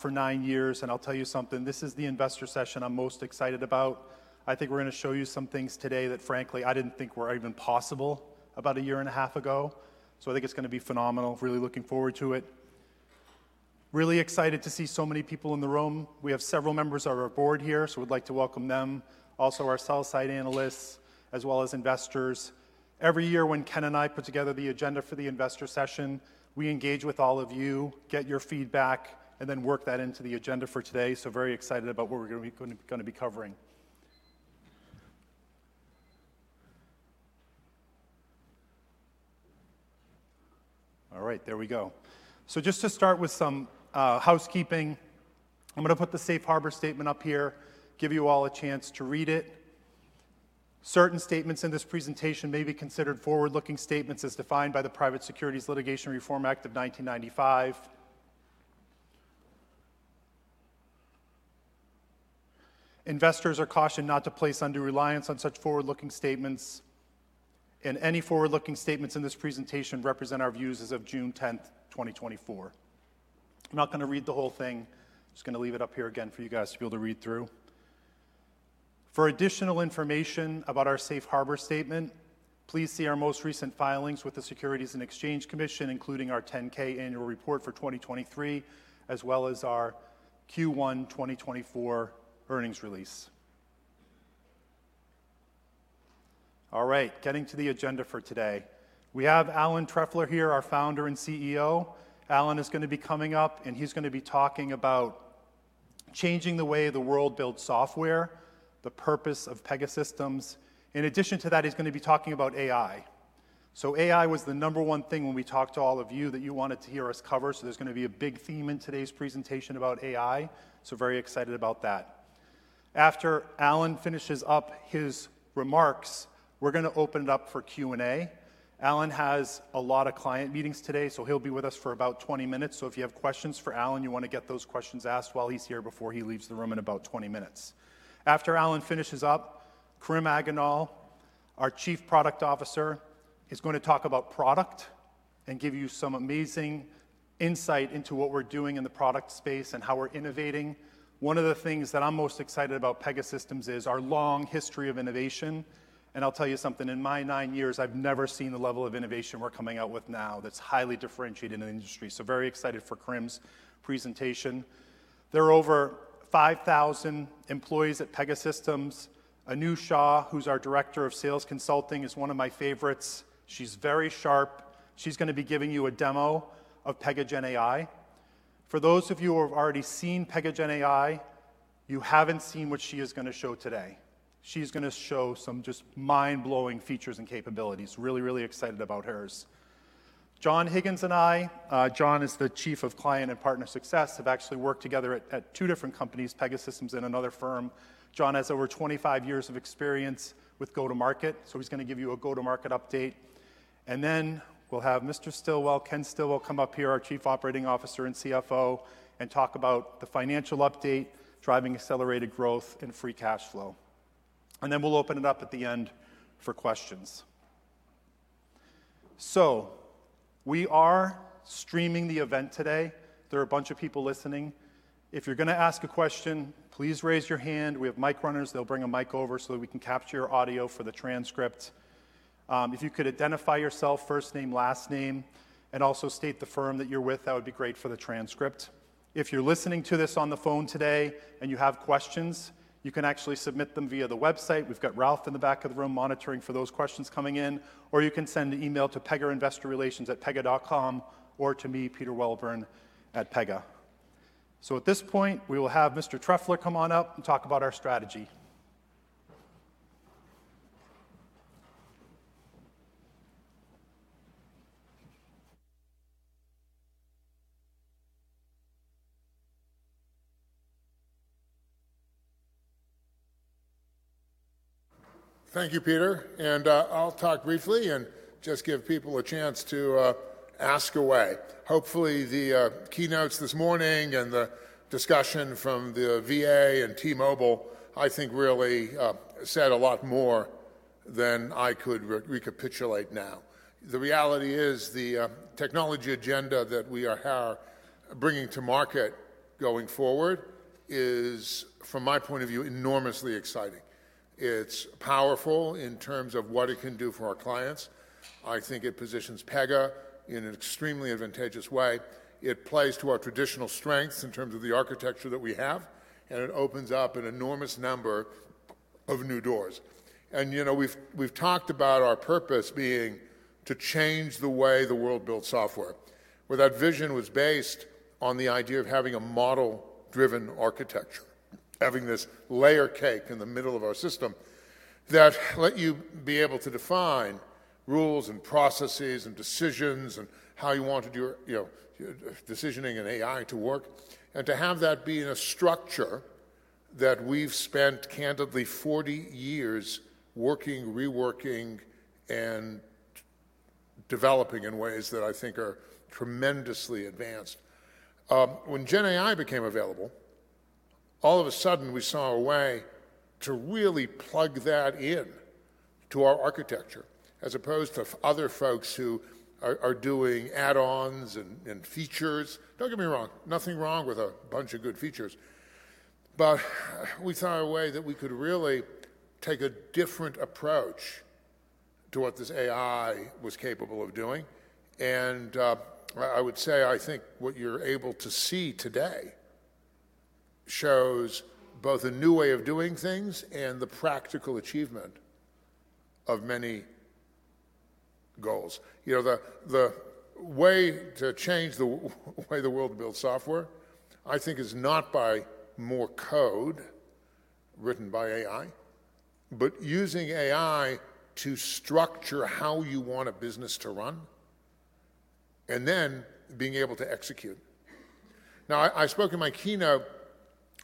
For nine years, and I'll tell you something, this is the investor session I'm most excited about. I think we're going to show you some things today that frankly, I didn't think were even possible about a year and a half ago. So I think it's going to be phenomenal. Really looking forward to it. Really excited to see so many people in the room. We have several members of our board here, so we'd like to welcome them. Also, our sell-side analysts, as well as investors. Every year, when Ken and I put together the agenda for the investor session, we engage with all of you, get your feedback, and then work that into the agenda for today. So very excited about what we're going to be covering. All right, there we go. So just to start with some housekeeping, I'm going to put the safe harbor statement up here, give you all a chance to read it. Certain statements in this presentation may be considered forward-looking statements as defined by the Private Securities Litigation Reform Act of 1995. Investors are cautioned not to place undue reliance on such forward-looking statements, and any forward-looking statements in this presentation represent our views as of June 10, 2024. I'm not going to read the whole thing. Just going to leave it up here again for you guys to be able to read through. For additional information about our safe harbor statement, please see our most recent filings with the Securities and Exchange Commission, including our 10-K annual report for 2023, as well as our Q1 2024 earnings release. All right, getting to the agenda for today. We have Alan Trefler here, our founder and CEO. Alan is going to be coming up, and he's going to be talking about changing the way the world builds software, the purpose of Pegasystems. In addition to that, he's going to be talking about AI. So AI was the number one thing when we talked to all of you that you wanted to hear us cover. So there's going to be a big theme in today's presentation about AI. So very excited about that. After Alan finishes up his remarks, we're going to open it up for Q&A. Alan has a lot of client meetings today, so he'll be with us for about 20 minutes. So if you have questions for Alan, you want to get those questions asked while he's here before he leaves the room in about 20 minutes. After Alan finishes up, Kerim Akgonul, our Chief Product Officer, is going to talk about product and give you some amazing insight into what we're doing in the product space and how we're innovating. One of the things that I'm most excited about Pegasystems is our long history of innovation. And I'll tell you something, in my nine years, I've never seen the level of innovation we're coming out with now that's highly differentiated in the industry. So very excited for Kerim's presentation. There are over 5,000 employees at Pegasystems. Anu Shah, who's our Director of Sales Consulting, is one of my favorites. She's very sharp. She's going to be giving you a demo of Pega GenAI. For those of you who have already seen Pega GenAI, you haven't seen what she is going to show today. She's going to show some just mind-blowing features and capabilities. Really, really excited about hers. John Higgins and I, John is the Chief of Client and Partner Success, have actually worked together at two different companies, Pegasystems and another firm. John has over 25 years of experience with go-to-market, so he's going to give you a go-to-market update. Then we'll have Mr. Stillwell, Ken Stillwell, come up here, our Chief Operating Officer and CFO, and talk about the financial update, driving accelerated growth and free cash flow. Then we'll open it up at the end for questions. We are streaming the event today. There are a bunch of people listening. If you're going to ask a question, please raise your hand. We have mic runners. They'll bring a mic over so that we can capture your audio for the transcript. If you could identify yourself, first name, last name, and also state the firm that you're with, that would be great for the transcript. If you're listening to this on the phone today and you have questions, you can actually submit them via the website. We've got Ralph in the back of the room monitoring for those questions coming in, or you can send an email to Pega Investor Relations at Pega dot com or to me, Peter Welburn at Pega. So at this point, we will have Mr. Trefler come on up and talk about our strategy. Thank you, Peter, and I'll talk briefly and just give people a chance to ask away. Hopefully, the keynotes this morning and the discussion from the VA and T-Mobile, I think really said a lot more than I could recapitulate now. The reality is, the technology agenda that we are bringing to market going forward is, from my point of view, enormously exciting. It's powerful in terms of what it can do for our clients. I think it positions Pega in an extremely advantageous way. It plays to our traditional strengths in terms of the architecture that we have, and it opens up an enormous number of new doors. You know, we've talked about our purpose being to change the way the world builds software, where that vision was based on the idea of having a model-driven architecture, having this layer cake in the middle of our system that let you be able to define rules and processes and decisions and how you wanted your, you know, decisioning and AI to work, and to have that be in a structure that we've spent candidly 40 years working, reworking, and developing in ways that I think are tremendously advanced. When GenAI became available, all of a sudden, we saw a way to really plug that in to our architecture, as opposed to other folks who are doing add-ons and features. Don't get me wrong, nothing wrong with a bunch of good features, but we saw a way that we could really take a different approach to what this AI was capable of doing. And, I would say I think what you're able to see today shows both a new way of doing things and the practical achievement of many goals. You know, the way to change the way the world builds software, I think, is not by more code written by AI, but using AI to structure how you want a business to run and then being able to execute. Now, I spoke in my keynote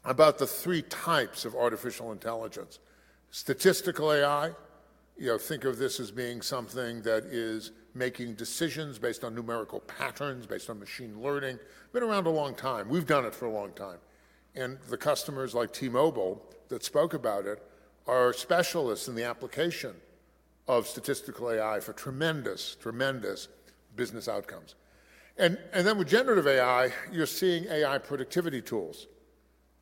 about the three types of artificial intelligence. Statistical AI, you know, think of this as being something that is making decisions based on numerical patterns, based on machine learning. Been around a long time. We've done it for a long time, and the customers like T-Mobile that spoke about it are specialists in the application of statistical AI for tremendous, tremendous business outcomes. And then with generative AI, you're seeing AI productivity tools,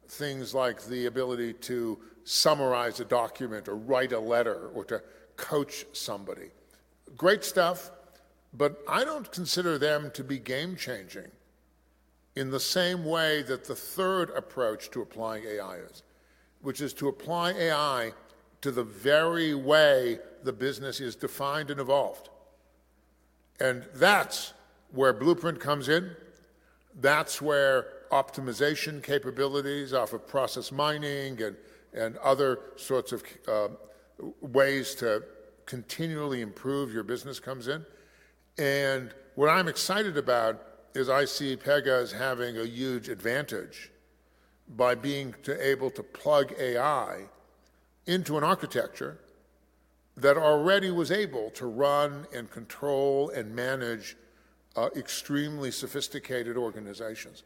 things like the ability to summarize a document or write a letter or to coach somebody. Great stuff, but I don't consider them to be game-changing in the same way that the third approach to applying AI is, which is to apply AI to the very way the business is defined and evolved. And that's where Blueprint comes in. That's where optimization capabilities off of process mining and other sorts of ways to continually improve your business comes in. What I'm excited about is I see Pega as having a huge advantage by being able to plug AI into an architecture that already was able to run and control and manage extremely sophisticated organizations.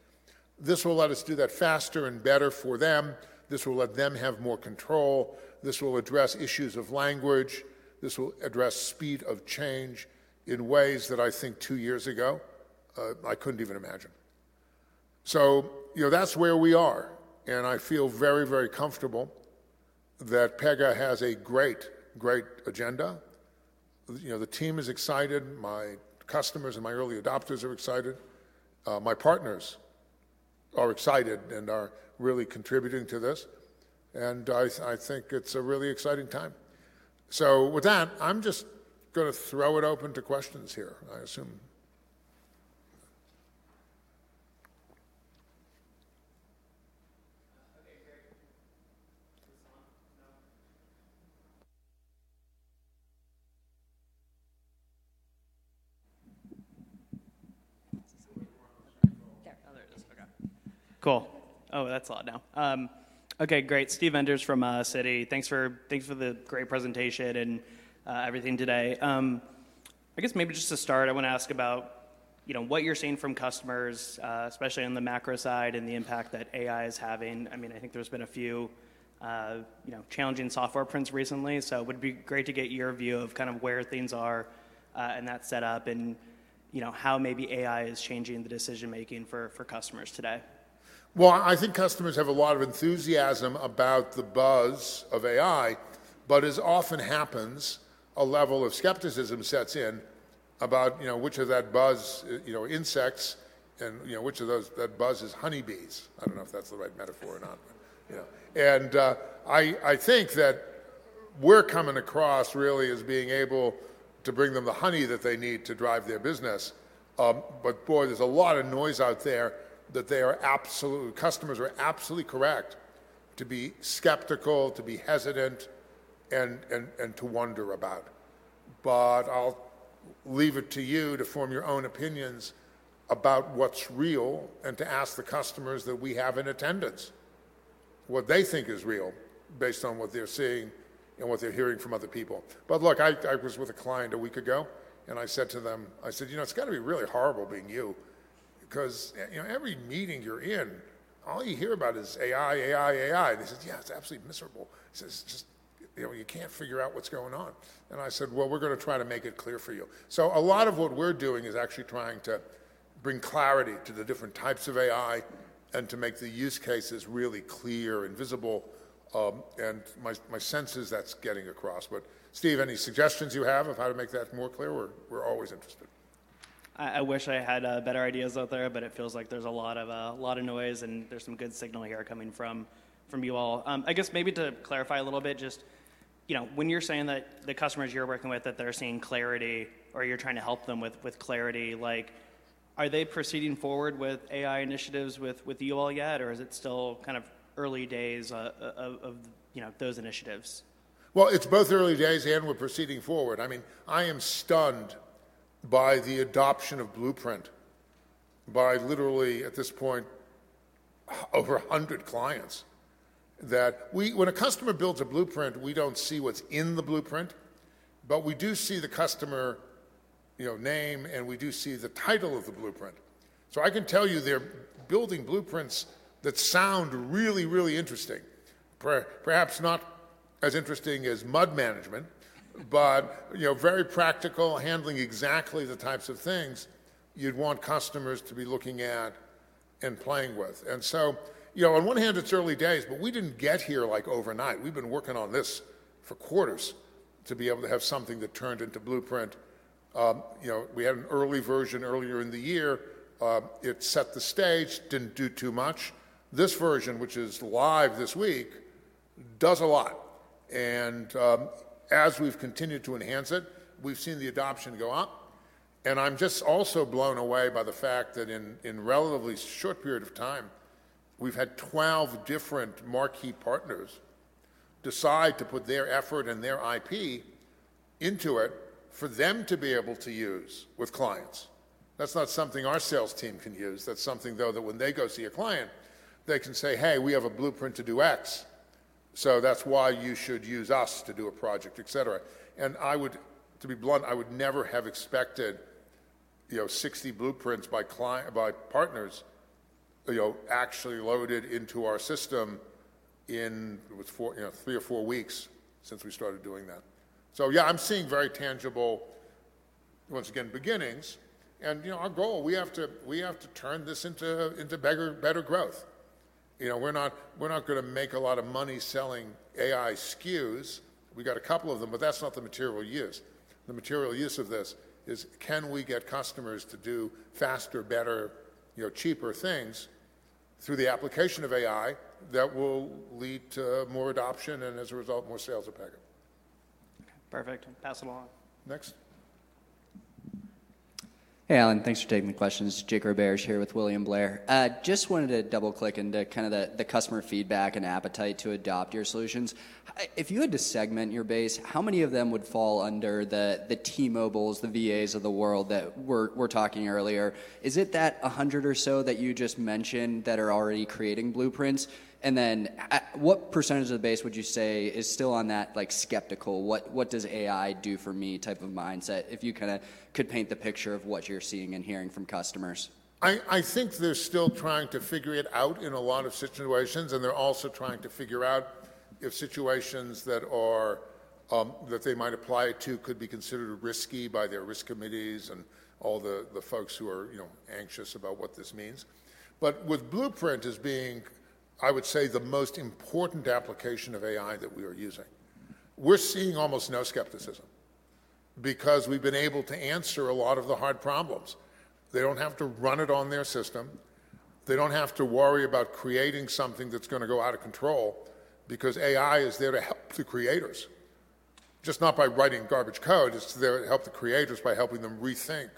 This will let us do that faster and better for them. This will let them have more control. This will address issues of language. This will address speed of change in ways that I think two years ago I couldn't even imagine. So, you know, that's where we are, and I feel very, very comfortable that Pega has a great, great agenda. You know, the team is excited. My customers and my early adopters are excited. My partners are excited and are really contributing to this, and I think it's a really exciting time. So with that, I'm just gonna throw it open to questions here, I assume. Okay, great. Is this on? No. There, oh, there it is. Okay, cool. Oh, that's loud now. Okay, great. Steve Enders from, Citi. Thanks for, thanks for the great presentation and, everything today. I guess maybe just to start, I want to ask about, you know, what you're seeing from customers, especially on the macro side and the impact that AI is having. I mean, I think there's been a few, you know, challenging software prints recently, so it would be great to get your view of kind of where things are, in that setup and, you know, how maybe AI is changing the decision-making for, for customers today? Well, I think customers have a lot of enthusiasm about the buzz of AI, but as often happens, a level of skepticism sets in about, you know, which of that buzz, you know, insects and, you know, which of those, that buzz is honeybees. I don't know if that's the right metaphor or not, but, you know. I think that we're coming across really as being able to bring them the honey that they need to drive their business. But boy, there's a lot of noise out there that they are absolutely—customers are absolutely correct to be skeptical, to be hesitant, and, and, and to wonder about it. But I'll leave it to you to form your own opinions about what's real and to ask the customers that we have in attendance what they think is real based on what they're seeing and what they're hearing from other people. But look, I, I was with a client a week ago, and I said to them, I said, "You know, it's got to be really horrible being you 'cause you know, every meeting you're in, all you hear about is AI, AI, AI." They said, "Yeah, it's absolutely miserable." He says, "Just, you know, you can't figure out what's going on." And I said, "Well, we're gonna try to make it clear for you." So a lot of what we're doing is actually trying to bring clarity to the different types of AI and to make the use cases really clear and visible. And my sense is that's getting across. But Steve, any suggestions you have of how to make that more clear? We're always interested. I wish I had better ideas out there, but it feels like there's a lot of a lot of noise, and there's some good signal here coming from you all. I guess maybe to clarify a little bit, just, you know, when you're saying that the customers you're working with, that they're seeing clarity, or you're trying to help them with clarity, like, are they proceeding forward with AI initiatives with you all yet? Or is it still kind of early days of you know, those initiatives? Well, it's both early days, and we're proceeding forward. I mean, I am stunned by the adoption of Blueprint by literally, at this point, over 100 clients. That when a customer builds a blueprint, we don't see what's in the blueprint, but we do see the customer, you know, name, and we do see the title of the blueprint. So I can tell you they're building blueprints that sound really, really interesting. Perhaps not as interesting as mud management, but, you know, very practical, handling exactly the types of things you'd want customers to be looking at and playing with. And so, you know, on one hand, it's early days, but we didn't get here, like, overnight. We've been working on this for quarters to be able to have something that turned into Blueprint. You know, we had an early version earlier in the year. It set the stage, didn't do too much. This version, which is live this week, does a lot, and as we've continued to enhance it, we've seen the adoption go up. And I'm just also blown away by the fact that in relatively short period of time, we've had 12 different marquee partners decide to put their effort and their IP into it for them to be able to use with clients. That's not something our sales team can use. That's something, though, that when they go see a client, they can say, "Hey, we have a blueprint to do X, so that's why you should use us to do a project," et cetera. To be blunt, I would never have expected, you know, 60 blueprints by partners, you know, actually loaded into our system in 4, you know, 3 or 4 weeks since we started doing that. So, yeah, I'm seeing very tangible, once again, beginnings. You know, our goal, we have to, we have to turn this into, into bigger, better growth. You know, we're not, we're not going to make a lot of money selling AI SKUs. We got a couple of them, but that's not the material use. The material use of this is, can we get customers to do faster, better, you know, cheaper things through the application of AI that will lead to more adoption and as a result, more sales of Pega? Perfect. Pass it along. Next. Hey, Alan, thanks for taking the questions. Jake Roberge here with William Blair. Just wanted to double-click into kind of the customer feedback and appetite to adopt your solutions. If you had to segment your base, how many of them would fall under the T-Mobiles, the VAs of the world that we're talking earlier? Is it that 100 or so that you just mentioned that are already creating blueprints? And then, what percentage of the base would you say is still on that, like, skeptical, what does AI do for me type of mindset? If you kind of could paint the picture of what you're seeing and hearing from customers. I think they're still trying to figure it out in a lot of situations, and they're also trying to figure out if situations that are that they might apply it to could be considered risky by their risk committees and all the folks who are, you know, anxious about what this means. But with Blueprint as being, I would say, the most important application of AI that we are using, we're seeing almost no skepticism because we've been able to answer a lot of the hard problems. They don't have to run it on their system. They don't have to worry about creating something that's going to go out of control because AI is there to help the creators, just not by writing garbage code. It's there to help the creators by helping them rethink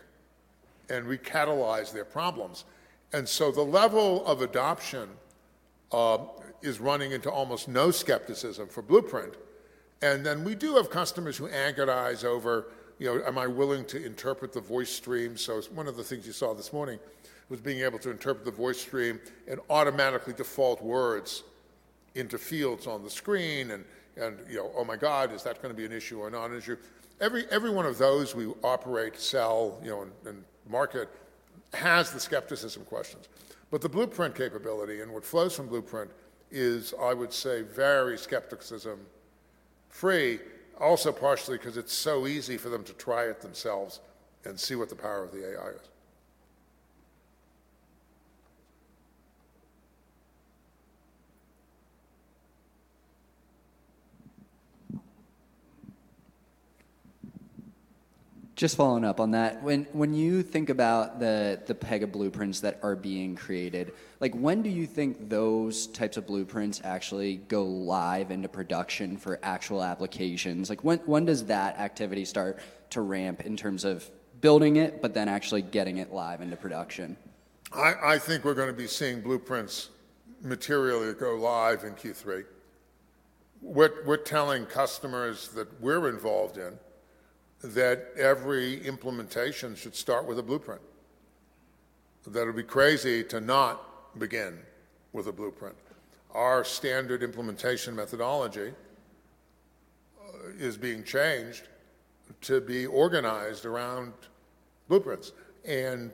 and recatalyze their problems. And so the level of adoption is running into almost no skepticism for Blueprint. And then we do have customers who agonize over, you know, am I willing to interpret the voice stream? So it's one of the things you saw this morning was being able to interpret the voice stream and automatically default words into fields on the screen and, you know, "Oh, my God, is that going to be an issue or not an issue?" Every one of those we operate, sell, you know, and market has the skepticism questions. But the Blueprint capability and what flows from Blueprint is, I would say, very skepticism-free. Also, partially because it's so easy for them to try it themselves and see what the power of the AI is. Just following up on that, when you think about the Pega blueprints that are being created, like, when do you think those types of blueprints actually go live into production for actual applications? Like, when does that activity start to ramp in terms of building it, but then actually getting it live into production? I think we're going to be seeing blueprints materially go live in Q3. We're telling customers that we're involved in that every implementation should start with a blueprint. That it'd be crazy to not begin with a blueprint. Our standard implementation methodology is being changed to be organized around blueprints, and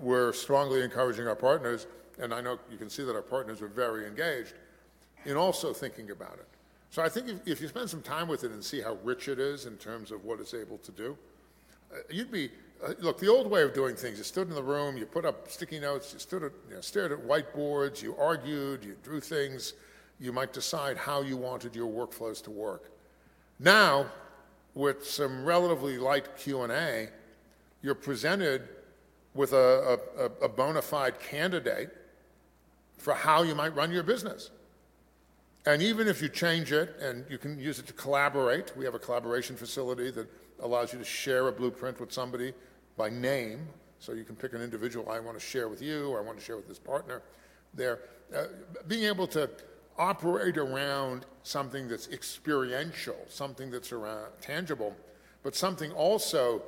we're strongly encouraging our partners, and I know you can see that our partners are very engaged in also thinking about it. So I think if you spend some time with it and see how rich it is in terms of what it's able to do, you'd be... Look, the old way of doing things, you stood in the room, you put up sticky notes, you stood at, you know, stared at whiteboards, you argued, you drew things. You might decide how you wanted your workflows to work. Now, with some relatively light Q&A, you're presented with a bona fide candidate for how you might run your business. And even if you change it, and you can use it to collaborate, we have a collaboration facility that allows you to share a blueprint with somebody by name, so you can pick an individual, I want to share with you, or I want to share with this partner there. Being able to operate around something that's experiential, something that's around tangible, but something also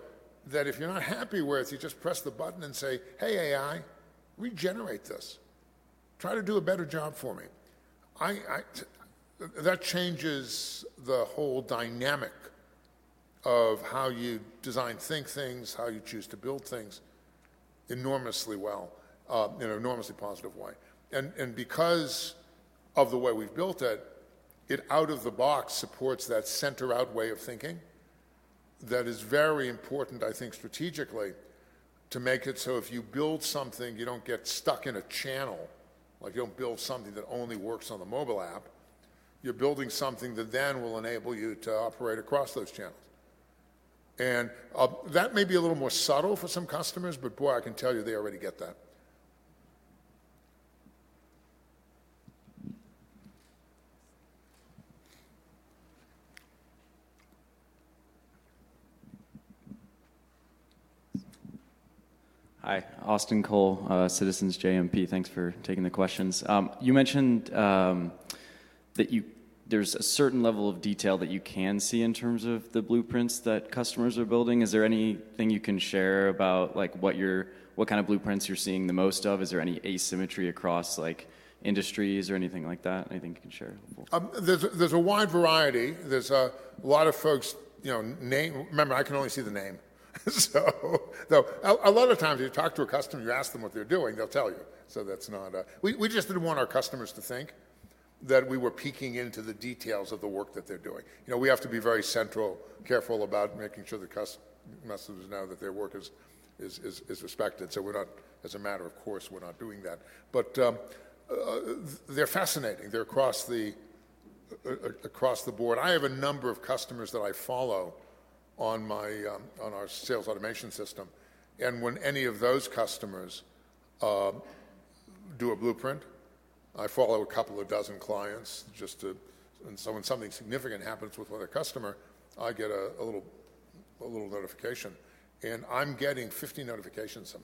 that if you're not happy with, you just press the button and say, "Hey, AI, regenerate this... try to do a better job for me." That changes the whole dynamic of how you design, think things, how you choose to build things enormously well, in an enormously positive way. Because of the way we've built it, it out of the box supports that center-out way of thinking. That is very important, I think, strategically, to make it so if you build something, you don't get stuck in a channel. Like, you don't build something that only works on the mobile app. You're building something that then will enable you to operate across those channels. That may be a little more subtle for some customers, but boy, I can tell you, they already get that. Hi, Austin Cole, Citizens JMP. Thanks for taking the questions. You mentioned that there's a certain level of detail that you can see in terms of the blueprints that customers are building. Is there anything you can share about, like, what you're, what kind of blueprints you're seeing the most of? Is there any asymmetry across, like, industries or anything like that? Anything you can share? There's a wide variety. There's a lot of folks, you know. Remember, I can only see the name. So, though, a lot of times, you talk to a customer, you ask them what they're doing, they'll tell you. So that's not. We just didn't want our customers to think that we were peeking into the details of the work that they're doing. You know, we have to be very careful about making sure the customers know that their work is respected. So we're not, as a matter of course, we're not doing that. But, they're fascinating. They're across the board. I have a number of customers that I follow on our sales automation system, and when any of those customers do a blueprint, I follow a couple of dozen clients. And so when something significant happens with another customer, I get a little notification, and I'm getting 50 notifications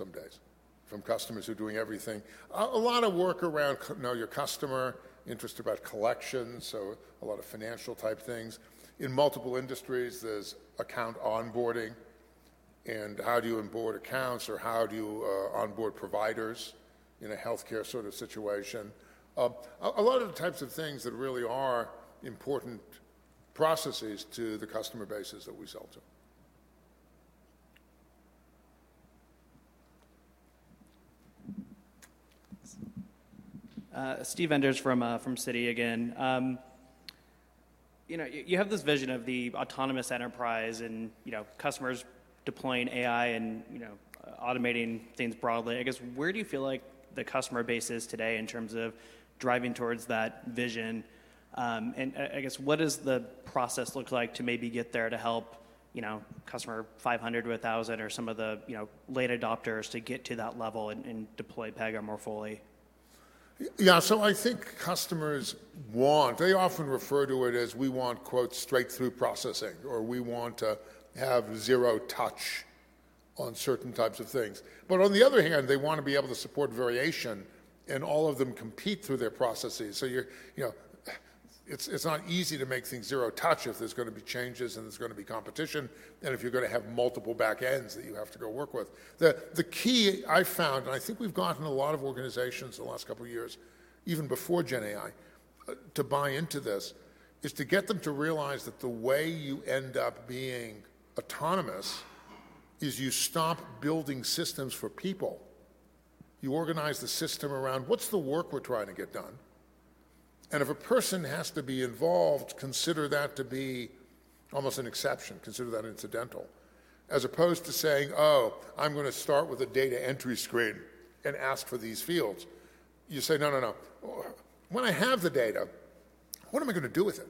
some days from customers who are doing everything. A lot of work around know your customer, interest about collections, so a lot of financial-type things. In multiple industries, there's account onboarding and how do you onboard accounts, or how do you onboard providers in a healthcare sort of situation? A lot of the types of things that really are important processes to the customer bases that we sell to. Steve Enders from Citi again. You know, you have this vision of the autonomous enterprise and, you know, customers deploying AI and, you know, automating things broadly. I guess, where do you feel like the customer base is today in terms of driving towards that vision? And I guess, what does the process look like to maybe get there to help, you know, customers 500 to 1,000 or some of the, you know, late adopters to get to that level and deploy Pega more fully? Yeah. So I think customers want... They often refer to it as we want, quote, "straight-through processing," or, "We want to have zero touch on certain types of things." But on the other hand, they want to be able to support variation, and all of them compete through their processes. So you're-- You know, it's, it's not easy to make things zero touch if there's going to be changes and there's going to be competition, and if you're going to have multiple back ends that you have to go work with. The, the key I found, and I think we've gotten a lot of organizations in the last couple of years, even before GenAI, to buy into this, is to get them to realize that the way you end up being autonomous is you stop building systems for people. You organize the system around: What's the work we're trying to get done? And if a person has to be involved, consider that to be almost an exception, consider that incidental. As opposed to saying, "Oh, I'm going to start with a data entry screen and ask for these fields," you say, "No, no, no. When I have the data, what am I going to do with it?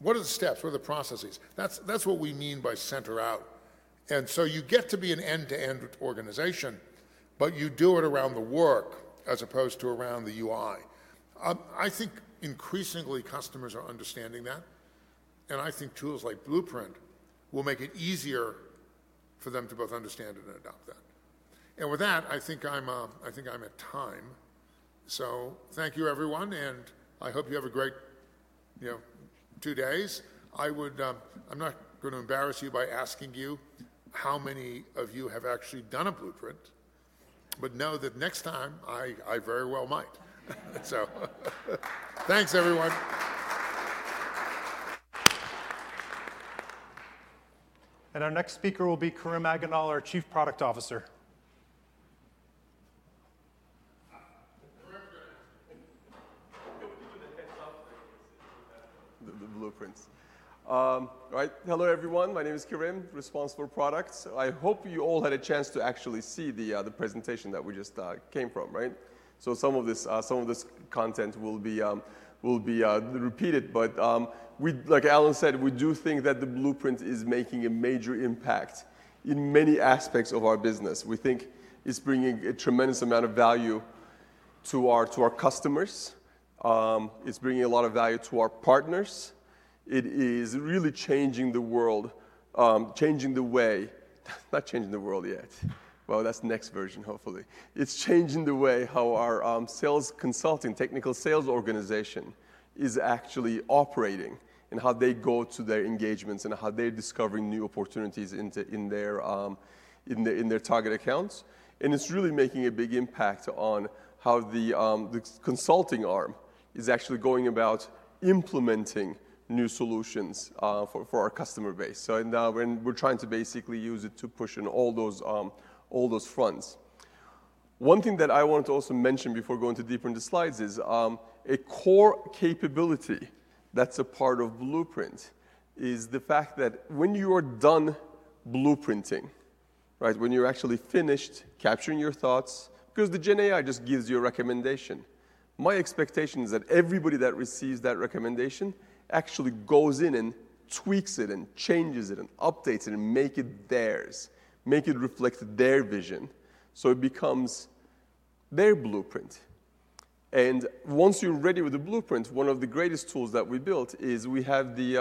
What are the steps? What are the processes?" That's what we mean by center out. And so you get to be an end-to-end organization, but you do it around the work as opposed to around the UI. I think increasingly customers are understanding that, and I think tools like Blueprint will make it easier for them to both understand it and adopt that. And with that, I think I'm at time. Thank you, everyone, and I hope you have a great, you know, two days. I would. I'm not going to embarrass you by asking you how many of you have actually done a blueprint, but know that next time, I very well might. Thanks, everyone. Our next speaker will be Kerim Akgonul, our Chief Product Officer. The blueprints. Right. Hello, everyone. My name is Kerim, responsible for products. I hope you all had a chance to actually see the presentation that we just came from, right? So some of this content will be repeated, but, like Alan said, we do think that the Blueprint is making a major impact in many aspects of our business. We think it's bringing a tremendous amount of value to our customers. It's bringing a lot of value to our partners. It is really changing the world, changing the way - not changing the world yet. Well, that's the next version, hopefully. It's changing the way how our sales consulting, technical sales organization is actually operating, and how they go to their engagements, and how they're discovering new opportunities into, in their target accounts. And it's really making a big impact on how the consulting arm is actually going about implementing new solutions for our customer base. So now when we're trying to basically use it to push in all those fronts. One thing that I want to also mention before going deeper into slides is a core capability that's a part of Blueprint is the fact that when you are done blueprinting, right, when you're actually finished capturing your thoughts, because the GenAI just gives you a recommendation. My expectation is that everybody that receives that recommendation actually goes in and tweaks it, and changes it, and updates it, and make it theirs, make it reflect their vision, so it becomes their blueprint. And once you're ready with the blueprint, one of the greatest tools that we built is we have the,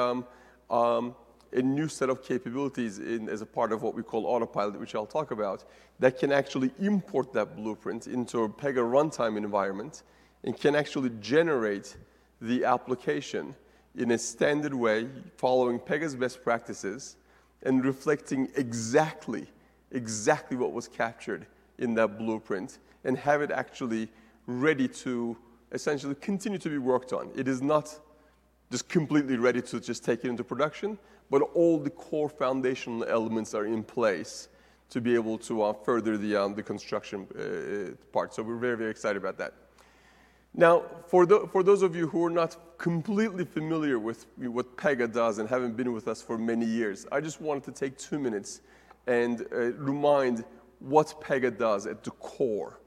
a new set of capabilities in as a part of what we call Autopilot, which I'll talk about, that can actually import that blueprint into a Pega runtime environment and can actually generate the application in a standard way following Pega's best practices and reflecting exactly, exactly what was captured in that blueprint and have it actually ready to essentially continue to be worked on. It is not just completely ready to just take it into production, but all the core foundational elements are in place to be able to further the construction part. So we're very, very excited about that. Now, for those of you who are not completely familiar with what Pega does and haven't been with us for many years, I just wanted to take two minutes and remind what Pega does at the core.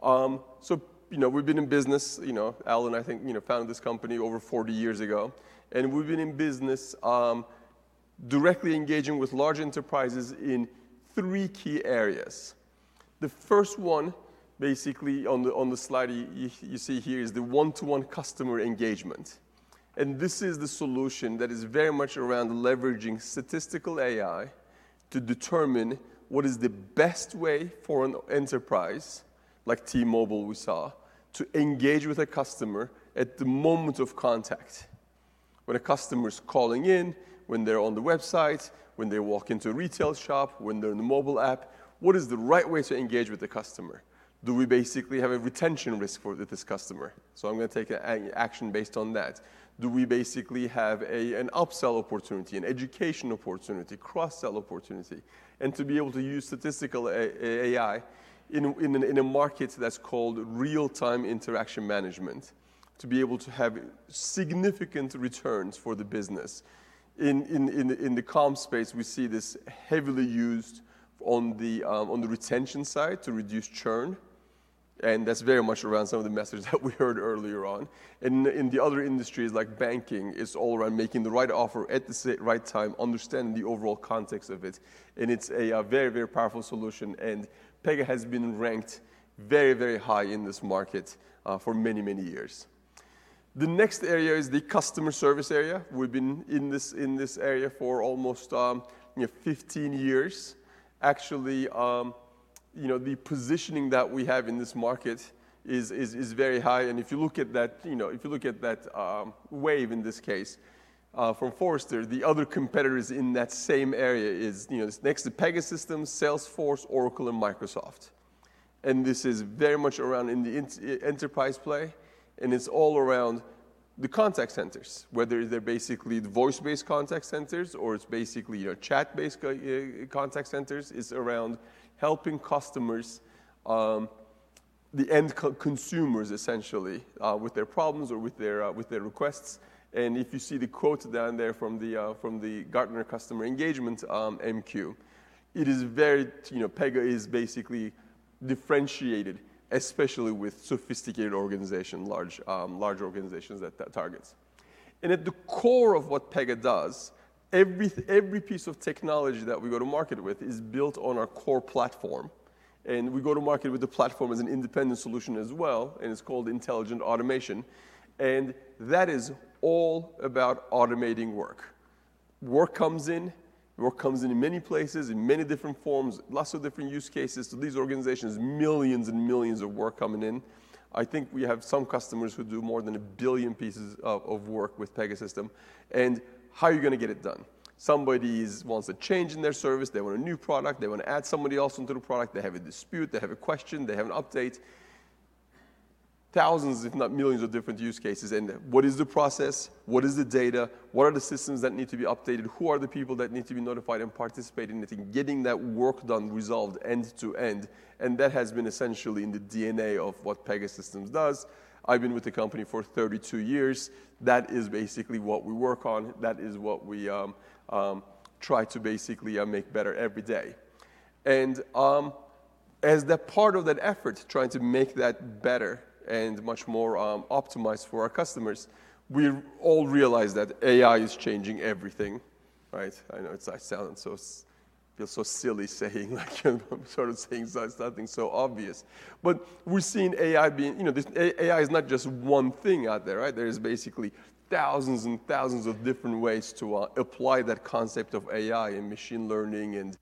So, you know, we've been in business, you know, Alan, I think, you know, founded this company over 40 years ago, and we've been in business directly engaging with large enterprises in three key areas. The first one, basically on the slide you see here, is the one-to-one customer engagement, and this is the solution that is very much around leveraging statistical AI to determine what is the best way for an enterprise, like T-Mobile we saw, to engage with a customer at the moment of contact. When a customer is calling in, when they're on the website, when they walk into a retail shop, when they're in the mobile app, what is the right way to engage with the customer? Do we basically have a retention risk for this customer? So I'm going to take an action based on that. Do we basically have an upsell opportunity, an education opportunity, cross-sell opportunity? To be able to use statistical AI in a market that's called real-time interaction management, to be able to have significant returns for the business. In the comms space, we see this heavily used on the retention side to reduce churn, and that's very much around some of the messages that we heard earlier on. And in the other industries, like banking, it's all around making the right offer at the right time, understanding the overall context of it, and it's a very, very powerful solution. And Pega has been ranked very, very high in this market for many, many years. The next area is the customer service area. We've been in this area for almost, you know, 15 years. Actually, you know, the positioning that we have in this market is very high. And if you look at that, you know, if you look at that, Wave, in this case, from Forrester, the other competitors in that same area is, you know, next to Pegasystems, Salesforce, Oracle, and Microsoft. And this is very much around in the enterprise play, and it's all around the contact centers, whether they're basically the voice-based contact centers or it's basically your chat-based contact centers. It's around helping customers, the end consumers, essentially, with their problems or with their, with their requests. And if you see the quote down there from the, from the Gartner Customer Engagement, MQ, it is very... You know, Pega is basically differentiated, especially with sophisticated organization, large, large organizations that that targets. At the core of what Pega does, every piece of technology that we go to market with is built on our core platform, and we go to market with the platform as an independent solution as well, and it's called intelligent automation. That is all about automating work. Work comes in, work comes in in many places, in many different forms, lots of different use cases. So these organizations, millions and millions of work coming in. I think we have some customers who do more than a billion pieces of work with Pegasystems. And how are you going to get it done? Somebody wants a change in their service. They want a new product. They want to add somebody else into the product. They have a dispute. They have a question. They have an update. Thousands, if not millions of different use cases in there. What is the process? What is the data? What are the systems that need to be updated? Who are the people that need to be notified and participate in getting that work done, resolved end to end? And that has been essentially in the DNA of what Pegasystems does. I've been with the company for 32 years. That is basically what we work on. That is what we try to basically make better every day. And as that part of that effort, trying to make that better and much more optimized for our customers, we all realize that AI is changing everything, right? I know it's, I sound so, feel so silly saying, like I'm sort of saying something so obvious. But we're seeing AI being... You know, this AI is not just one thing out there, right? There are basically thousands and thousands of different ways to apply that concept of AI and machine learning and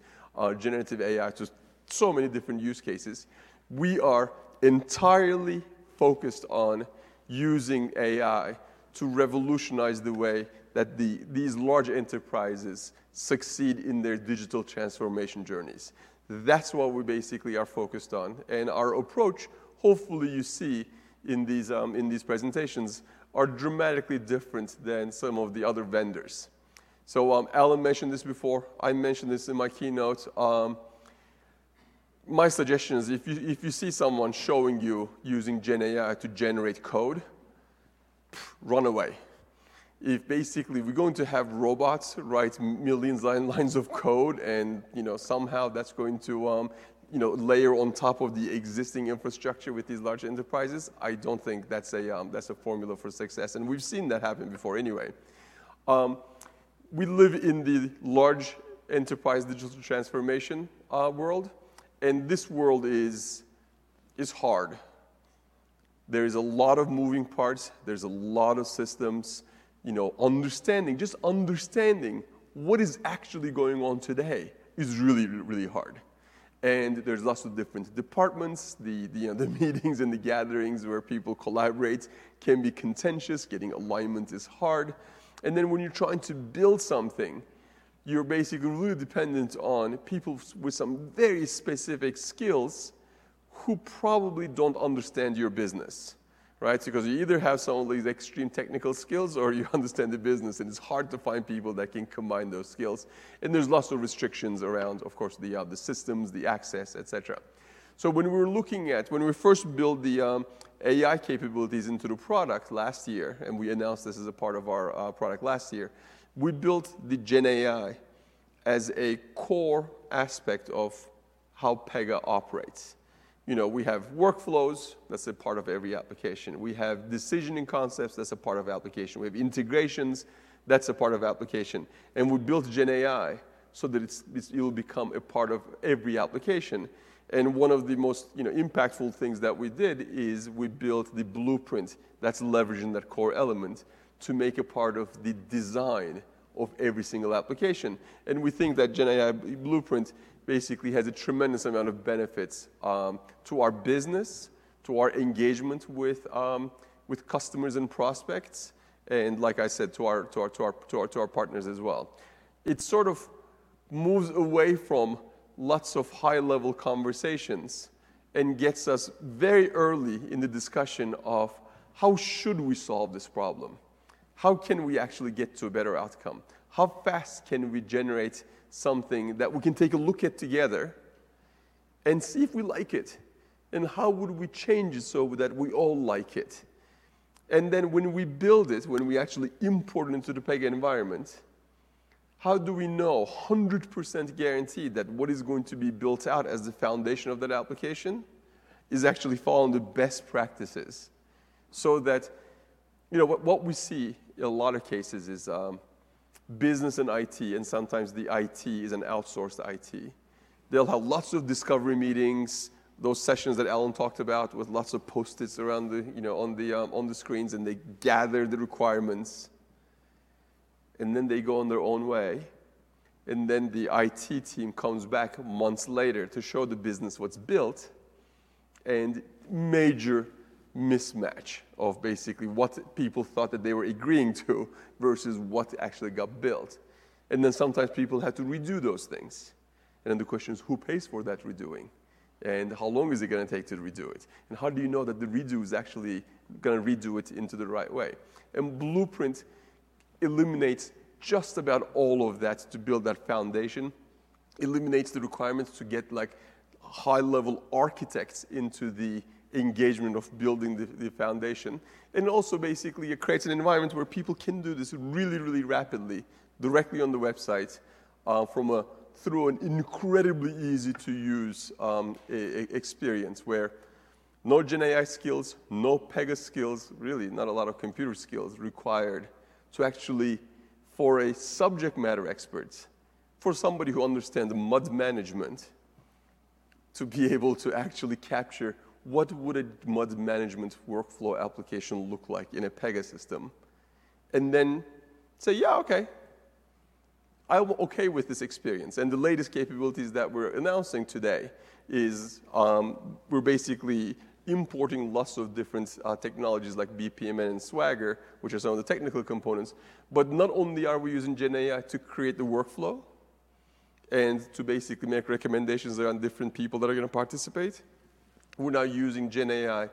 generative AI to so many different use cases. We are entirely focused on using AI to revolutionize the way that these large enterprises succeed in their digital transformation journeys. That's what we basically are focused on. And our approach, hopefully, you see in these presentations, are dramatically different than some of the other vendors.... So, Alan mentioned this before, I mentioned this in my keynote. My suggestion is if you, if you see someone showing you using GenAI to generate code, run away. If basically, we're going to have robots write millions lines of code and, you know, somehow that's going to, you know, layer on top of the existing infrastructure with these large enterprises, I don't think that's a, that's a formula for success, and we've seen that happen before anyway. We live in the large enterprise digital transformation world, and this world is, is hard. There is a lot of moving parts, there's a lot of systems. You know, understanding, just understanding what is actually going on today is really, really hard. And there's lots of different departments. The meetings and the gatherings where people collaborate can be contentious. Getting alignment is hard. And then when you're trying to build something, you're basically really dependent on people with some very specific skills who probably don't understand your business, right? Because you either have some of these extreme technical skills or you understand the business, and it's hard to find people that can combine those skills. And there's lots of restrictions around, of course, the systems, the access, et cetera. So when we first built the AI capabilities into the product last year, and we announced this as a part of our product last year, we built the GenAI as a core aspect of how Pega operates. You know, we have workflows. That's a part of every application. We have decisioning concepts. That's a part of application. We have integrations. That's a part of application. And we built GenAI so that it will become a part of every application. One of the most, you know, impactful things that we did is we built the blueprint that's leveraging that core element to make a part of the design of every single application. And we think that GenAI Blueprint basically has a tremendous amount of benefits to our business, to our engagement with with customers and prospects, and like I said, to our partners as well. It sort of moves away from lots of high-level conversations and gets us very early in the discussion of how should we solve this problem? How can we actually get to a better outcome? How fast can we generate something that we can take a look at together and see if we like it, and how would we change it so that we all like it? And then when we build it, when we actually import it into the Pega environment, how do we know 100% guaranteed that what is going to be built out as the foundation of that application is actually following the best practices? So that... You know, what, what we see in a lot of cases is, business and IT, and sometimes the IT is an outsourced IT. They'll have lots of discovery meetings, those sessions that Alan talked about, with lots of Post-its around the, you know, on the screens, and they gather the requirements, and then they go on their own way. And then the IT team comes back months later to show the business what's built, and major mismatch of basically what people thought that they were agreeing to versus what actually got built. And then sometimes people had to redo those things. And then the question is, who pays for that redoing? And how long is it gonna take to redo it? And how do you know that the redo is actually gonna redo it into the right way? And Blueprint eliminates just about all of that to build that foundation, eliminates the requirements to get, like, high-level architects into the engagement of building the foundation, and also basically it creates an environment where people can do this really, really rapidly, directly on the website, from a through an incredibly easy-to-use experience, where no GenAI skills, no Pega skills, really not a lot of computer skills required. To actually, for subject matter experts, for somebody who understands mud management, to be able to actually capture what would a mud management workflow application look like in a Pega system, and then say, "Yeah, okay. I'm okay with this experience." And the latest capabilities that we're announcing today is, we're basically importing lots of different technologies like BPMN and Swagger, which are some of the technical components. But not only are we using GenAI to create the workflow and to basically make recommendations around different people that are gonna participate, we're now using GenAI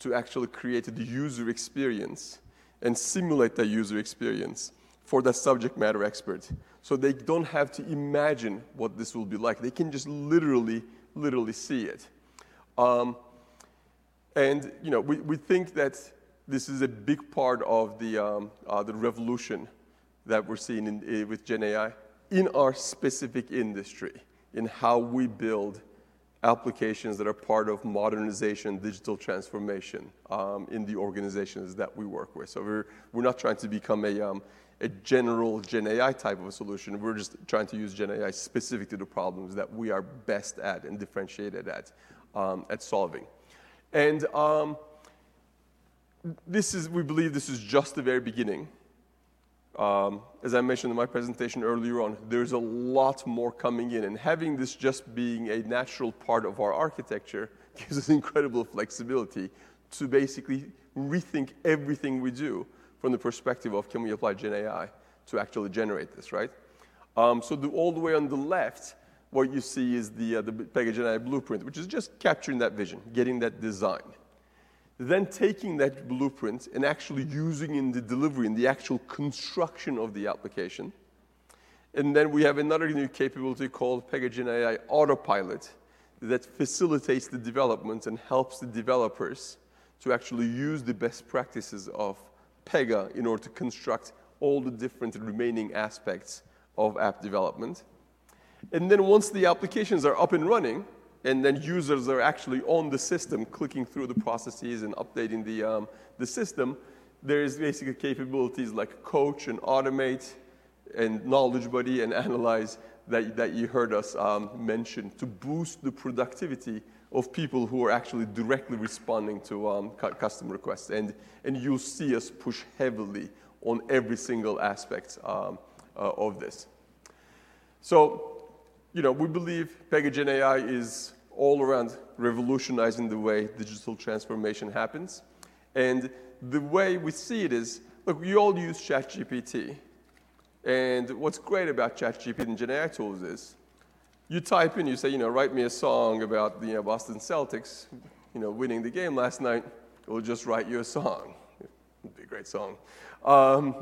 to actually create the user experience and simulate the user experience for the subject matter expert. So they don't have to imagine what this will be like. They can just literally, literally see it. And, you know, we, we think that this is a big part of the revolution that we're seeing in, with GenAI in our specific industry, in how we build applications that are part of modernization, digital transformation, in the organizations that we work with. So we're not trying to become a general GenAI type of a solution. We're just trying to use GenAI specific to the problems that we are best at and differentiated at solving. And this is we believe this is just the very beginning. As I mentioned in my presentation earlier on, there's a lot more coming in, and having this just being a natural part of our architecture gives us incredible flexibility to basically rethink everything we do from the perspective of can we apply GenAI to actually generate this, right? So all the way on the left, what you see is the Pega GenAI Blueprint, which is just capturing that vision, getting that design, then taking that blueprint and actually using in the delivery, in the actual construction of the application. And then we have another new capability called Pega GenAI Autopilot, that facilitates the development and helps the developers to actually use the best practices of Pega in order to construct all the different remaining aspects of app development. And then once the applications are up and running, and then users are actually on the system, clicking through the processes and updating the, the system, there is basically capabilities like Coach and Automate and Knowledge Buddy and Analyze that you heard us mention, to boost the productivity of people who are actually directly responding to customer requests. And you'll see us push heavily on every single aspect of this. So, you know, we believe Pega GenAI is all around revolutionizing the way digital transformation happens. The way we see it is, look, we all use ChatGPT, and what's great about ChatGPT and generative tools is, you type in, you say, you know, "Write me a song about the, you know, Boston Celtics, you know, winning the game last night," it will just write you a song. It'll be a great song.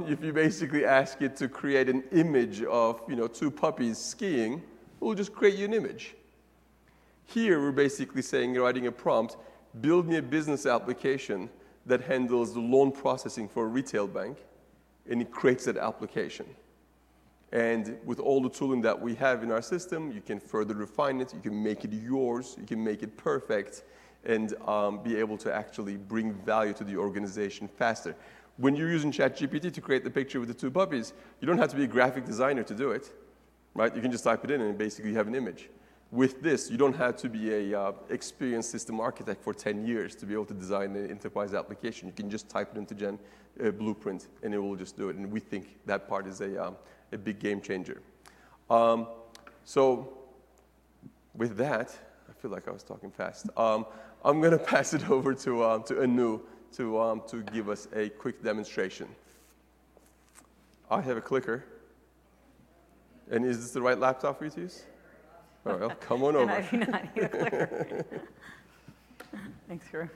If you basically ask it to create an image of, you know, two puppies skiing, it will just create you an image. Here, we're basically saying you're writing a prompt: "Build me a business application that handles the loan processing for a retail bank," and it creates that application. And with all the tooling that we have in our system, you can further refine it, you can make it yours, you can make it perfect, and be able to actually bring value to the organization faster. When you're using ChatGPT to create the picture with the two puppies, you don't have to be a graphic designer to do it, right? You can just type it in, and basically you have an image. With this, you don't have to be an experienced system architect for 10 years to be able to design an enterprise application. You can just type it into GenAI Blueprint, and it will just do it, and we think that part is a big game changer. So with that, I feel like I was talking fast. I'm gonna pass it over to Anu to give us a quick demonstration. I have a clicker. And is this the right laptop for you to use? Yeah. All right. Well, come on over. I'm not here. Thanks, Kerim.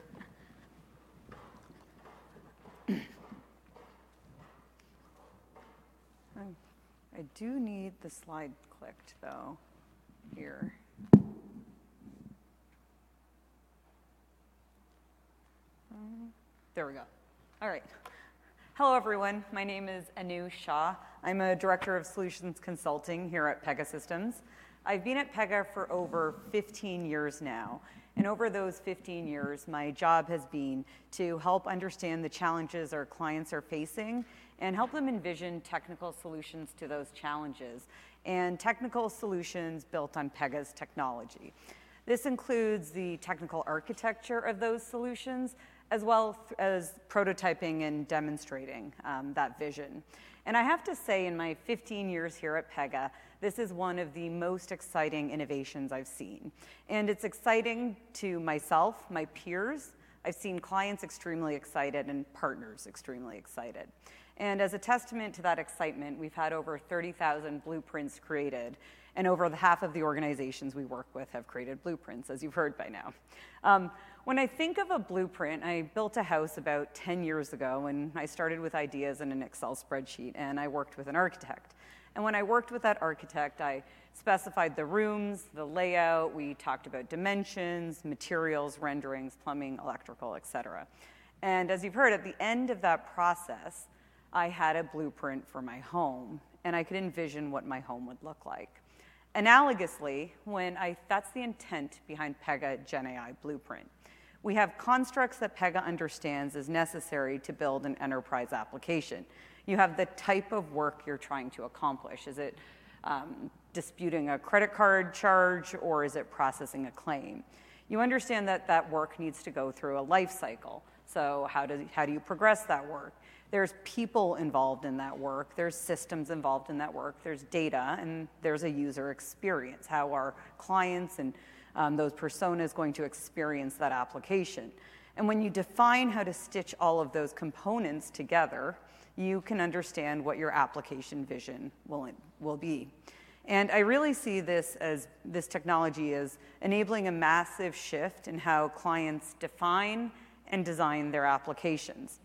I do need the slide clicked, though, here. There we go. All right. Hello, everyone. My name is Anu Shah. I'm a director of solutions consulting here at Pegasystems. I've been at Pega for over 15 years now, and over those 15 years, my job has been to help understand the challenges our clients are facing and help them envision technical solutions to those challenges, and technical solutions built on Pega's technology. This includes the technical architecture of those solutions, as well as prototyping and demonstrating, that vision. And I have to say, in my 15 years here at Pega, this is one of the most exciting innovations I've seen, and it's exciting to myself, my peers. I've seen clients extremely excited and partners extremely excited. As a testament to that excitement, we've had over 30,000 blueprints created, and over half of the organizations we work with have created blueprints, as you've heard by now. When I think of a blueprint, I built a house about 10 years ago, and I started with ideas in an Excel spreadsheet, and I worked with an architect. When I worked with that architect, I specified the rooms, the layout, we talked about dimensions, materials, renderings, plumbing, electrical, et cetera. As you've heard, at the end of that process, I had a blueprint for my home, and I could envision what my home would look like. Analogously, that's the intent behind Pega GenAI Blueprint. We have constructs that Pega understands is necessary to build an enterprise application. You have the type of work you're trying to accomplish. Is it disputing a credit card charge, or is it processing a claim? You understand that that work needs to go through a life cycle, so how do you progress that work? There's people involved in that work, there's systems involved in that work, there's data, and there's a user experience. How are clients and those personas going to experience that application? And when you define how to stitch all of those components together, you can understand what your application vision will be. And I really see this as this technology as enabling a massive shift in how clients define and design their applications.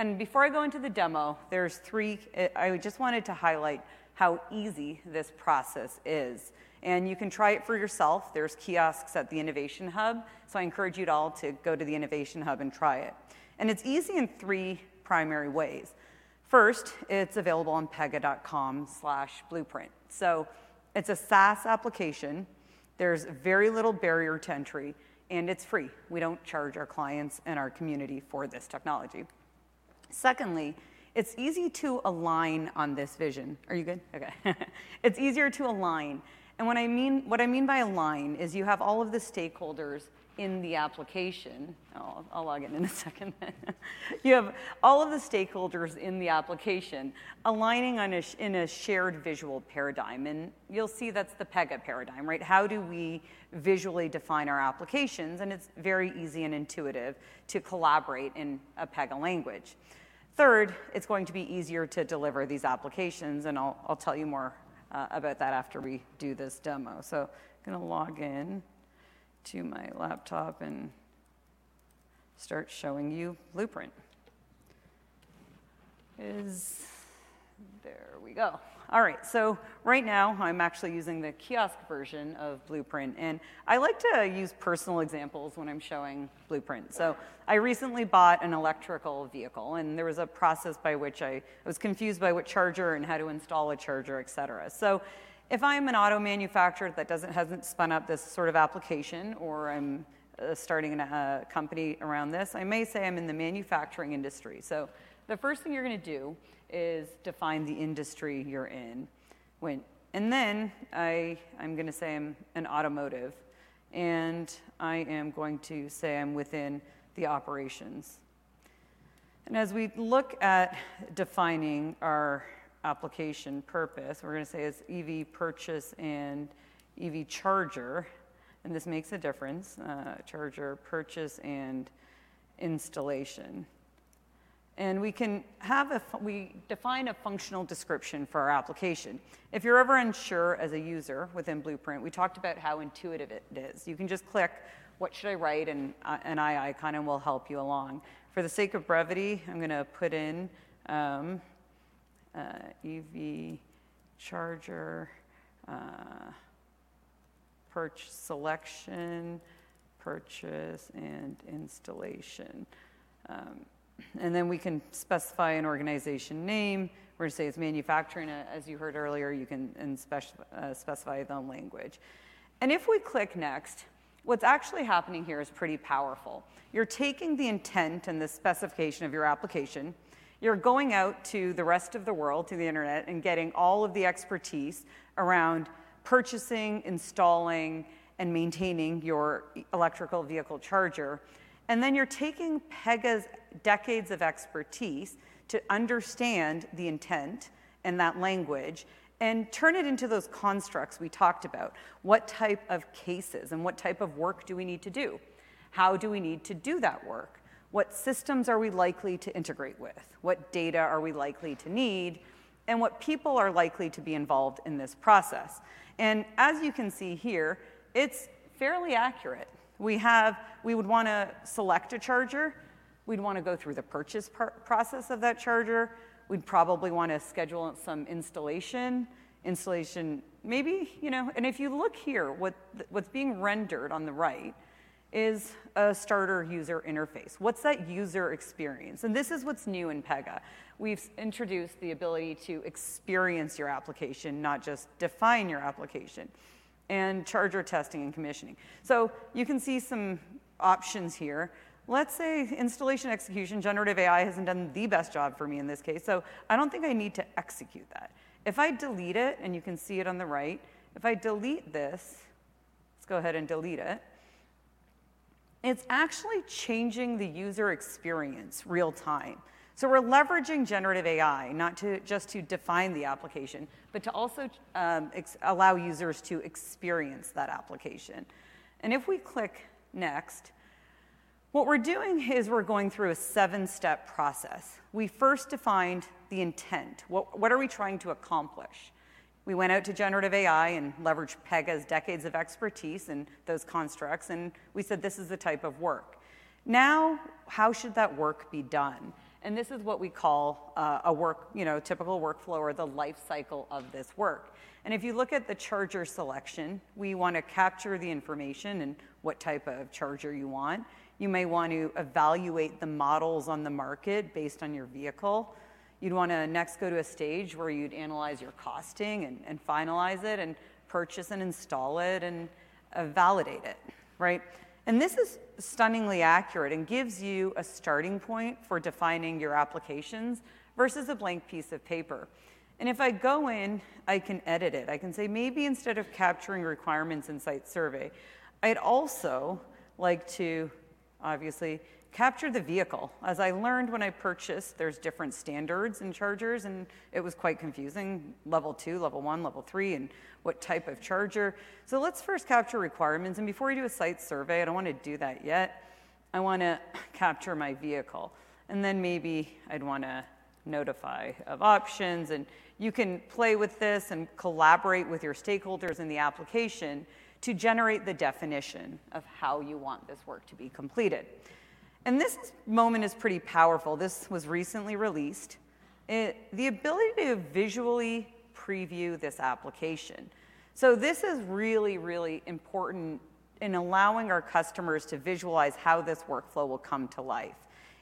And before I go into the demo, there's three... I just wanted to highlight how easy this process is, and you can try it for yourself. There's kiosks at the Innovation Hub, so I encourage you all to go to the Innovation Hub and try it. It's easy in three primary ways. First, it's available on Pega.com/blueprint. It's a SaaS application. There's very little barrier to entry, and it's free. We don't charge our clients and our community for this technology. Secondly, it's easy to align on this vision. Are you good? Okay. It's easier to align, and what I mean, what I mean by align is you have all of the stakeholders in the application. Oh, I'll log in in a second then. You have all of the stakeholders in the application aligning on a shared visual paradigm, and you'll see that's the Pega paradigm, right? How do we visually define our applications? It's very easy and intuitive to collaborate in a Pega language. Third, it's going to be easier to deliver these applications, and I'll, I'll tell you more about that after we do this demo. So I'm gonna log in to my laptop and start showing you Blueprint.... Is, there we go. All right, so right now I'm actually using the kiosk version of Blueprint, and I like to use personal examples when I'm showing Blueprint. So I recently bought an electric vehicle, and there was a process by which I... I was confused by what charger and how to install a charger, et cetera. So if I'm an auto manufacturer that doesn't, hasn't spun up this sort of application, or I'm starting a company around this, I may say I'm in the manufacturing industry. So the first thing you're gonna do is define the industry you're in. And then I, I'm gonna say I'm in automotive, and I am going to say I'm within the operations. And as we look at defining our application purpose, we're gonna say it's EV purchase and EV charger, and this makes a difference, charger purchase and installation. And we define a functional description for our application. If you're ever unsure as a user within Blueprint, we talked about how intuitive it is. You can just click, what should I write? And, an eye icon will help you along. For the sake of brevity, I'm gonna put in, EV charger, selection, purchase, and installation. And then we can specify an organization name. We're gonna say it's manufacturing. As you heard earlier, you can specify the language. If we click next, what's actually happening here is pretty powerful. You're taking the intent and the specification of your application, you're going out to the rest of the world, to the internet, and getting all of the expertise around purchasing, installing, and maintaining your electric vehicle charger. And then you're taking Pega's decades of expertise to understand the intent and that language and turn it into those constructs we talked about. What type of cases and what type of work do we need to do? How do we need to do that work? What systems are we likely to integrate with? What data are we likely to need, and what people are likely to be involved in this process? And as you can see here, it's fairly accurate. We have. We would want to select a charger. We'd want to go through the purchase process of that charger. We'd probably want to schedule some installation. Installation, maybe, you know. And if you look here, what's being rendered on the right is a starter user interface. What's that user experience? And this is what's new in Pega. We've introduced the ability to experience your application, not just define your application, and chart testing and commissioning. So you can see some options here. Let's say installation, execution. Generative AI hasn't done the best job for me in this case, so I don't think I need to execute that. If I delete it, and you can see it on the right, if I delete this, let's go ahead and delete it, it's actually changing the user experience real time. So we're leveraging generative AI, not to just to define the application, but to also allow users to experience that application. If we click next, what we're doing is we're going through a seven-step process. We first defined the intent. What, what are we trying to accomplish? We went out to generative AI and leveraged Pega's decades of expertise and those constructs, and we said, "This is the type of work." Now, how should that work be done? And this is what we call, a work, you know, typical workflow or the life cycle of this work. And if you look at the charger selection, we want to capture the information and what type of charger you want. You may want to evaluate the models on the market based on your vehicle. You'd want to next go to a stage where you'd analyze your costing and, and finalize it, and purchase and install it, and validate it, right? This is stunningly accurate and gives you a starting point for defining your applications versus a blank piece of paper. If I go in, I can edit it. I can say, maybe instead of capturing requirements in site survey, I'd also like to obviously capture the vehicle. As I learned when I purchased, there's different standards in chargers, and it was quite confusing, level two, level one, level three, and what type of charger. So let's first capture requirements, and before we do a site survey, I don't want to do that yet. I want to capture my vehicle, and then maybe I'd want to notify of options. You can play with this and collaborate with your stakeholders in the application to generate the definition of how you want this work to be completed. This moment is pretty powerful. This was recently released, the ability to visually preview this application. So this is really, really important in allowing our customers to visualize how this workflow will come to life.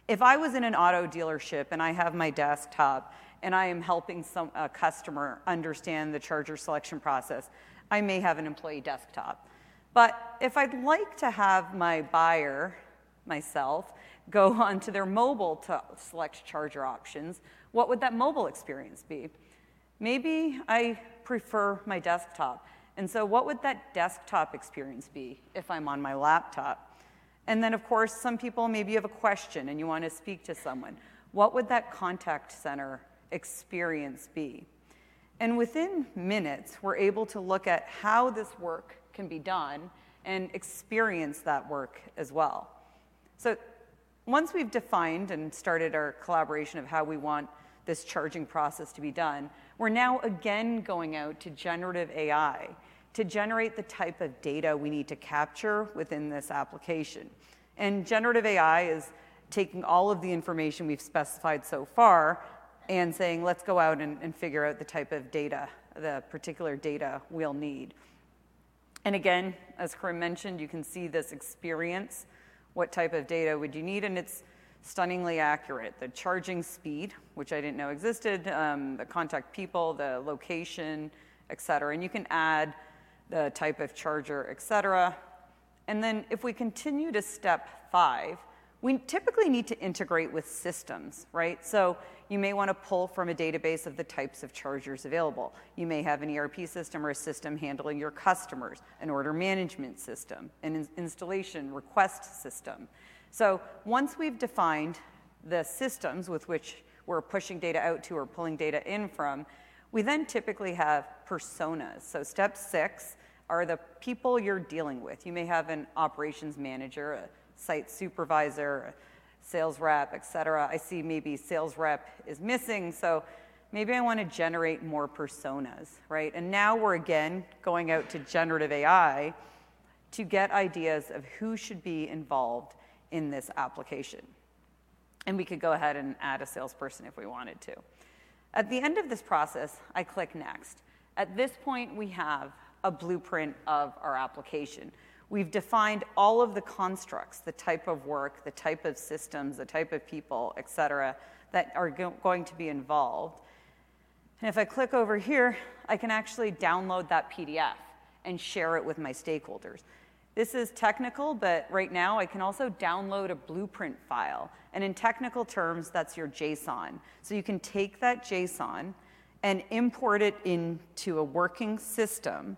If I was in an auto dealership, and I have my desktop, and I am helping some, a customer understand the charger selection process, I may have an employee desktop. But if I'd like to have my buyer, myself, go onto their mobile to select charger options, what would that mobile experience be? Maybe I prefer my desktop, and so what would that desktop experience be if I'm on my laptop? And then, of course, some people maybe have a question, and you want to speak to someone. What would that contact center experience be? And within minutes, we're able to look at how this work can be done and experience that work as well.... So once we've defined and started our collaboration of how we want this charging process to be done, we're now again going out to generative AI to generate the type of data we need to capture within this application. And generative AI is taking all of the information we've specified so far and saying, "Let's go out and, and figure out the type of data, the particular data we'll need." And again, as Kerim mentioned, you can see this experience. What type of data would you need? And it's stunningly accurate. The charging speed, which I didn't know existed, the contact people, the location, et cetera, and you can add the type of charger, et cetera. And then if we continue to step five, we typically need to integrate with systems, right? So you may want to pull from a database of the types of chargers available. You may have an ERP system or a system handling your customers, an order management system, an in-installation request system. So once we've defined the systems with which we're pushing data out to or pulling data in from, we then typically have personas. So step six are the people you're dealing with. You may have an operations manager, a site supervisor, a sales rep, et cetera. I see maybe sales rep is missing, so maybe I want to generate more personas, right? And now we're again going out to generative AI to get ideas of who should be involved in this application. And we could go ahead and add a salesperson if we wanted to. At the end of this process, I click Next. At this point, we have a blueprint of our application. We've defined all of the constructs, the type of work, the type of systems, the type of people, et cetera, that are going to be involved. And if I click over here, I can actually download that PDF and share it with my stakeholders. This is technical, but right now I can also download a blueprint file, and in technical terms, that's your JSON. So you can take that JSON and import it into a working system,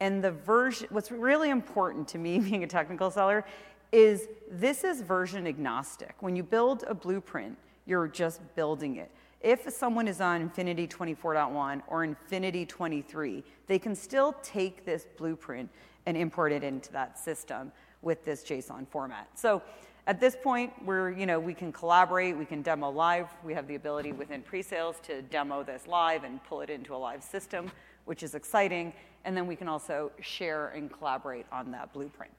and the version—what's really important to me, being a technical seller, is this is version agnostic. When you build a blueprint, you're just building it. If someone is on Infinity '24.1 or Infinity '23, they can still take this blueprint and import it into that system with this JSON format. So at this point, we're, you know, we can collaborate, we can demo live. We have the ability within pre-sales to demo this live and pull it into a live system, which is exciting, and then we can also share and collaborate on that blueprint.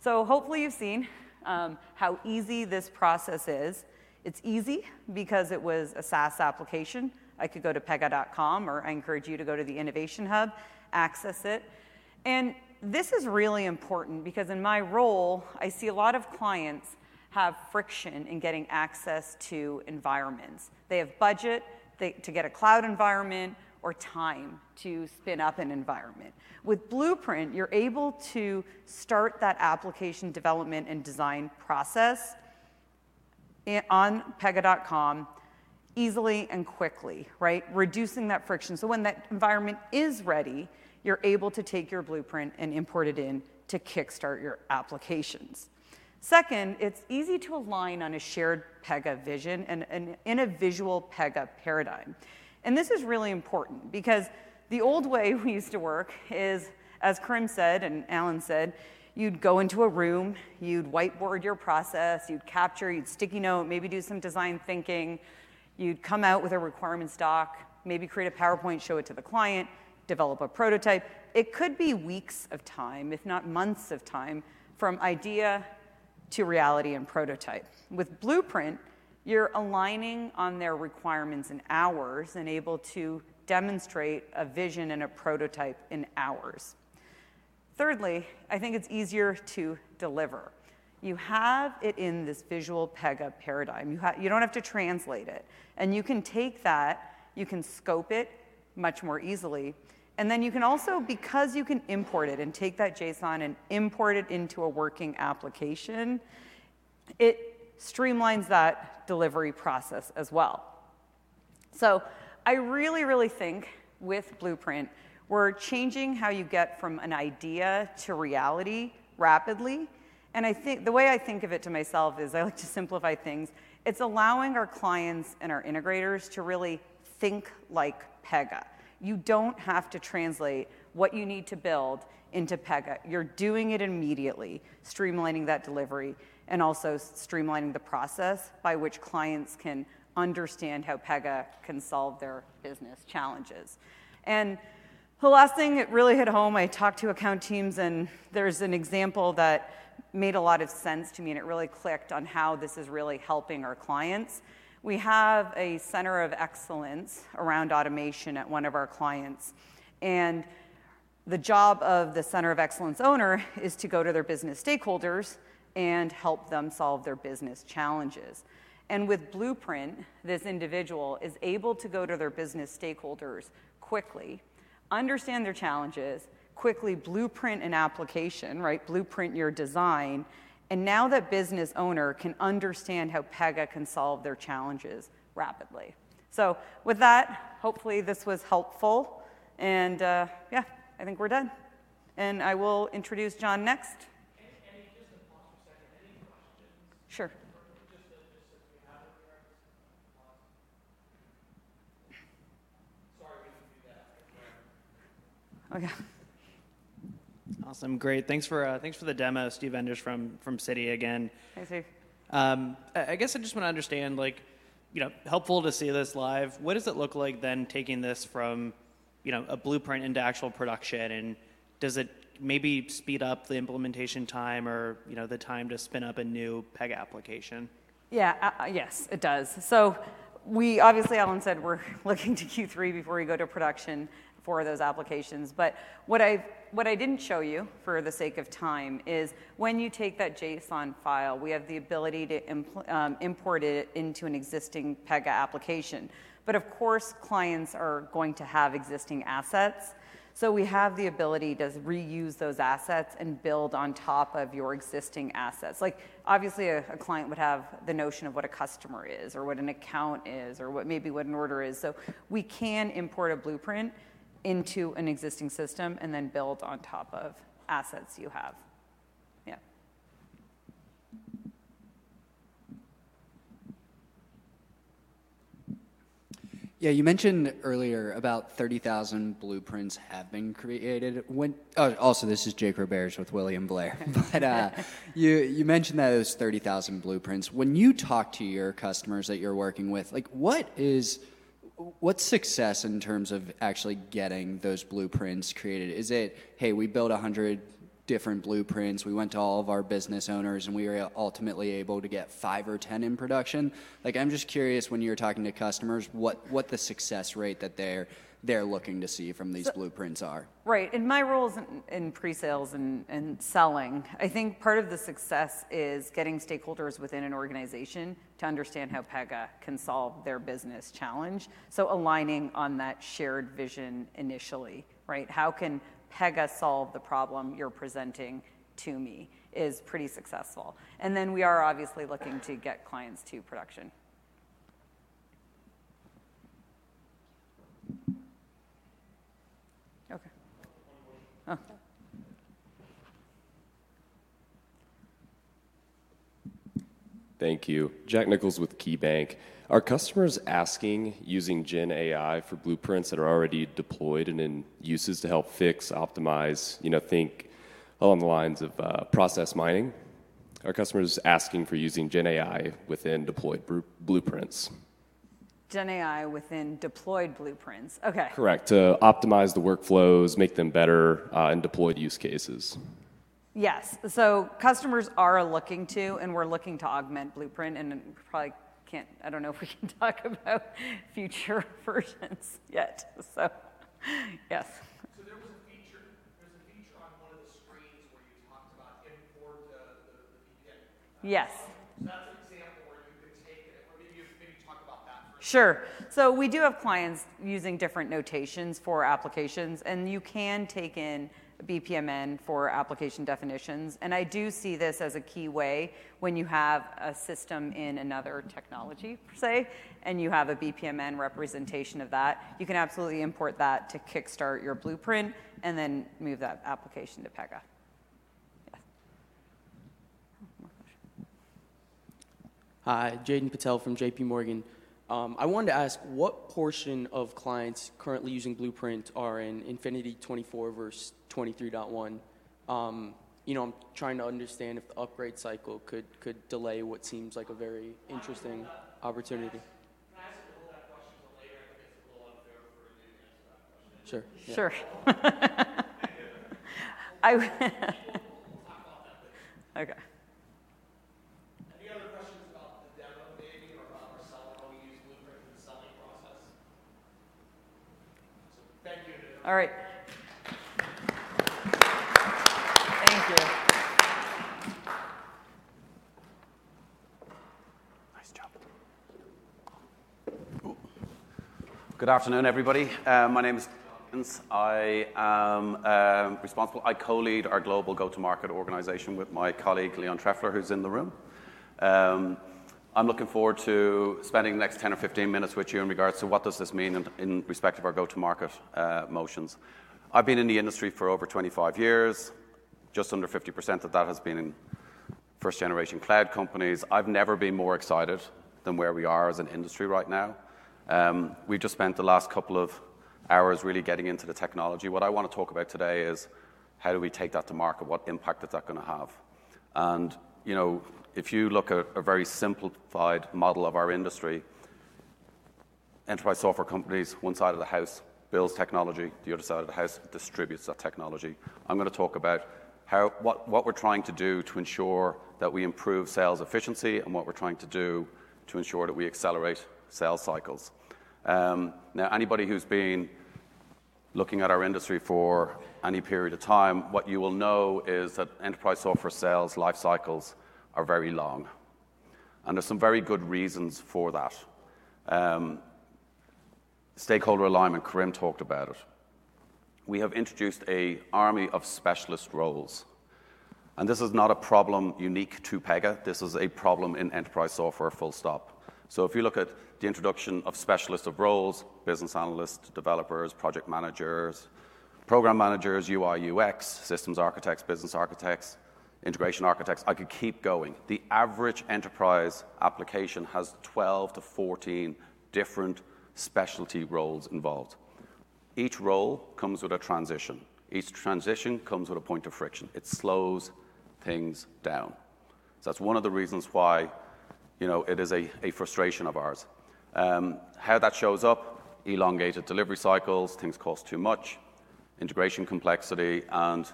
So hopefully, you've seen how easy this process is. It's easy because it was a SaaS application. I could go to Pega.com, or I encourage you to go to the Innovation Hub, access it. This is really important because in my role, I see a lot of clients have friction in getting access to environments. They have budget to get a cloud environment or time to spin up an environment. With Blueprint, you're able to start that application development and design process on Pega.com easily and quickly, right? Reducing that friction, so when that environment is ready, you're able to take your blueprint and import it in to kickstart your applications. Second, it's easy to align on a shared Pega vision and in a visual Pega paradigm. This is really important because the old way we used to work is, as Kerim said, and Alan said, you'd go into a room, you'd whiteboard your process, you'd capture, you'd sticky note, maybe do some design thinking. You'd come out with a requirements doc, maybe create a PowerPoint, show it to the client, develop a prototype. It could be weeks of time, if not months of time, from idea to reality and prototype. With Blueprint, you're aligning on their requirements in hours and able to demonstrate a vision and a prototype in hours. Thirdly, I think it's easier to deliver. You have it in this visual Pega paradigm. You don't have to translate it, and you can take that, you can scope it much more easily, and then you can also, because you can import it and take that JSON and import it into a working application, it streamlines that delivery process as well. So I really, really think with Blueprint, we're changing how you get from an idea to reality rapidly, and I think... The way I think of it to myself is I like to simplify things. It's allowing our clients and our integrators to really think like Pega. You don't have to translate what you need to build into Pega. You're doing it immediately, streamlining that delivery, and also streamlining the process by which clients can understand how Pega can solve their business challenges. The last thing that really hit home, I talked to account teams, and there's an example that made a lot of sense to me, and it really clicked on how this is really helping our clients. We have a center of excellence around automation at one of our clients, and the job of the center of excellence owner is to go to their business stakeholders and help them solve their business challenges. With Blueprint, this individual is able to go to their business stakeholders quickly, understand their challenges, quickly blueprint an application, right? Blueprint your design, and now that business owner can understand how Pega can solve their challenges rapidly. So with that, hopefully, this was helpful, and, yeah, I think we're done. I will introduce John next. Any, just a second. Any questions? Sure.... Okay. Awesome, great. Thanks for the demo, Steve Enders from Citi again. Hi, Steve. I guess I just want to understand, like, you know, helpful to see this live. What does it look like then taking this from, you know, a blueprint into actual production? And does it maybe speed up the implementation time or, you know, the time to spin up a new Pega application? Yeah, yes, it does. So we obviously, Alan said we're looking to Q3 before we go to production for those applications. But what I didn't show you, for the sake of time, is when you take that JSON file, we have the ability to import it into an existing Pega application. But of course, clients are going to have existing assets, so we have the ability to reuse those assets and build on top of your existing assets. Like, obviously, a client would have the notion of what a customer is, or what an account is, or what an order is. So we can import a blueprint into an existing system and then build on top of assets you have. Yeah. Yeah, you mentioned earlier about 30,000 blueprints have been created. When... Oh, also, this is Jake Roberge with William Blair. But, you, you mentioned that it was 30,000 blueprints. When you talk to your customers that you're working with, like, what is, what's success in terms of actually getting those blueprints created? Is it: "Hey, we built 100 different blueprints, we went to all of our business owners, and we were ultimately able to get 5 or 10 in production?" Like, I'm just curious, when you're talking to customers, what, what the success rate that they're, they're looking to see from these blueprints are. So, right. In my roles in pre-sales and selling, I think part of the success is getting stakeholders within an organization to understand how Pega can solve their business challenge. So aligning on that shared vision initially, right? How can Pega solve the problem you're presenting to me, is pretty successful. And then we are obviously looking to get clients to production. Okay. Oh. Thank you. Jack Nichols with KeyBanc. Are customers asking, using GenAI for blueprints that are already deployed and in uses to help fix, optimize, you know, think along the lines of, process mining? Are customers asking for using GenAI within deployed blueprints? GenAI within deployed blueprints? Okay. Correct. To optimize the workflows, make them better in deployed use cases. Yes. So customers are looking to, and we're looking to augment Blueprint and then probably can't... I don't know if we can talk about future versions yet. So, yes. There was a feature on one of the screens where you talked about import the BPMN. Yes. That's an example where you can take it, or maybe talk about that for a second. Sure. We do have clients using different notations for applications, and you can take in a BPMN for application definitions. I do see this as a key way when you have a system in another technology, per se, and you have a BPMN representation of that. You can absolutely import that to kickstart your Blueprint and then move that application to Pega. Yeah. More question. Hi, Jaiden Patel from J.P. Morgan. I wanted to ask, what portion of clients currently using Blueprint are in Infinity '24 versus 23.1? You know, I'm trying to understand if the upgrade cycle could delay what seems like a very interesting opportunity. Can I ask him to hold that question till later? I think it's a little up there for you to answer that question. Sure. Sure. We'll talk about that later. Okay. Any other questions about the demo maybe, or about our seller, how we use Blueprint in the selling process? Thank you. All right. Thank you. Nice job. Oh. Good afternoon, everybody. My name is John Higgins. I am responsible. I co-lead our global go-to-market organization with my colleague, Leon Trefler, who's in the room. I'm looking forward to spending the next 10 or 15 minutes with you in regards to what does this mean in respect of our go-to-market motions. I've been in the industry for over 25 years. Just under 50% of that has been in first-generation cloud companies. I've never been more excited than where we are as an industry right now. We've just spent the last couple of hours really getting into the technology. What I want to talk about today is: how do we take that to market? What impact is that gonna have? You know, if you look at a very simplified model of our industry, enterprise software companies, one side of the house builds technology, the other side of the house distributes that technology. I'm gonna talk about how, what, what we're trying to do to ensure that we improve sales efficiency and what we're trying to do to ensure that we accelerate sales cycles. Now, anybody who's been looking at our industry for any period of time, what you will know is that enterprise software sales life cycles are very long, and there are some very good reasons for that. Stakeholder alignment, Kerim talked about it. We have introduced an army of specialist roles, and this is not a problem unique to Pega. This is a problem in enterprise software, full stop. So if you look at the introduction of specialist of roles, business analysts, developers, project managers, program managers, UI, UX, systems architects, business architects, integration architects, I could keep going. The average enterprise application has 12-14 different specialty roles involved. Each role comes with a transition. Each transition comes with a point of friction. It slows things down. So that's one of the reasons why, you know, it is a frustration of ours. How that shows up, elongated delivery cycles, things cost too much, integration complexity, and,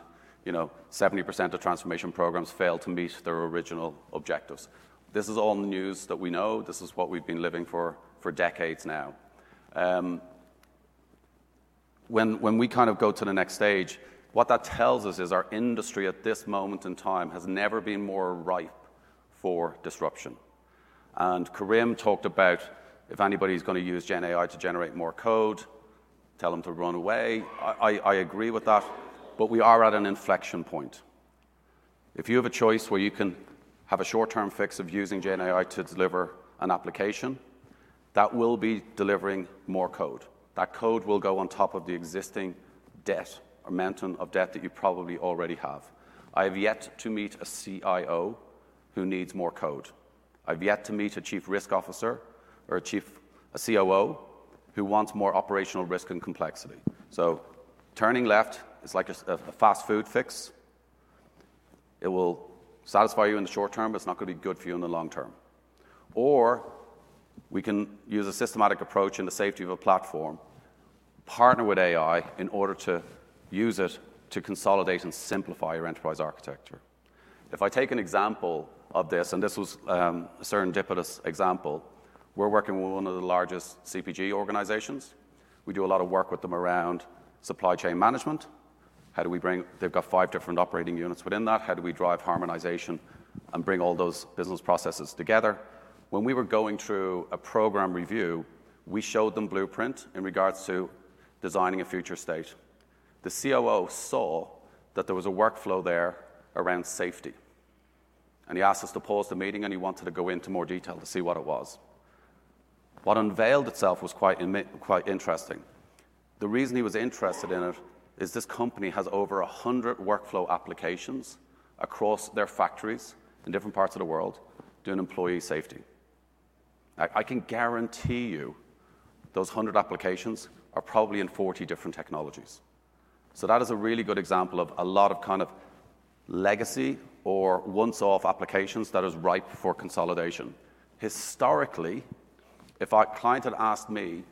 you know, 70% of transformation programs fail to meet their original objectives. This is all in the news that we know. This is what we've been living for decades now. When we kind of go to the next stage, what that tells us is our industry, at this moment in time, has never been more ripe for disruption. And Kerim talked about if anybody's gonna use GenAI to generate more code, tell them to run away. I agree with that, but we are at an inflection point. If you have a choice where you can have a short-term fix of using GenAI to deliver an application, that will be delivering more code. That code will go on top of the existing debt or mountain of debt that you probably already have. I have yet to meet a CIO who needs more code. I've yet to meet a chief risk officer or a chief a COO who wants more operational risk and complexity. So turning left is like a fast food fix. It will satisfy you in the short term, but it's not gonna be good for you in the long term. Or we can use a systematic approach in the safety of a platform, partner with AI in order to use it to consolidate and simplify your enterprise architecture. If I take an example of this, and this was a serendipitous example, we're working with one of the largest CPG organizations. We do a lot of work with them around supply chain management. How do we bring—they've got five different operating units within that. How do we drive harmonization and bring all those business processes together? When we were going through a program review, we showed them Blueprint in regards to designing a future state. The COO saw that there was a workflow there around safety, and he asked us to pause the meeting, and he wanted to go into more detail to see what it was. What unveiled itself was quite interesting. The reason he was interested in it is this company has over 100 workflow applications across their factories in different parts of the world doing employee safety. I, I can guarantee you those 100 applications are probably in 40 different technologies. So that is a really good example of a lot of kind of legacy or one-off applications that is ripe for consolidation. Historically, if a client had asked me,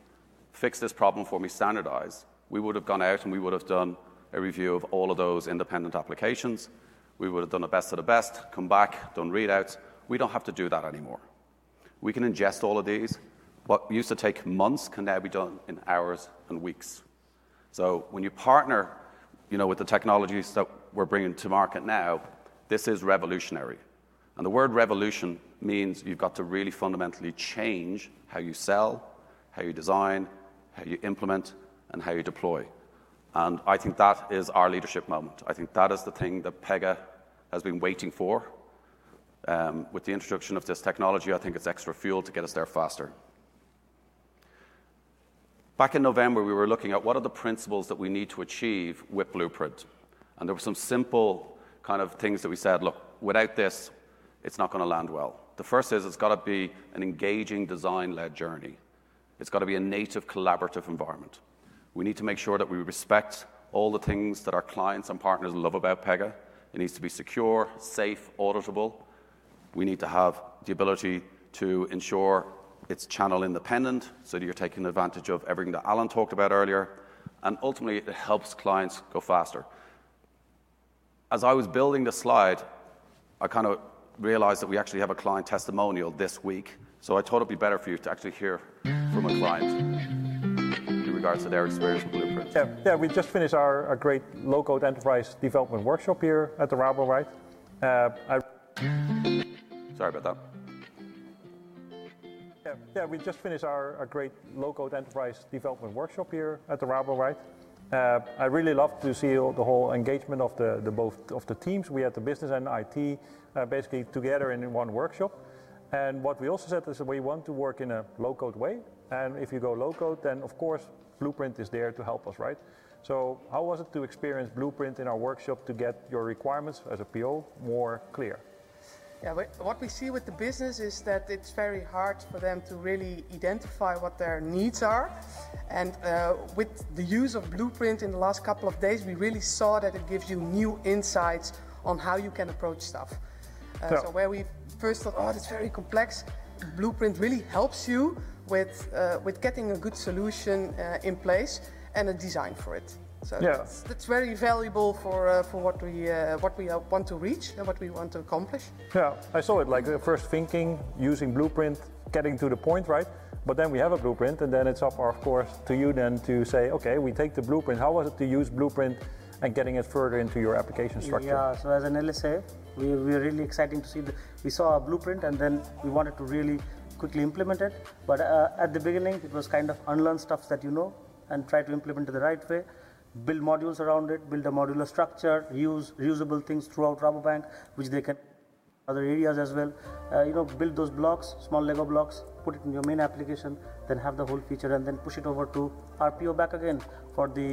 "Fix this problem for me, standardize," we would have gone out, and we would have done a review of all of those independent applications. We would have done the best of the best, come back, done readouts. We don't have to do that anymore. We can ingest all of these. What used to take months can now be done in hours and weeks. So when you partner, you know, with the technologies that we're bringing to market now, this is revolutionary. And the word revolution means you've got to really fundamentally change how you sell, how you design, how you implement, and how you deploy, and I think that is our leadership moment. I think that is the thing that Pega has been waiting for. With the introduction of this technology, I think it's extra fuel to get us there faster. Back in November, we were looking at what are the principles that we need to achieve with Blueprint? And there were some simple kind of things that we said, "Look, without this, it's not gonna land well." The first is it's got to be an engaging, design-led journey. It's got to be a native, collaborative environment. We need to make sure that we respect all the things that our clients and partners love about Pega. It needs to be secure, safe, auditable. We need to have the ability to ensure it's channel-independent, so you're taking advantage of everything that Alan talked about earlier, and ultimately, it helps clients go faster. As I was building this slide, I kind of realized that we actually have a client testimonial this week, so I thought it'd be better for you to actually hear from a client, in regards to their experience with Blueprint. Yeah, yeah, we just finished our, our great low-code enterprise development workshop here at the Rabo, right? Sorry about that. Yeah, yeah, we just finished our great low-code enterprise development workshop here at the Rabo, right? I really loved to see all the whole engagement of the both of the teams. We had the business and IT basically together in one workshop. And what we also said is that we want to work in a low-code way, and if you go low-code, then, of course, Blueprint is there to help us, right? So how was it to experience Blueprint in our workshop to get your requirements as a PO more clear? Yeah, what, what we see with the business is that it's very hard for them to really identify what their needs are. And, with the use of Blueprint in the last couple of days, we really saw that it gives you new insights on how you can approach stuff. Yeah. So where we first thought, "Oh, it's very complex," Blueprint really helps you with getting a good solution in place and a design for it. Yeah. It's very valuable for what we want to reach and what we want to accomplish. Yeah, I saw it, like, the first thinking, using Blueprint, getting to the point, right? But then we have a blueprint, and then it's up, of course, to you then to say, "Okay, we take the blueprint." How was it to use Blueprint and getting it further into your application structure? Yeah, so as an LSA, we're really exciting to see the blueprint. We saw a blueprint, and then we wanted to really quickly implement it. But at the beginning, it was kind of unlearn stuff that you know and try to implement it the right way, build modules around it, build a modular structure, use reusable things throughout Rabobank, which they can other areas as well. You know, build those blocks, small Lego blocks, put it in your main application, then have the whole feature, and then push it over to RPO back again for the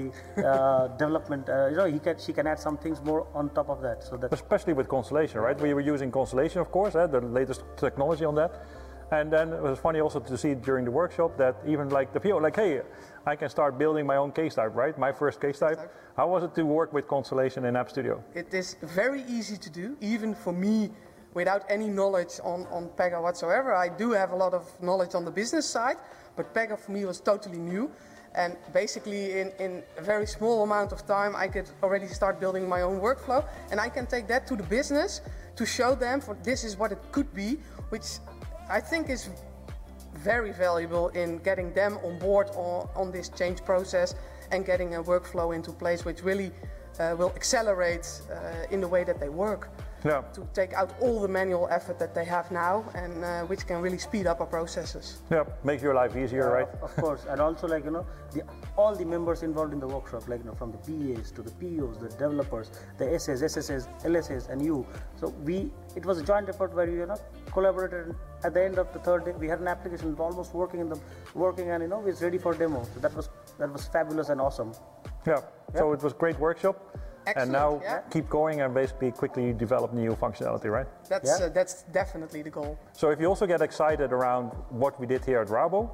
development. You know, he can she can add some things more on top of that, so that- Especially with Constellation, right? Yeah. We were using Constellation, of course, the latest technology on that. And then it was funny also to see during the workshop that even, like, the PO, like, "Hey, I can start building my own case type," right? "My first case type. Case type. How was it to work with Constellation in App Studio? It is very easy to do, even for me, without any knowledge on Pega whatsoever. I do have a lot of knowledge on the business side, but Pega, for me, was totally new, and basically, in a very small amount of time, I could already start building my own workflow. And I can take that to the business to show them for this is what it could be, which I think is very valuable in getting them on board on this change process and getting a workflow into place, which really will accelerate in the way that they work- Yeah... to take out all the manual effort that they have now, and, which can really speed up our processes. Yeah. Make your life easier, right? Of course, and also, like, you know, all the members involved in the workshop, like, you know, from the BAs to the POs, the developers, the SS, SSAs, LSAs, and you. So it was a joint effort where we, you know, collaborated. At the end of the third day, we had an application almost working, and, you know, it's ready for demo. So that was, that was fabulous and awesome. Yeah. Yeah. It was great workshop. Excellent, yeah. Now keep going and basically quickly develop new functionality, right? That's- Yeah... that's definitely the goal. So if you also get excited around what we did here at Rabo,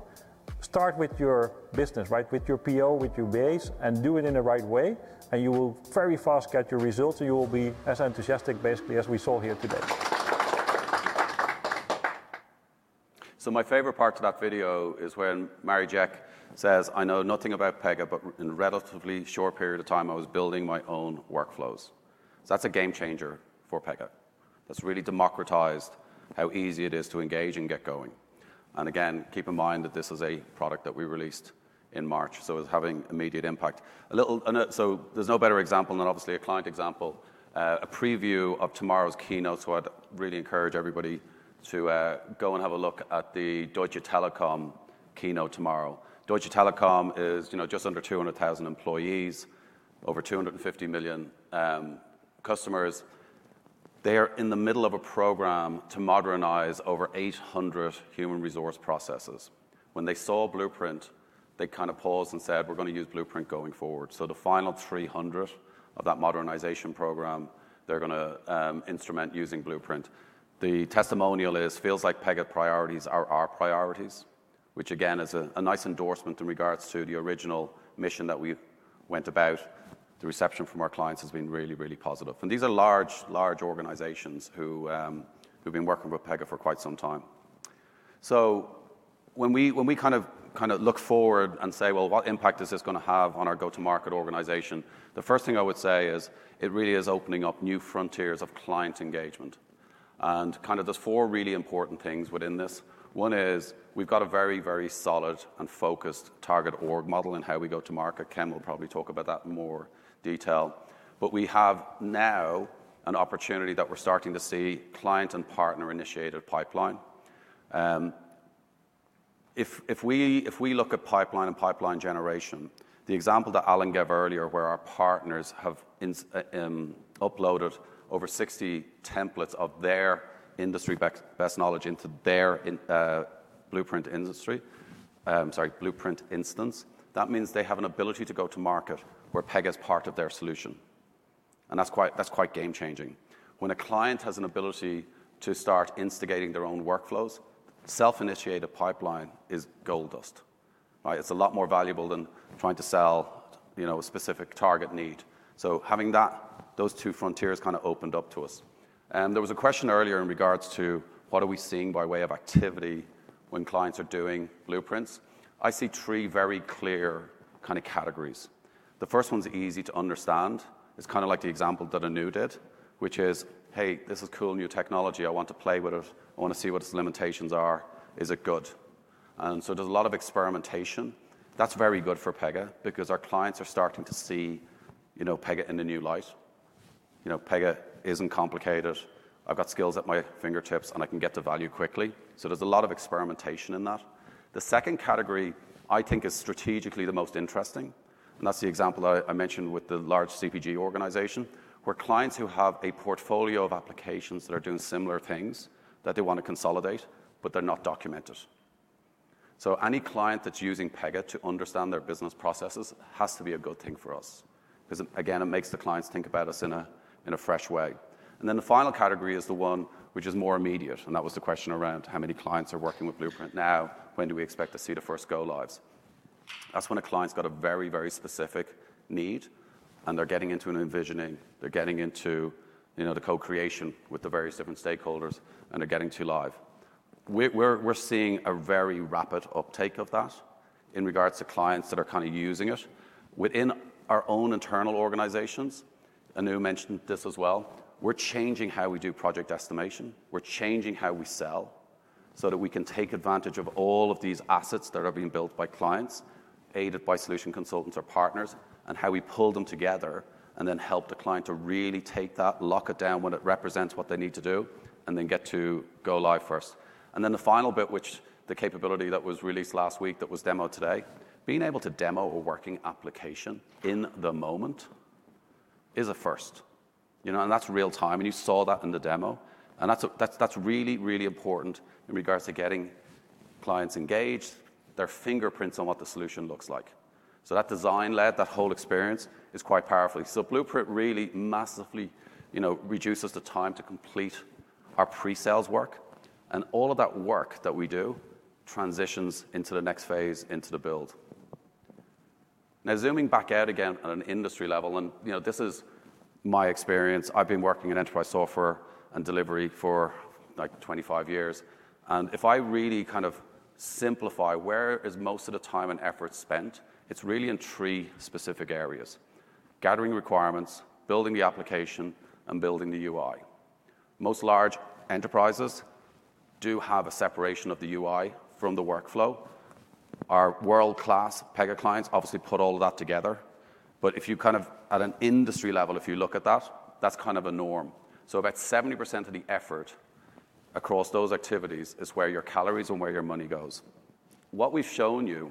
start with your business, right? With your PO, with your BAs, and do it in the right way, and you will very fast get your results, and you will be as enthusiastic, basically, as we saw here today. So my favorite part to that video is when Marieke says, "I know nothing about Pega, but in a relatively short period of time, I was building my own workflows." So that's a game changer for Pega. That's really democratized how easy it is to engage and get going. And again, keep in mind that this is a product that we released in March, so it's having immediate impact. So there's no better example than obviously a client example. A preview of tomorrow's keynote, so I'd really encourage everybody to go and have a look at the Deutsche Telekom keynote tomorrow. Deutsche Telekom is, you know, just under 200,000 employees, over 250 million customers. They are in the middle of a program to modernize over 800 human resource processes. When they saw Blueprint, they kind of paused and said: "We're gonna use Blueprint going forward." So the final 300 of that modernization program, they're gonna instrument using Blueprint. The testimonial is, "Feels like Pega priorities are our priorities," which again is a nice endorsement in regards to the original mission that we went about. The reception from our clients has been really, really positive, and these are large, large organizations who've been working with Pega for quite some time. So when we kind of look forward and say, "Well, what impact is this gonna have on our go-to-market organization?" The first thing I would say is it really is opening up new frontiers of client engagement, and kind of there's four really important things within this. One is we've got a very, very solid and focused target org model in how we go to market. Ken will probably talk about that in more detail. But we have now an opportunity that we're starting to see client and partner-initiated pipeline. If, if we, if we look at pipeline and pipeline generation, the example that Alan gave earlier, where our partners have uploaded over 60 templates of their industry best best knowledge into their Blueprint instance, that means they have an ability to go to market where Pega is part of their solution, and that's quite, that's quite game-changing. When a client has an ability to start instigating their own workflows, self-initiated pipeline is gold dust, right? It's a lot more valuable than trying to sell, you know, a specific target need. So having that, those two frontiers kind of opened up to us. There was a question earlier in regards to, what are we seeing by way of activity when clients are doing Blueprints? I see three very clear kind of categories. The first one's easy to understand. It's kind of like the example that Anu did, which is, "Hey, this is cool, new technology. I want to play with it. I want to see what its limitations are. Is it good?" And so there's a lot of experimentation. That's very good for Pega because our clients are starting to see, you know, Pega in a new light. You know, Pega isn't complicated. I've got skills at my fingertips, and I can get to value quickly. So there's a lot of experimentation in that. The second category I think is strategically the most interesting, and that's the example I, I mentioned with the large CPG organization, where clients who have a portfolio of applications that are doing similar things that they want to consolidate, but they're not documented. So any client that's using Pega to understand their business processes has to be a good thing for us. 'Cause again, it makes the clients think about us in a, in a fresh way. And then the final category is the one which is more immediate, and that was the question around how many clients are working with Blueprint now? When do we expect to see the first go-lives? That's when a client's got a very, very specific need, and they're getting into an envisioning, they're getting into, you know, the co-creation with the various different stakeholders, and they're getting to live. We're seeing a very rapid uptake of that in regards to clients that are kind of using it. Within our own internal organizations, Anu mentioned this as well, we're changing how we do project estimation. We're changing how we sell, so that we can take advantage of all of these assets that are being built by clients, aided by solution consultants or partners, and how we pull them together and then help the client to really take that, lock it down when it represents what they need to do, and then get to go live first. And then the final bit, which the capability that was released last week, that was demoed today, being able to demo a working application in the moment, is a first, you know, and that's real-time, and you saw that in the demo. That's really important in regards to getting clients engaged, their fingerprints on what the solution looks like. So that design led, that whole experience is quite powerful. So Blueprint really massively, you know, reduces the time to complete our pre-sales work, and all of that work that we do transitions into the next phase, into the build. Now, zooming back out again on an industry level, and, you know, this is my experience. I've been working in enterprise software and delivery for, like, 25 years, and if I really kind of simplify where is most of the time and effort spent, it's really in three specific areas: gathering requirements, building the application, and building the UI. Most large enterprises do have a separation of the UI from the workflow. Our world-class Pega clients obviously put all of that together. But if you kind of, at an industry level, if you look at that, that's kind of a norm. So about 70% of the effort across those activities is where your calories and where your money goes. What we've shown you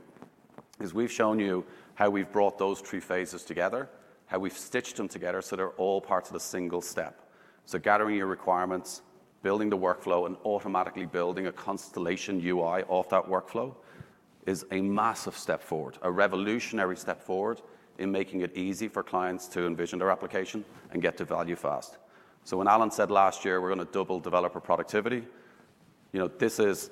is we've shown you how we've brought those three phases together, how we've stitched them together so they're all parts of a single step. So gathering your requirements, building the workflow, and automatically building a Constellation UI off that workflow is a massive step forward, a revolutionary step forward in making it easy for clients to envision their application and get to value fast. So when Alan said last year, we're going to double developer productivity, you know, this is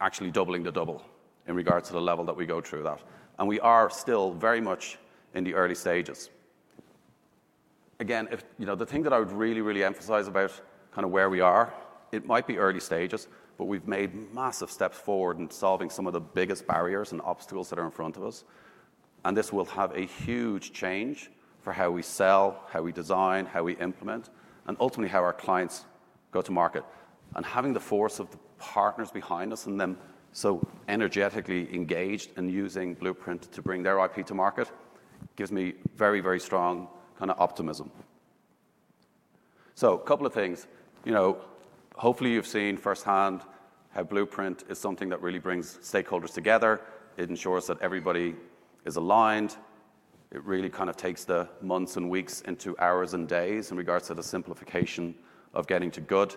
actually doubling the double in regards to the level that we go through that, and we are still very much in the early stages. Again, if... You know, the thing that I would really, really emphasize about kind of where we are, it might be early stages, but we've made massive steps forward in solving some of the biggest barriers and obstacles that are in front of us. This will have a huge change for how we sell, how we design, how we implement, and ultimately, how our clients go to market. Having the force of the partners behind us and them so energetically engaged in using Blueprint to bring their IP to market, gives me very, very strong kind of optimism. Couple of things. You know, hopefully, you've seen firsthand how Blueprint is something that really brings stakeholders together. It ensures that everybody is aligned. It really kind of takes the months and weeks into hours and days in regards to the simplification of getting to good.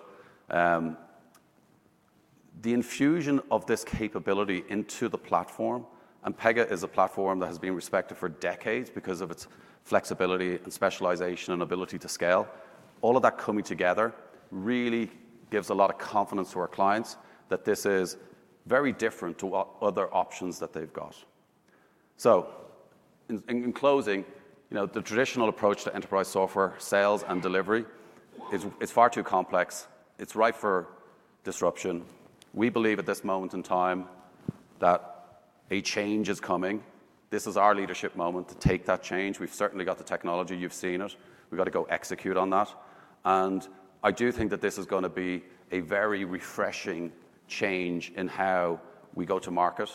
The infusion of this capability into the platform, and Pega is a platform that has been respected for decades because of its flexibility and specialization and ability to scale. All of that coming together really gives a lot of confidence to our clients that this is very different to other options that they've got. So in closing, you know, the traditional approach to enterprise software, sales, and delivery is far too complex. It's ripe for disruption. We believe at this moment in time that a change is coming. This is our leadership moment to take that change. We've certainly got the technology. You've seen it. We've got to go execute on that, and I do think that this is going to be a very refreshing change in how we go to market,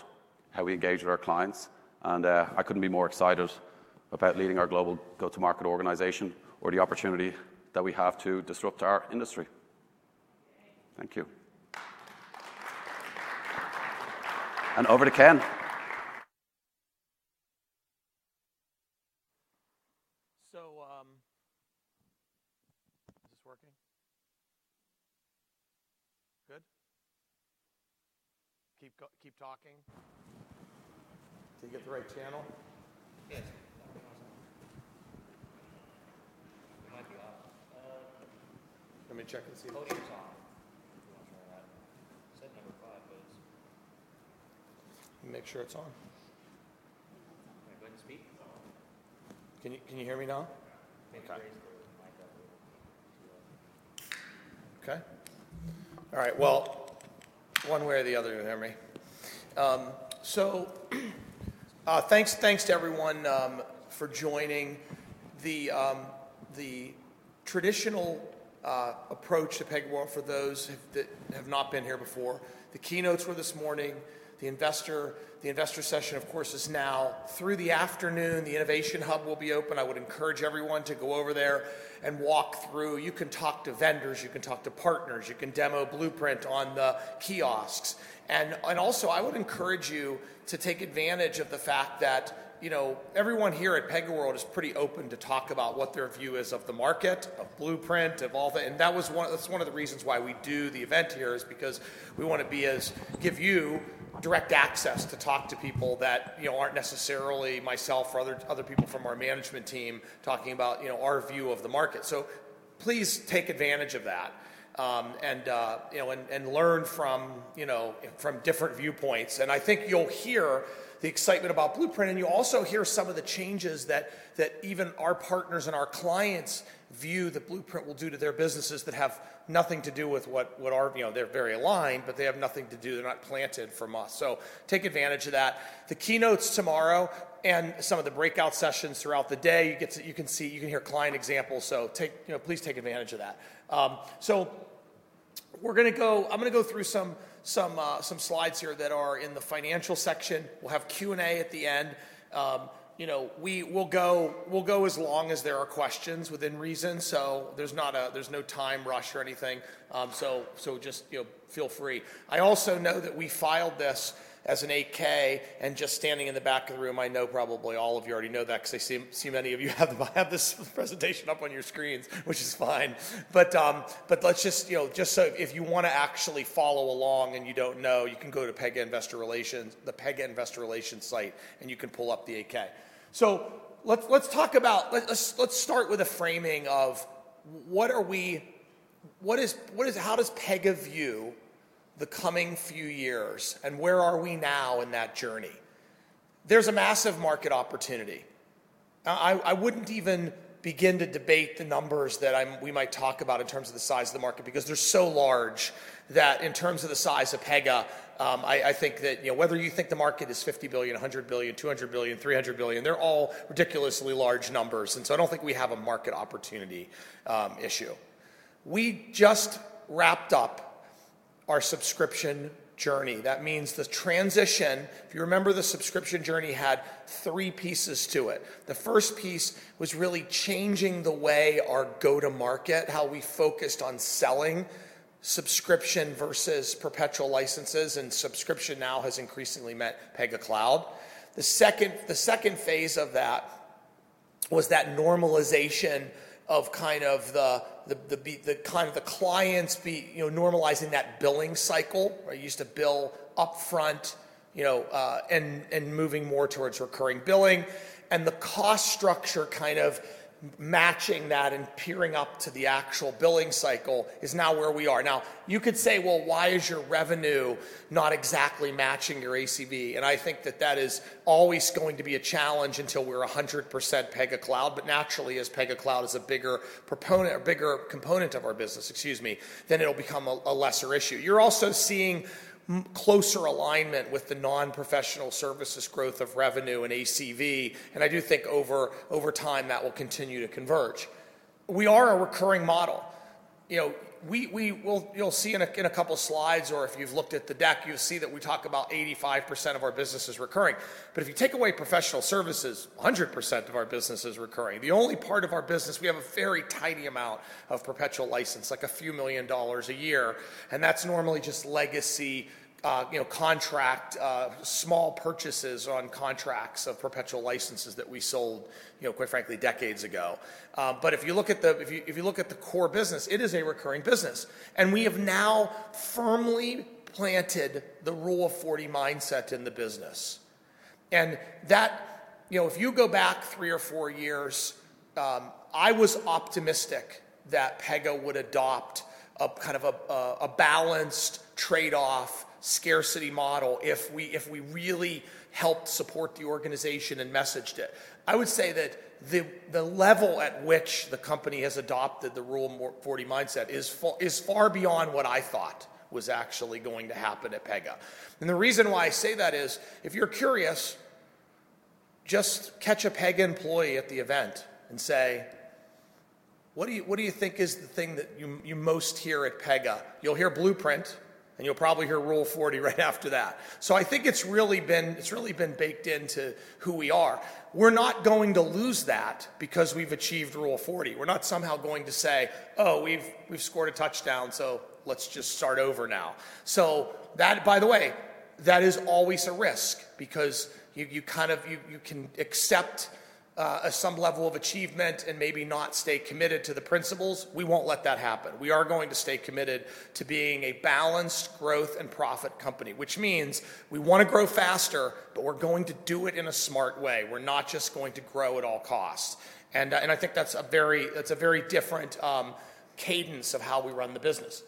how we engage with our clients, and I couldn't be more excited about leading our global go-to-market organization or the opportunity that we have to disrupt our industry. Thank you. And over to Ken. So, is this working? Good? Keep talking. Did you get the right channel? Yes. It might be off. Let me check and see. Oh, it's on. It said number 5, but it's—Make sure it's on. Go ahead and speak. Can you, can you hear me now? Yeah. Okay. Raise the mic up a little. Okay. All right. Well, one way or the other, you can hear me. So, thanks, thanks to everyone for joining. The traditional approach to PegaWorld for those who, that have not been here before, the keynotes were this morning. The investor session, of course, is now. Through the afternoon, the innovation hub will be open. I would encourage everyone to go over there and walk through. You can talk to vendors, you can talk to partners, you can demo Blueprint on the kiosks. And also, I would encourage you to take advantage of the fact that, you know, everyone here at PegaWorld is pretty open to talk about what their view is of the market, of Blueprint, of all the... And that's one of the reasons why we do the event here is because we want to give you direct access to talk to people that, you know, aren't necessarily myself or other people from our management team talking about, you know, our view of the market. So please take advantage of that, and, you know, learn from different viewpoints. And I think you'll hear the excitement about Blueprint, and you'll also hear some of the changes that even our partners and our clients view that Blueprint will do to their businesses that have nothing to do with what our. You know, they're very aligned, but they have nothing to do, they're not planted from us. So take advantage of that. The keynote's tomorrow and some of the breakout sessions throughout the day, you get to-- you can see, you can hear client examples, so take, you know, please take advantage of that. We're gonna go-- I'm gonna go through some slides here that are in the financial section. We'll have Q&A at the end. You know, we'll go as long as there are questions within reason, so there's not a time rush or anything. So just, you know, feel free. I also know that we filed this as an 8-K, and just standing in the back of the room, I know probably all of you already know that 'cause I see many of you have this presentation up on your screens, which is fine. But let's just, you know, just so if you wanna actually follow along and you don't know, you can go to Pega Investor Relations, the Pega Investor Relations site, and you can pull up the 8-K. So let's talk about, let's start with a framing of what are we. What is, what is, how does Pega view the coming few years, and where are we now in that journey? There's a massive market opportunity. I wouldn't even begin to debate the numbers that we might talk about in terms of the size of the market, because they're so large that in terms of the size of Pega, I think that, you know, whether you think the market is $50 billion, $100 billion, $200 billion, $300 billion, they're all ridiculously large numbers, and so I don't think we have a market opportunity issue. We just wrapped up our subscription journey. That means the transition... If you remember, the subscription journey had three pieces to it. The first piece was really changing the way our go-to-market, how we focused on selling subscription versus perpetual licenses, and subscription now has increasingly meant Pega Cloud. The second phase of that was that normalization of kind of the clients, you know, normalizing that billing cycle, where you used to bill upfront, you know, and moving more towards recurring billing. And the cost structure kind of matching that and pairing up to the actual billing cycle is now where we are. Now, you could say: Well, why is your revenue not exactly matching your ACV? And I think that that is always going to be a challenge until we're 100% Pega Cloud. But naturally, as Pega Cloud is a bigger proponent, a bigger component of our business, excuse me, then it'll become a lesser issue. You're also seeing closer alignment with the non-professional services growth of revenue and ACV, and I do think over time, that will continue to converge. We are a recurring model. You know, we'll—you'll see in a couple slides, or if you've looked at the deck, you'll see that we talk about 85% of our business is recurring. But if you take away professional services, 100% of our business is recurring. The only part of our business, we have a very tiny amount of perpetual license, like a few million dollars a year, and that's normally just legacy, you know, contract, small purchases on contracts of perpetual licenses that we sold, you know, quite frankly, decades ago. But if you look at the core business, it is a recurring business. And we have now firmly planted the Rule of 40 mindset in the business. And that... You know, if you go back three or four years, I was optimistic that Pega would adopt a kind of a balanced trade-off scarcity model if we, if we really helped support the organization and messaged it. I would say that the level at which the company has adopted the Rule of 40 mindset is far beyond what I thought was actually going to happen at Pega. And the reason why I say that is, if you're curious, just catch a Pega employee at the event and say: "What do you, what do you think is the thing that you, you most hear at Pega?" You'll hear Blueprint, and you'll probably hear Rule of 40 right after that. So I think it's really been, it's really been baked into who we are. We're not going to lose that because we've achieved Rule of 40. We're not somehow going to say: "Oh, we've scored a touchdown, so let's just start over now." So that, by the way, that is always a risk because you kind of can accept some level of achievement and maybe not stay committed to the principles. We won't let that happen. We are going to stay committed to being a balanced growth and profit company, which means we wanna grow faster, but we're going to do it in a smart way. We're not just going to grow at all costs. And I think that's a very, that's a very different cadence of how we run the business.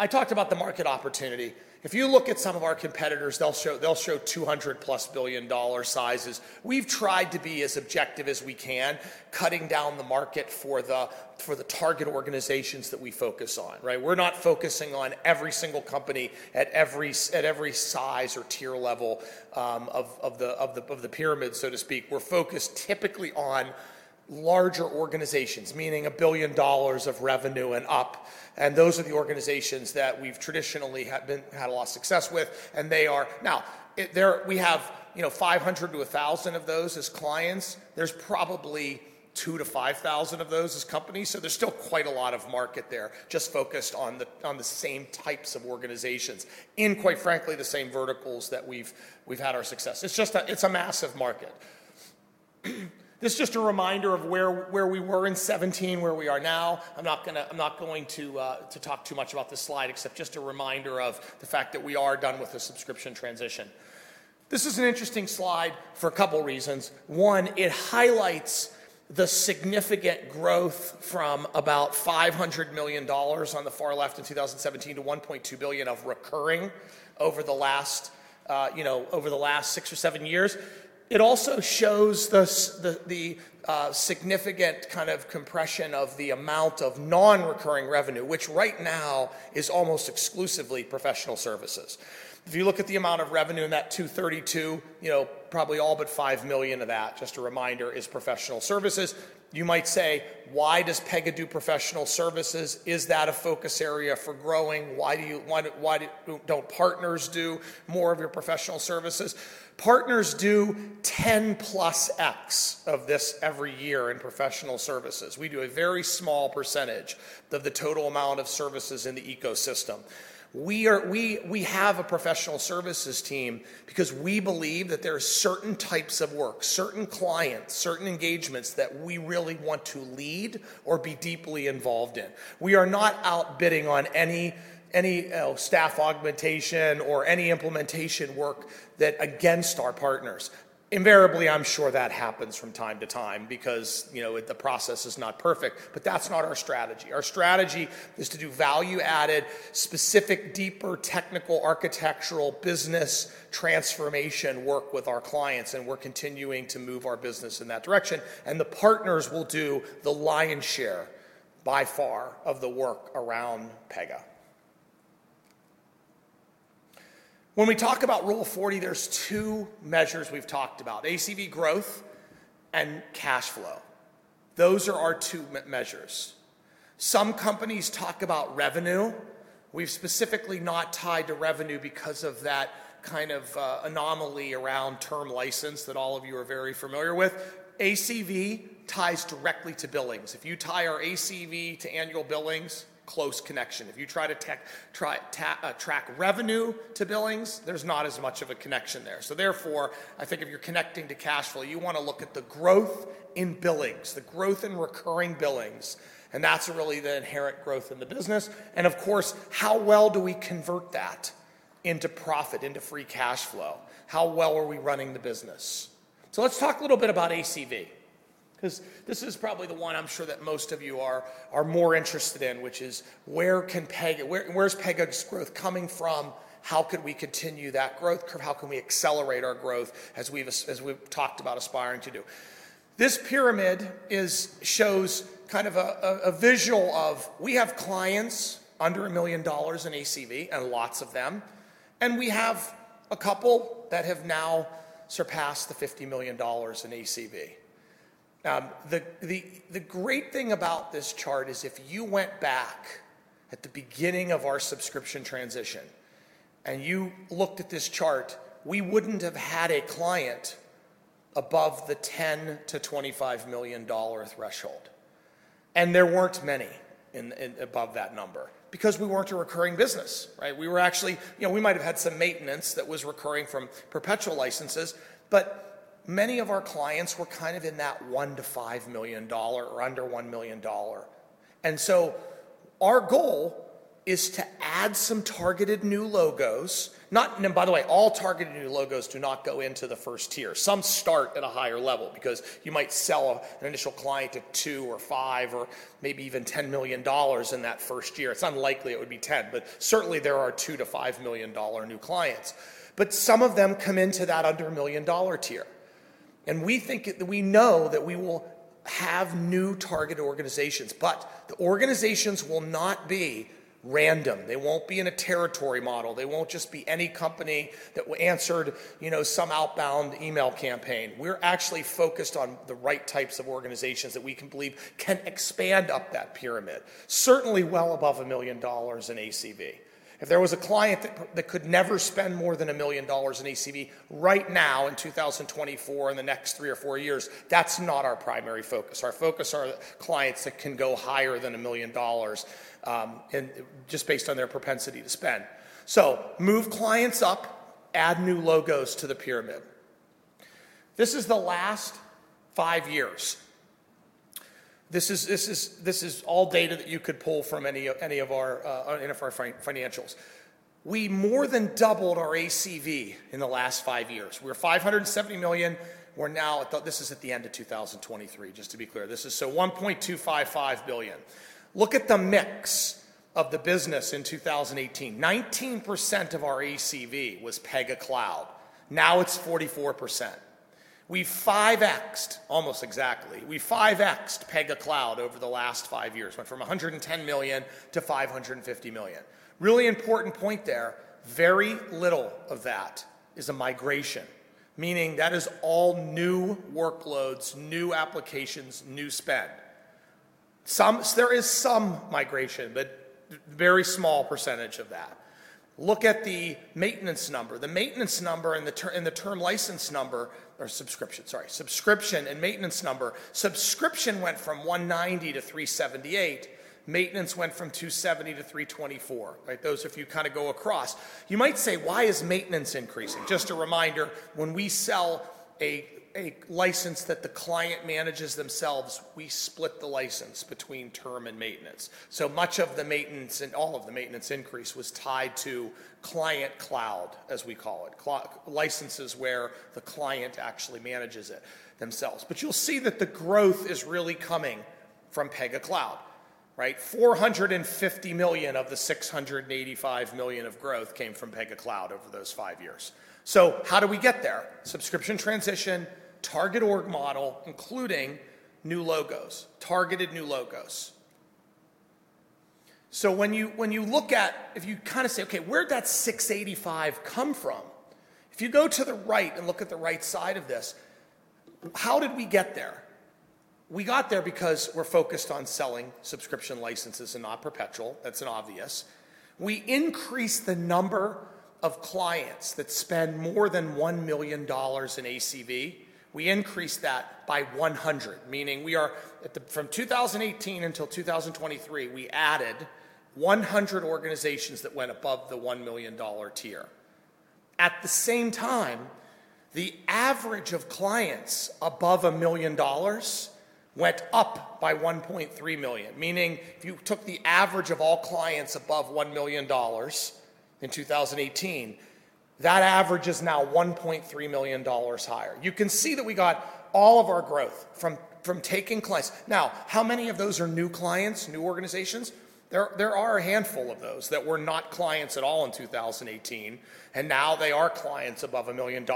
I talked about the market opportunity. If you look at some of our competitors, they'll show, they'll show $200+ billion sizes. We've tried to be as objective as we can, cutting down the market for the target organizations that we focus on, right? We're not focusing on every single company at every size or tier level of the pyramid, so to speak. We're focused typically on larger organizations, meaning $1 billion of revenue and up, and those are the organizations that we've traditionally had a lot of success with, and they are. Now, there, we have, you know, 500-1,000 of those as clients. There's probably 2,000-5,000 of those as companies, so there's still quite a lot of market there, just focused on the same types of organizations, in quite frankly, the same verticals that we've had our success. It's just a massive market. This is just a reminder of where we were in 2017, where we are now. I'm not gonna, I'm not going to talk too much about this slide, except just a reminder of the fact that we are done with the subscription transition. This is an interesting slide for a couple reasons. One, it highlights the significant growth from about $500 million on the far left in 2017 to $1.2 billion of recurring over the last, you know, over the last six or seven years. It also shows the significant kind of compression of the amount of non-recurring revenue, which right now is almost exclusively professional services. If you look at the amount of revenue in that $232 million, you know, probably all but $5 million of that, just a reminder, is professional services. You might say: Why does Pega do professional services? Is that a focus area for growing? Why do you, why don't partners do more of your professional services? Partners do 10 plus X of this every year in professional services. We do a very small percentage of the total amount of services in the ecosystem. We are, we, we have a professional services team because we believe that there are certain types of work, certain clients, certain engagements that we really want to lead or be deeply involved in. We are not out bidding on any, any, staff augmentation or any implementation work that against our partners. Invariably, I'm sure that happens from time to time because, you know, the process is not perfect, but that's not our strategy. Our strategy is to do value-added, specific, deeper technical, architectural, business transformation work with our clients, and we're continuing to move our business in that direction, and the partners will do the lion's share, by far, of the work around Pega. When we talk about Rule of 40, there are two measures we've talked about: ACV growth and cash flow. Those are our two measures. Some companies talk about revenue. We've specifically not tied to revenue because of that kind of anomaly around term license that all of you are very familiar with. ACV ties directly to billings. If you tie our ACV to annual billings, close connection. If you try to track revenue to billings, there's not as much of a connection there. So therefore, I think if you're connecting to cash flow, you want to look at the growth in billings, the growth in recurring billings, and that's really the inherent growth in the business. And of course, how well do we convert that into profit, into free cash flow? How well are we running the business? So let's talk a little bit about ACV, 'cause this is probably the one I'm sure that most of you are more interested in, which is: Where can Pega, where is Pega's growth coming from? How could we continue that growth curve? How can we accelerate our growth, as we've talked about aspiring to do? This pyramid is, shows kind of a visual of, we have clients under $1 million in ACV, and lots of them, and we have a couple that have now surpassed the $50 million in ACV. The great thing about this chart is if you went back at the beginning of our subscription transition and you looked at this chart, we wouldn't have had a client above the $10 million-$25 million threshold, and there weren't many in above that number because we weren't a recurring business, right? We were actually... You know, we might have had some maintenance that was recurring from perpetual licenses, but many of our clients were kind of in that $1 million-$5 million or under $1 million. And so our goal is to add some targeted new logos, not... By the way, all targeted new logos do not go into the first tier. Some start at a higher level because you might sell a, an initial client at $2 or $5 or maybe even $10 million in that first year. It's unlikely it would be $10 million, but certainly, there are $2-$5 million new clients. But some of them come into that under $1 million tier, and we think it, we know that we will have new target organizations, but the organizations will not be random. They won't be in a territory model. They won't just be any company that answered, you know, some outbound email campaign. We're actually focused on the right types of organizations that we can believe can expand up that pyramid, certainly well above $1 million in ACV. If there was a client that could never spend more than $1 million in ACV right now, in 2024, in the next three or four years, that's not our primary focus. Our focus are clients that can go higher than $1 million, and just based on their propensity to spend. So move clients up, add new logos to the pyramid. This is the last five years. This is all data that you could pull from any of our financials. We more than doubled our ACV in the last five years. We're $570 million. We're now at the- this is at the end of 2023, just to be clear. This is so $1.255 billion. Look at the mix of the business in 2018. 19% of our ACV was Pega Cloud. Now it's 44%. We've 5x-ed, almost exactly, we've 5x-ed Pega Cloud over the last five years, went from $110 million-$550 million. Really important point there, very little of that is a migration, meaning that is all new workloads, new applications, new spend. Some, there is some migration, but very small percentage of that. Look at the maintenance number. The maintenance number and the term license number, or subscription, sorry, subscription and maintenance number. Subscription went from $190 million to $378 million. Maintenance went from $270 million to $324 million, right? Those, if you kinda go across, you might say: Why is maintenance increasing? Just a reminder, when we sell a license that the client manages themselves, we split the license between term and maintenance. So much of the maintenance and all of the maintenance increase was tied to Client Cloud, as we call it, licenses where the client actually manages it themselves. But you'll see that the growth is really coming from Pega Cloud… Right? $450 million of the $685 million of growth came from Pega Cloud over those five years. So how do we get there? Subscription transition, target org model, including new logos, targeted new logos. So when you, when you look at, if you kind of say, "Okay, where'd that 685 come from?" If you go to the right and look at the right side of this, how did we get there? We got there because we're focused on selling subscription licenses and not perpetual. That's obvious. We increased the number of clients that spend more than $1 million in ACV. We increased that by 100, meaning we are at the, from 2018 until 2023, we added 100 organizations that went above the $1 million tier. At the same time, the average of clients above a million dollars went up by $1.3 million, meaning if you took the average of all clients above $1 million in 2018, that average is now $1.3 million higher. You can see that we got all of our growth from taking clients. Now, how many of those are new clients, new organizations? There are a handful of those that were not clients at all in 2018, and now they are clients above $1 million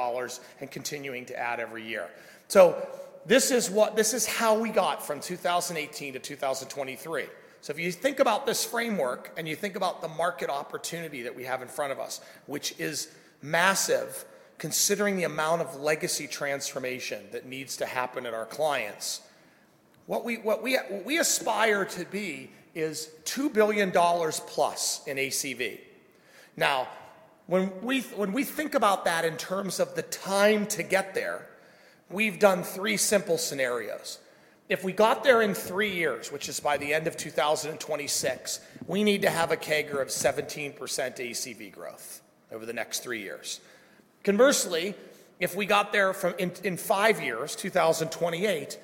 and continuing to add every year. So this is what—this is how we got from 2018 to 2023. So if you think about this framework and you think about the market opportunity that we have in front of us, which is massive, considering the amount of legacy transformation that needs to happen at our clients, what we aspire to be is $2 billion plus in ACV. Now, when we think about that in terms of the time to get there, we've done three simple scenarios. If we got there in three years, which is by the end of 2026, we need to have a CAGR of 17% ACV growth over the next three years. Conversely, if we got there from in five years, 2028,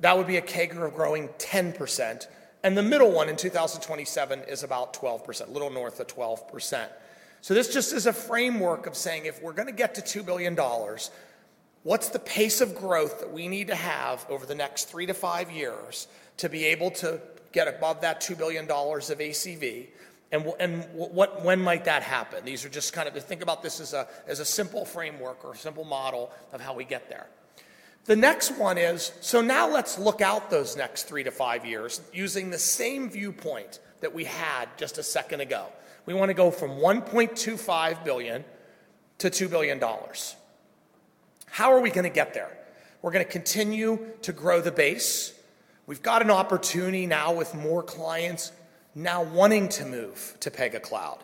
that would be a CAGR of growing 10%, and the middle one in 2027 is about 12%, a little north of 12%. So this just is a framework of saying, if we're gonna get to $2 billion, what's the pace of growth that we need to have over the next three to five years to be able to get above that $2 billion of ACV, and what when might that happen? These are just kind of... Think about this as a simple framework or a simple model of how we get there. The next one is, so now let's look out those next three to five years using the same viewpoint that we had just a second ago. We want to go from $1.25 billion to $2 billion. How are we gonna get there? We're gonna continue to grow the base. We've got an opportunity now with more clients now wanting to move to Pega Cloud,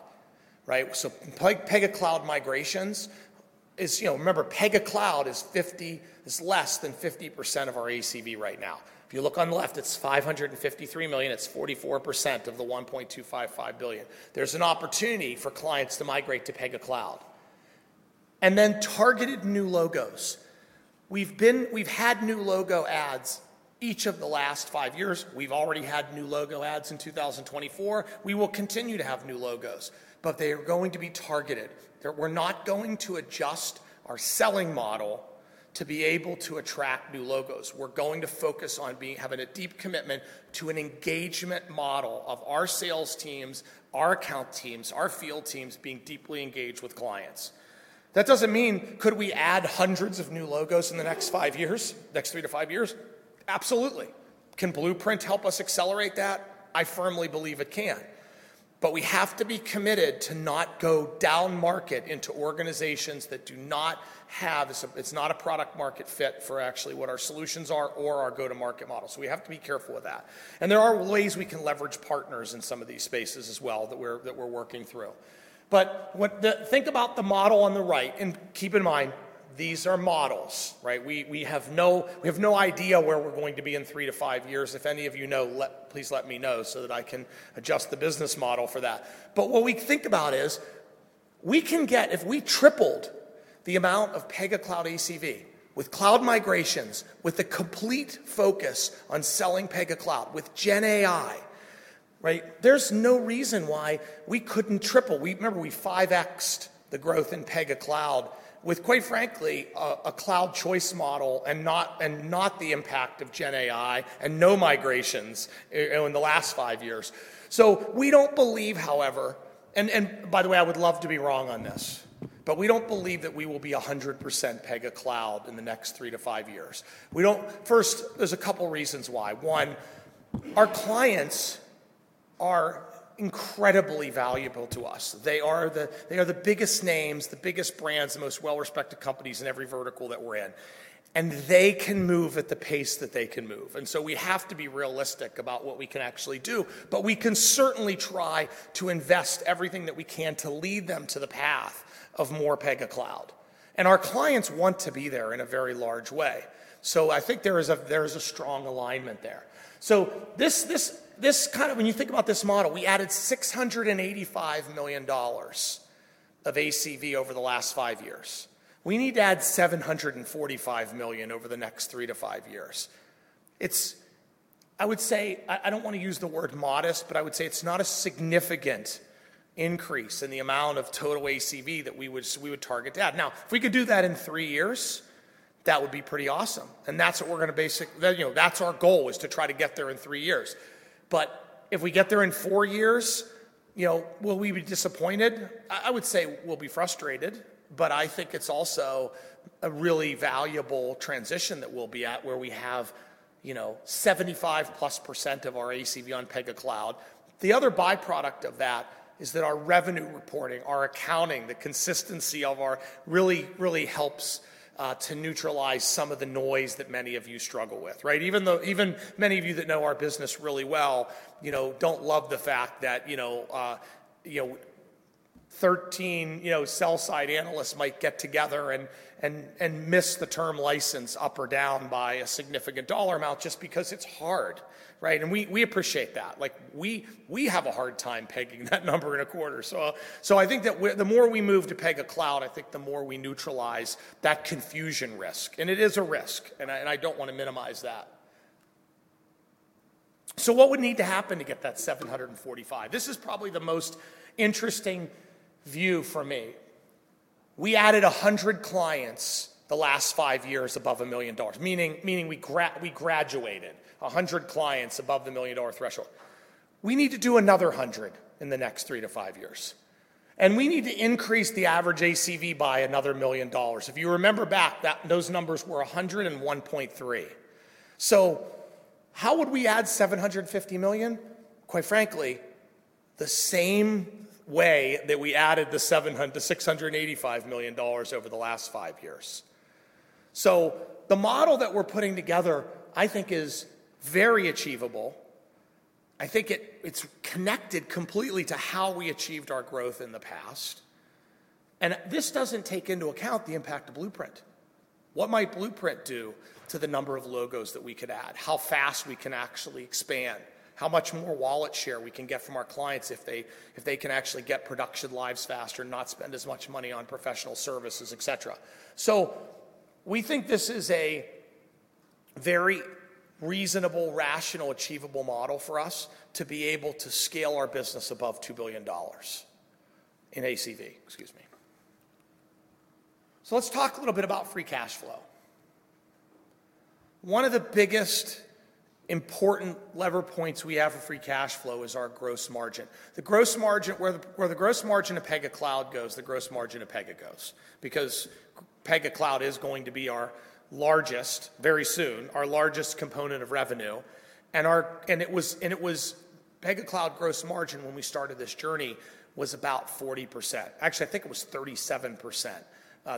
right? So Pega Cloud migrations is, you know, remember, Pega Cloud is 50, is less than 50% of our ACV right now. If you look on the left, it's $553 million. It's 44% of the $1.255 billion. There's an opportunity for clients to migrate to Pega Cloud. And then targeted new logos. We've had new logo adds each of the last five years. We've already had new logo adds in 2024. We will continue to have new logos, but they are going to be targeted. We're not going to adjust our selling model to be able to attract new logos. We're going to focus on being, having a deep commitment to an engagement model of our sales teams, our account teams, our field teams, being deeply engaged with clients. That doesn't mean, could we add hundreds of new logos in the next five years, next three to five years? Absolutely. Can Blueprint help us accelerate that? I firmly believe it can. But we have to be committed to not go down market into organizations that do not have. It's not a product market fit for actually what our solutions are or our go-to-market model, so we have to be careful with that. And there are ways we can leverage partners in some of these spaces as well, that we're working through. But what the—think about the model on the right, and keep in mind, these are models, right? We, we have no, we have no idea where we're going to be in three to five years. If any of you know, let, please let me know so that I can adjust the business model for that. But what we think about is, we can get, if we tripled the amount of Pega Cloud ACV with cloud migrations, with the complete focus on selling Pega Cloud, with GenAI, right? There's no reason why we couldn't triple. We—remember, we 5x'd the growth in Pega Cloud with, quite frankly, a, a Cloud Choice model and not, and not the impact of GenAI and no migrations in the last 5 years. So we don't believe, however, and by the way, I would love to be wrong on this, but we don't believe that we will be 100% Pega Cloud in the next three to five years. We don't... First, there's a couple reasons why. One, our clients are incredibly valuable to us. They are the, they are the biggest names, the biggest brands, the most well-respected companies in every vertical that we're in, and they can move at the pace that they can move. And so we have to be realistic about what we can actually do, but we can certainly try to invest everything that we can to lead them to the path of more Pega Cloud. And our clients want to be there in a very large way. So I think there is a, there is a strong alignment there. So this kind of, when you think about this model, we added $685 million of ACV over the last five years. We need to add $745 million over the next three to five years. It's... I would say, I don't want to use the word modest, but I would say it's not a significant increase in the amount of total ACV that we would target to add. Now, if we could do that in three years? That would be pretty awesome, and that's what we're gonna, you know, that's our goal, is to try to get there in three years. But if we get there in four years, you know, will we be disappointed? I would say we'll be frustrated, but I think it's also a really valuable transition that we'll be at, where we have, you know, 75%+ of our ACV on Pega Cloud. The other byproduct of that is that our revenue reporting, our accounting, the consistency of our-- really, really helps to neutralize some of the noise that many of you struggle with, right? Even though, even many of you that know our business really well, you know, don't love the fact that, you know, you know, 13, you know, sell-side analysts might get together and, and, and miss the term license up or down by a significant dollar amount just because it's hard, right? We, we appreciate that. Like, we, we have a hard time pegging that number in a quarter. So I think that we're the more we move to Pega Cloud, I think the more we neutralize that confusion risk. And it is a risk, and I don't want to minimize that. So what would need to happen to get that $745? This is probably the most interesting view for me. We added 100 clients the last five years above $1 million, meaning we graduated 100 clients above the $1 million threshold. We need to do another 100 in the next three to five years, and we need to increase the average ACV by another $1 million. If you remember back, that those numbers were 101.3. So how would we add $750 million? Quite frankly, the same way that we added the $685 million over the last five years. So the model that we're putting together, I think, is very achievable. I think it, it's connected completely to how we achieved our growth in the past. And this doesn't take into account the impact of Blueprint. What might Blueprint do to the number of logos that we could add? How fast we can actually expand? How much more wallet share we can get from our clients if they, if they can actually get production lives faster and not spend as much money on professional services, et cetera? So we think this is a very reasonable, rational, achievable model for us to be able to scale our business above $2 billion in ACV. Excuse me. So let's talk a little bit about free cash flow. One of the biggest important lever points we have for free cash flow is our gross margin. The gross margin - where the, where the gross margin of Pega Cloud goes, the gross margin of Pega goes, because Pega Cloud is going to be our largest, very soon, our largest component of revenue. And our - and it was, and it was Pega Cloud gross margin, when we started this journey, was about 40%. Actually, I think it was 37%,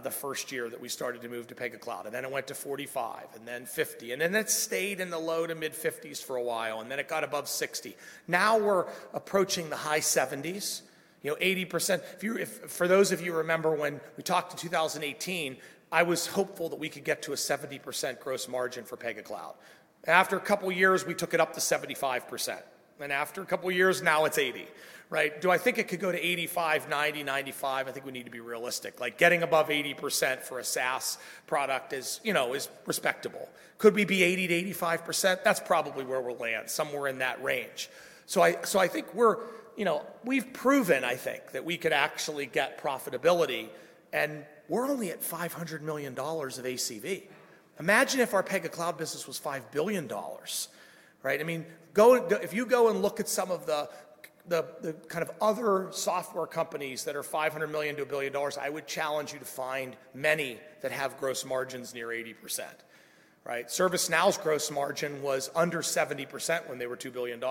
the first year that we started to move to Pega Cloud, and then it went to 45%, and then 50%, and then it stayed in the low-to-mid 50s% for a while, and then it got above 60%. Now, we're approaching the high 70s%, you know, 80%. For those of you who remember when we talked in 2018, I was hopeful that we could get to a 70% gross margin for Pega Cloud. After a couple of years, we took it up to 75%, and after a couple of years, now it's 80%, right? Do I think it could go to 85, 90, 95? I think we need to be realistic. Like, getting above 80% for a SaaS product is, you know, is respectable. Could we be 80%-85%? That's probably where we'll land, somewhere in that range. So I, so I think we're, you know... We've proven, I think, that we could actually get profitability, and we're only at $500 million of ACV. Imagine if our Pega Cloud business was $5 billion, right? I mean, if you go and look at some of the kind of other software companies that are $500 million-$1 billion, I would challenge you to find many that have gross margins near 80%, right? ServiceNow's gross margin was under 70% when they were $2 billion,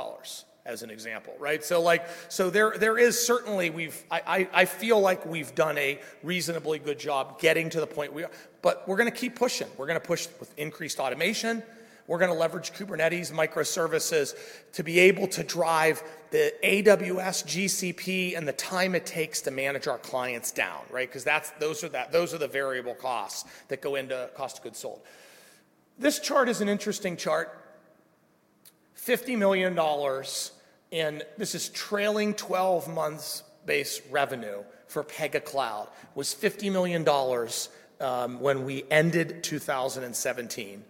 as an example, right? So, like, there is certainly. I feel like we've done a reasonably good job getting to the point we are, but we're gonna keep pushing. We're gonna push with increased automation. We're gonna leverage Kubernetes microservices to be able to drive the AWS, GCP, and the time it takes to manage our clients down, right? 'Cause that's, those are the variable costs that go into cost of goods sold. This chart is an interesting chart. $50 million, and this is trailing twelve months base revenue for Pega Cloud, was $50 million, when we ended 2017.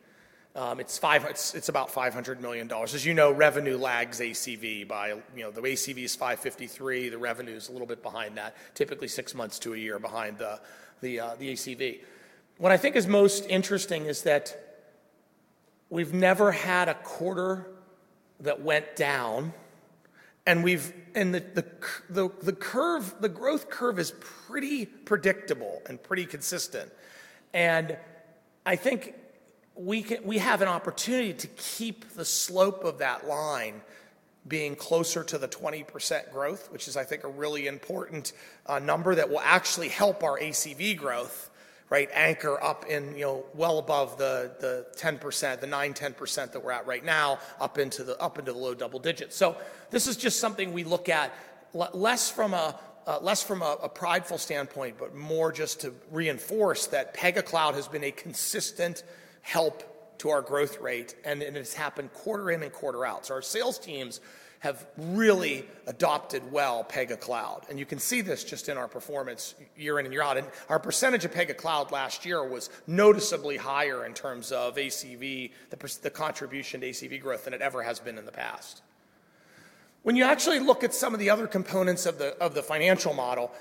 It's about $500 million. As you know, revenue lags ACV by, you know, the ACV is $553 million. The revenue is a little bit behind that, typically six months to a year behind the ACV. What I think is most interesting is that we've never had a quarter that went down, and the curve, the growth curve is pretty predictable and pretty consistent. I think we have an opportunity to keep the slope of that line being closer to the 20% growth, which is, I think, a really important number that will actually help our ACV growth, right, anchor up in, you know, well above the 10%, the 9%-10% that we're at right now, up into the low double digits. This is just something we look at less from a prideful standpoint, but more just to reinforce that Pega Cloud has been a consistent help to our growth rate, and it has happened quarter in and quarter out. Our sales teams have really adopted well Pega Cloud, and you can see this just in our performance year in and year out. Our percentage of Pega Cloud last year was noticeably higher in terms of ACV, the contribution to ACV growth than it ever has been in the past. When you actually look at some of the other components of the financial model,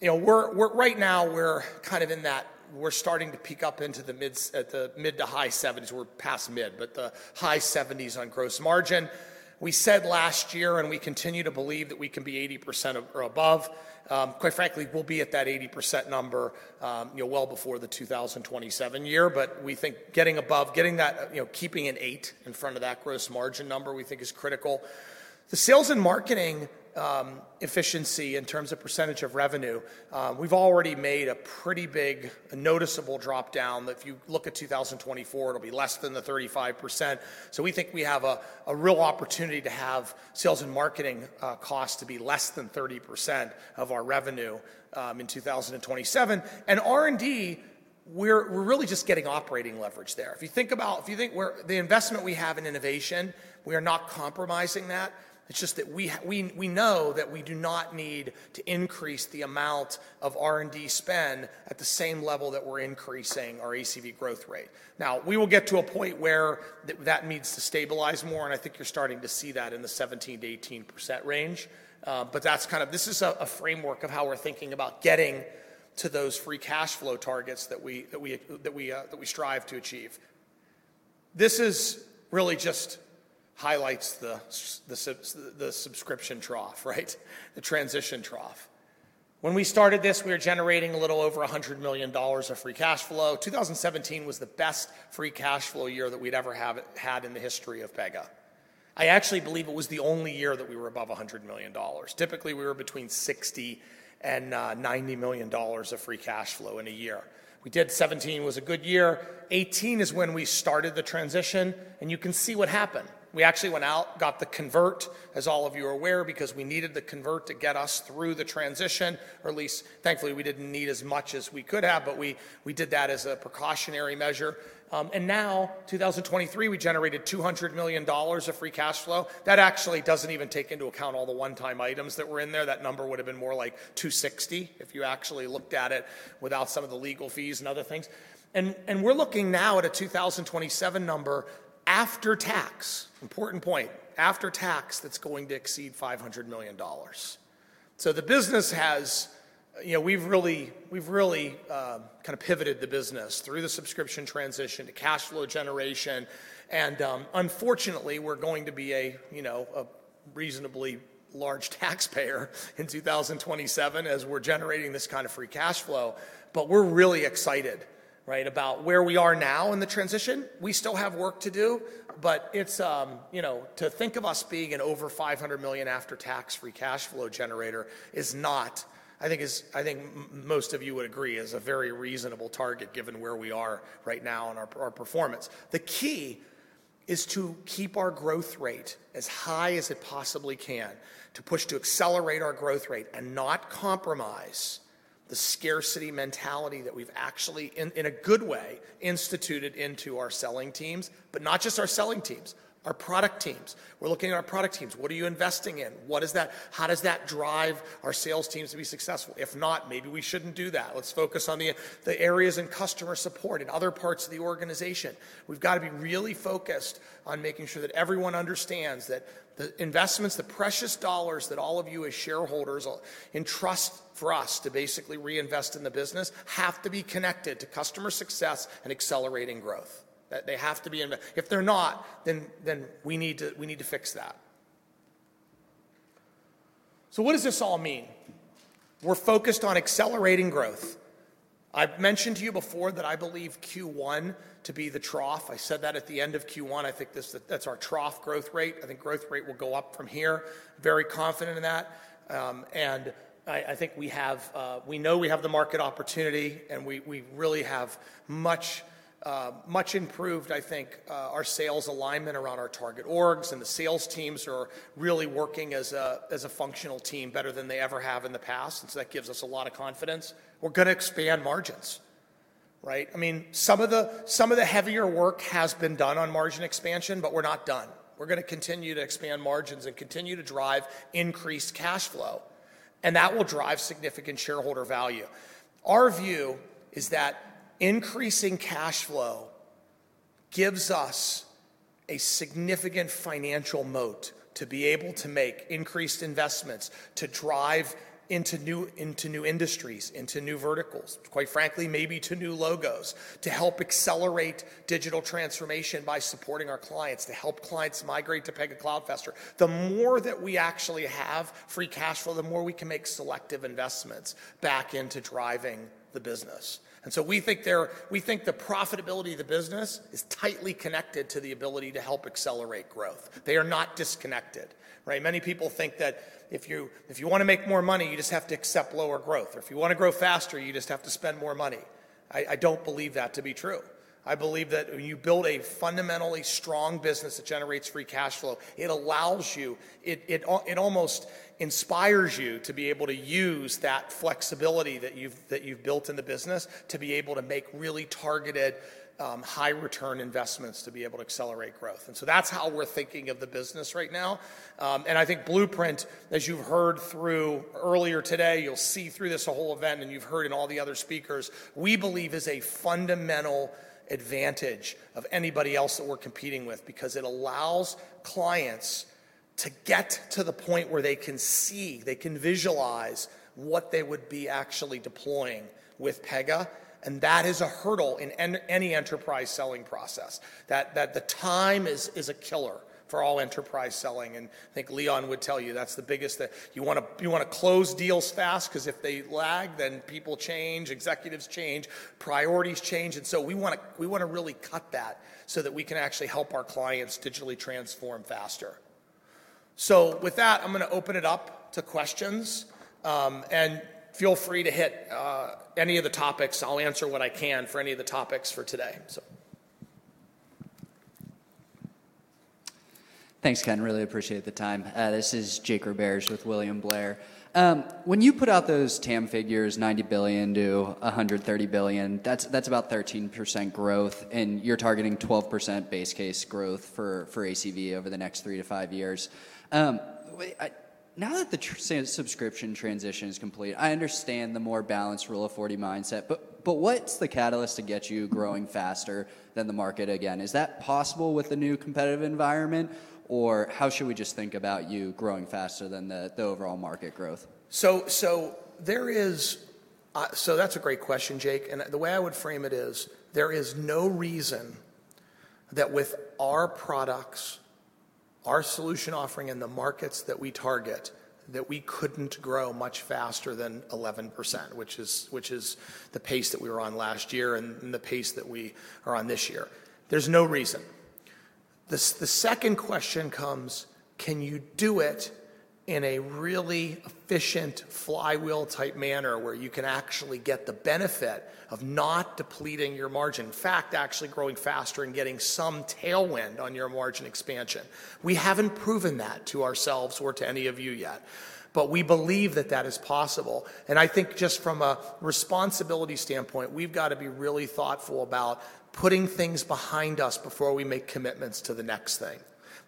you know, we're right now kind of in that, starting to peak up into the mids at the mid- to high 70s. We're past mid, but the high 70s on gross margin. We said last year, and we continue to believe, that we can be 80% or above. Quite frankly, we'll be at that 80% number, you know, well before the 2027 year. But we think getting above, getting that, you know, keeping an 8 in front of that gross margin number, we think is critical. The sales and marketing efficiency in terms of percentage of revenue, we've already made a pretty big, noticeable drop down. If you look at 2024, it'll be less than the 35%. So we think we have a real opportunity to have sales and marketing costs to be less than 30% of our revenue in 2027. And R&D, we're really just getting operating leverage there. If you think about the investment we have in innovation, we are not compromising that. It's just that we know that we do not need to increase the amount of R&D spend at the same level that we're increasing our ACV growth rate. Now, we will get to a point where that needs to stabilize more, and I think you're starting to see that in the 17%-18% range. But that's a framework of how we're thinking about getting to those free cash flow targets that we strive to achieve. This really just highlights the subscription trough, right? The transition trough. When we started this, we were generating a little over $100 million of free cash flow. 2017 was the best free cash flow year that we'd ever had in the history of Pega. I actually believe it was the only year that we were above $100 million. Typically, we were between $60 million and $90 million of free cash flow in a year. We did... 2017 was a good year. 2018 is when we started the transition, and you can see what happened. We actually went out, got the convert, as all of you are aware, because we needed the convert to get us through the transition, or at least, thankfully, we didn't need as much as we could have, but we, we did that as a precautionary measure. And now, 2023, we generated $200 million of free cash flow. That actually doesn't even take into account all the one-time items that were in there. That number would have been more like $260 million, if you actually looked at it without some of the legal fees and other things. And we're looking now at a 2027 number after tax, important point, after tax, that's going to exceed $500 million. So the business has, you know, we've really, we've really kind of pivoted the business through the subscription transition to cash flow generation. And unfortunately, we're going to be a, you know, a reasonably large taxpayer in 2027 as we're generating this kind of free cash flow. But we're really excited, right, about where we are now in the transition. We still have work to do, but it's, you know, to think of us being an over $500 million after-tax free cash flow generator is not, I think, I think most of you would agree, is a very reasonable target given where we are right now in our, our performance. The key is to keep our growth rate as high as it possibly can, to push to accelerate our growth rate and not compromise the scarcity mentality that we've actually, in, in a good way, instituted into our selling teams. But not just our selling teams, our product teams. We're looking at our product teams. What are you investing in? What does that, how does that drive our sales teams to be successful? If not, maybe we shouldn't do that. Let's focus on the, the areas in customer support and other parts of the organization. We've got to be really focused on making sure that everyone understands that the investments, the precious dollars that all of you as shareholders entrust for us to basically reinvest in the business, have to be connected to customer success and accelerating growth. That they have to be in the... If they're not, then we need to fix that. So what does this all mean? We're focused on accelerating growth. I've mentioned to you before that I believe Q1 to be the trough. I said that at the end of Q1. I think this, that's our trough growth rate. I think growth rate will go up from here. Very confident in that. And I think we have, we know we have the market opportunity, and we really have much improved, I think, our sales alignment around our target orgs, and the sales teams are really working as a functional team better than they ever have in the past. So that gives us a lot of confidence. We're going to expand margins, right? I mean, some of the, some of the heavier work has been done on margin expansion, but we're not done. We're going to continue to expand margins and continue to drive increased cash flow, and that will drive significant shareholder value. Our view is that increasing cash flow gives us a significant financial moat to be able to make increased investments, to drive into new, into new industries, into new verticals, quite frankly, maybe to new logos, to help accelerate digital transformation by supporting our clients, to help clients migrate to Pega Cloud faster. The more that we actually have free cash flow, the more we can make selective investments back into driving the business. And so we think there, we think the profitability of the business is tightly connected to the ability to help accelerate growth. They are not disconnected, right? Many people think that if you want to make more money, you just have to accept lower growth, or if you want to grow faster, you just have to spend more money. I don't believe that to be true. I believe that when you build a fundamentally strong business that generates free cash flow, it allows you, it almost inspires you to be able to use that flexibility that you've built in the business to be able to make really targeted, high-return investments to be able to accelerate growth. And so that's how we're thinking of the business right now. And I think Blueprint, as you've heard through earlier today, you'll see through this whole event, and you've heard in all the other speakers, we believe is a fundamental advantage of anybody else that we're competing with because it allows clients-... to get to the point where they can see, they can visualize what they would be actually deploying with Pega, and that is a hurdle in any enterprise selling process, that the time is a killer for all enterprise selling. And I think Leon would tell you that's the biggest. You wanna, you wanna close deals fast, 'cause if they lag, then people change, executives change, priorities change, and so we wanna, we wanna really cut that so that we can actually help our clients digitally transform faster. So with that, I'm gonna open it up to questions. And feel free to hit any of the topics. I'll answer what I can for any of the topics for today, so... Thanks, Ken. Really appreciate the time. This is Jake Roberge with William Blair. When you put out those TAM figures, $90 billion-$130 billion, that's about 13% growth, and you're targeting 12% base case growth for ACV over the next three to five years. Now that the subscription transition is complete, I understand the more balanced Rule of 40 mindset, but what's the catalyst to get you growing faster than the market again? Is that possible with the new competitive environment, or how should we just think about you growing faster than the overall market growth? So that's a great question, Jake, and the way I would frame it is, there is no reason that with our products, our solution offering in the markets that we target, that we couldn't grow much faster than 11%, which is the pace that we were on last year and the pace that we are on this year. There's no reason. The second question comes: Can you do it in a really efficient flywheel-type manner, where you can actually get the benefit of not depleting your margin? In fact, actually growing faster and getting some tailwind on your margin expansion. We haven't proven that to ourselves or to any of you yet, but we believe that that is possible, and I think just from a responsibility standpoint, we've got to be really thoughtful about putting things behind us before we make commitments to the next thing,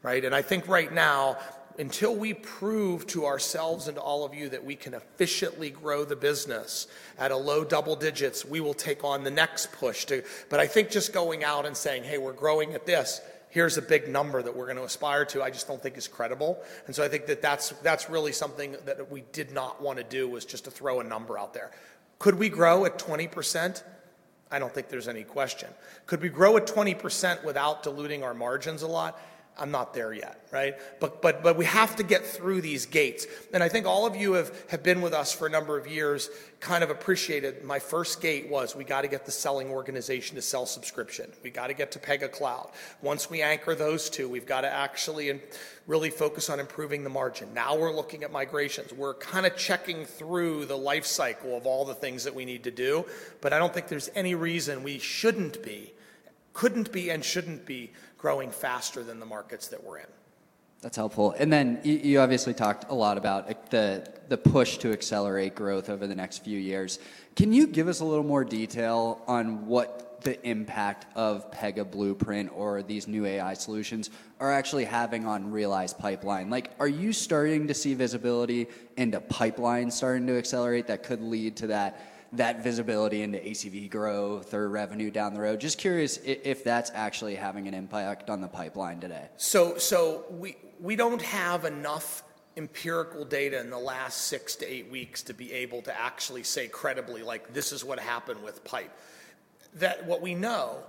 right? And I think right now, until we prove to ourselves and all of you that we can efficiently grow the business at a low double digits, we will take on the next push to. But I think just going out and saying, "Hey, we're growing at this. Here's a big number that we're gonna aspire to," I just don't think is credible, and so I think that that's, that's really something that we did not want to do, was just to throw a number out there. Could we grow at 20%? I don't think there's any question. Could we grow at 20% without diluting our margins a lot? I'm not there yet, right? But, but, but we have to get through these gates, and I think all of you have, have been with us for a number of years, kind of appreciated my first gate was we gotta get the selling organization to sell subscription. We gotta get to Pega Cloud. Once we anchor those two, we've got to actually really focus on improving the margin. Now, we're looking at migrations. We're kinda checking through the life cycle of all the things that we need to do, but I don't think there's any reason we shouldn't be, couldn't be, and shouldn't be growing faster than the markets that we're in. That's helpful. And then you obviously talked a lot about, like, the push to accelerate growth over the next few years. Can you give us a little more detail on what the impact of Pega Blueprint or these new AI solutions are actually having on realized pipeline? Like, are you starting to see visibility in the pipeline starting to accelerate that could lead to that visibility into ACV growth or revenue down the road? Just curious if that's actually having an impact on the pipeline today? So we don't have enough empirical data in the last 6-8 weeks to be able to actually say credibly, like, "This is what happened with pipe." That's what we know: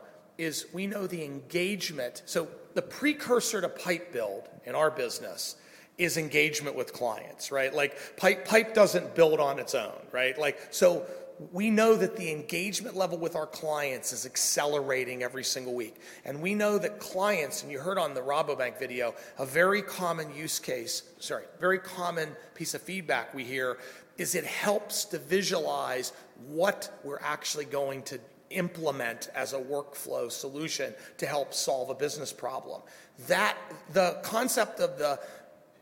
we know the engagement. So the precursor to pipe build in our business is engagement with clients, right? Like, pipe doesn't build on its own, right? Like, so we know that the engagement level with our clients is accelerating every single week, and we know that clients, and you heard on the Rabobank video, a very common use case... Sorry, a very common piece of feedback we hear is it helps to visualize what we're actually going to implement as a workflow solution to help solve a business problem. That—the concept of the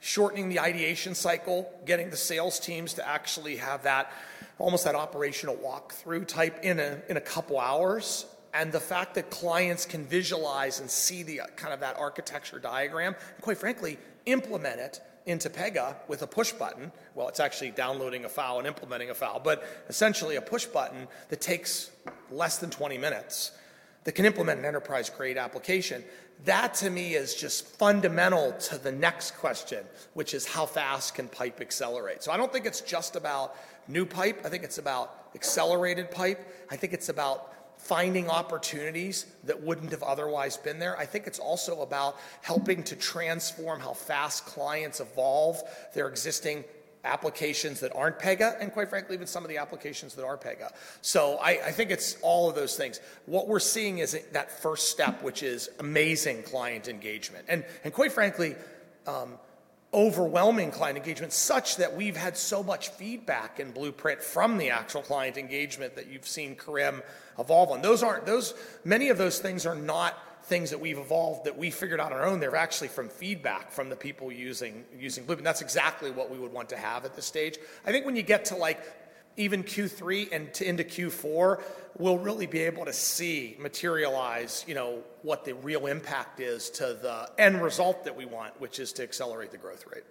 shortening the ideation cycle, getting the sales teams to actually have that, almost that operational walkthrough type in a couple hours, and the fact that clients can visualize and see the kind of that architecture diagram, and quite frankly, implement it into Pega with a push button. Well, it's actually downloading a file and implementing a file, but essentially a push button that takes less than 20 minutes, that can implement an enterprise-grade application. That, to me, is just fundamental to the next question, which is: How fast can pipe accelerate? So I don't think it's just about new pipe. I think it's about accelerated pipe. I think it's about finding opportunities that wouldn't have otherwise been there. I think it's also about helping to transform how fast clients evolve their existing applications that aren't Pega, and quite frankly, with some of the applications that are Pega. So I think it's all of those things. What we're seeing is that first step, which is amazing client engagement and quite frankly overwhelming client engagement, such that we've had so much feedback in Blueprint from the actual client engagement that you've seen Kerim evolve on. Those aren't. Many of those things are not things that we've evolved that we figured on our own. They're actually from feedback from the people using Blueprint. That's exactly what we would want to have at this stage. I think when you get to, like, even Q3 and to into Q4, we'll really be able to see materialize, you know, what the real impact is to the end result that we want, which is to accelerate the growth rate.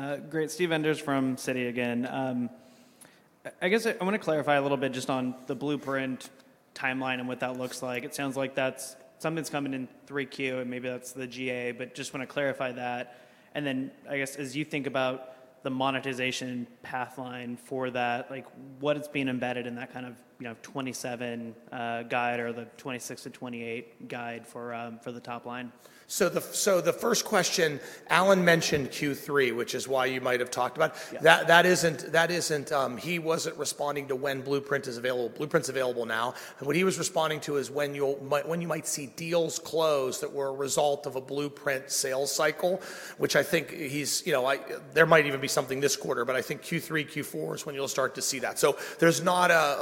Yep.... Great. Steve Enders from Citi again. I guess I want to clarify a little bit just on the Blueprint timeline and what that looks like. It sounds like that's something that's coming in 3Q, and maybe that's the GA, but just want to clarify that. And then, I guess, as you think about the monetization path line for that, like, what is being embedded in that kind of, you know, 27 guide or the 26-28 guide for, for the top line? So the first question, Alan mentioned Q3, which is why you might have talked about- Yeah. That isn't... He wasn't responding to when Blueprint is available. Blueprint's available now, and what he was responding to is when you might see deals close that were a result of a Blueprint sales cycle, which I think he's, you know, there might even be something this quarter, but I think Q3, Q4 is when you'll start to see that. So there's not an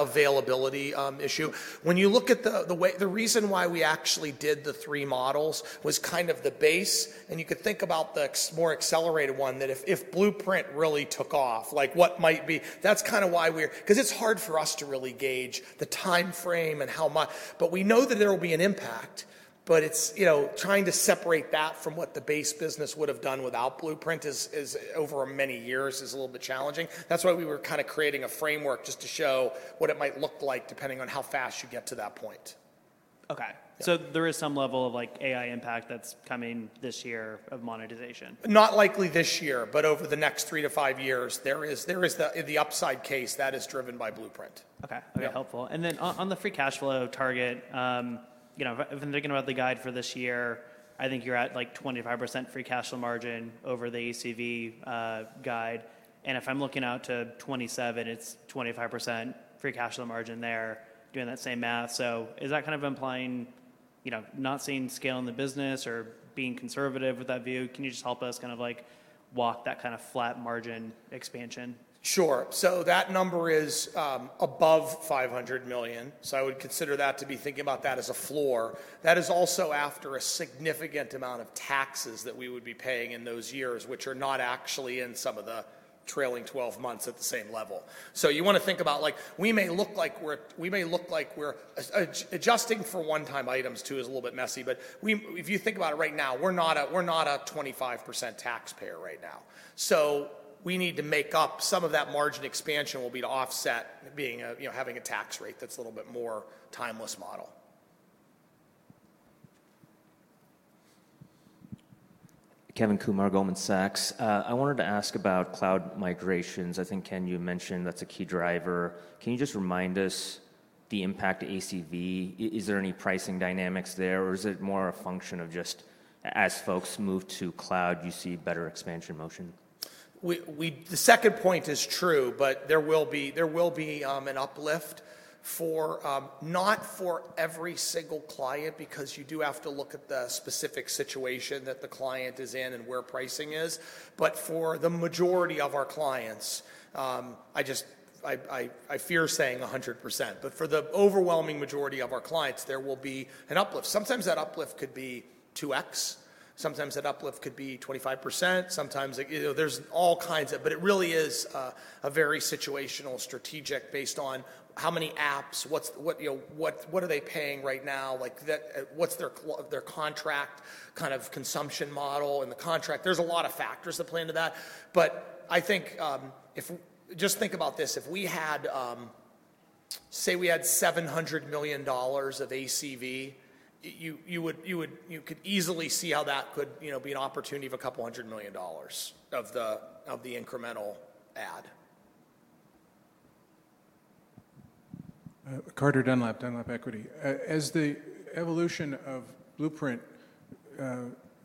availability issue. When you look at the way, the reason why we actually did the three models was kind of the base, and you could think about the ex- more accelerated one, that if, if Blueprint really took off, like what might be... That's kinda why we're—'cause it's hard for us to really gauge the time frame and how much, but we know that there will be an impact, but it's, you know, trying to separate that from what the base business would have done without Blueprint is over many years a little bit challenging. That's why we were kinda creating a framework just to show what it might look like, depending on how fast you get to that point. Okay. Yeah. There is some level of, like, AI impact that's coming this year of monetization? Not likely this year, but over the next three to five years, there is the upside case that is driven by Blueprint. Okay. Yeah. Okay, helpful. And then on the free cash flow target, you know, I've been thinking about the guide for this year. I think you're at, like, 25% free cash flow margin over the ACV guide. And if I'm looking out to 2027, it's 25% free cash flow margin there, doing that same math. So is that kind of implying, you know, not seeing scale in the business or being conservative with that view? Can you just help us kind of, like, walk that kind of flat margin expansion? Sure. So that number is above $500 million, so I would consider that to be thinking about that as a floor. That is also after a significant amount of taxes that we would be paying in those years, which are not actually in some of the trailing 12 months at the same level. So you want to think about, like, we may look like we're adjusting for one-time items too is a little bit messy, but we, if you think about it right now, we're not a 25% taxpayer right now. So we need to make up, some of that margin expansion will be to offset being a, you know, having a tax rate that's a little bit more timeless model. Kevin Kumar, Goldman Sachs. I wanted to ask about cloud migrations. I think, Ken, you mentioned that's a key driver. Can you just remind us the impact to ACV? Is there any pricing dynamics there, or is it more a function of just as folks move to cloud, you see better expansion motion? The second point is true, but there will be an uplift for not every single client, because you do have to look at the specific situation that the client is in and where pricing is. But for the majority of our clients, I just fear saying 100%, but for the overwhelming majority of our clients, there will be an uplift. Sometimes that uplift could be 2x, sometimes that uplift could be 25%, sometimes, you know, there's all kinds of... But it really is a very situational, strategic, based on how many apps, what's, you know, what are they paying right now? Like, what's their contract kind of consumption model and the contract. There's a lot of factors that play into that, but I think, if... Just think about this: if we had, say, we had $700 million of ACV, you could easily see how that could, you know, be an opportunity of a couple hundred million dollars of the incremental ad. Carter Dunlap, Dunlap Equity. As the evolution of Blueprint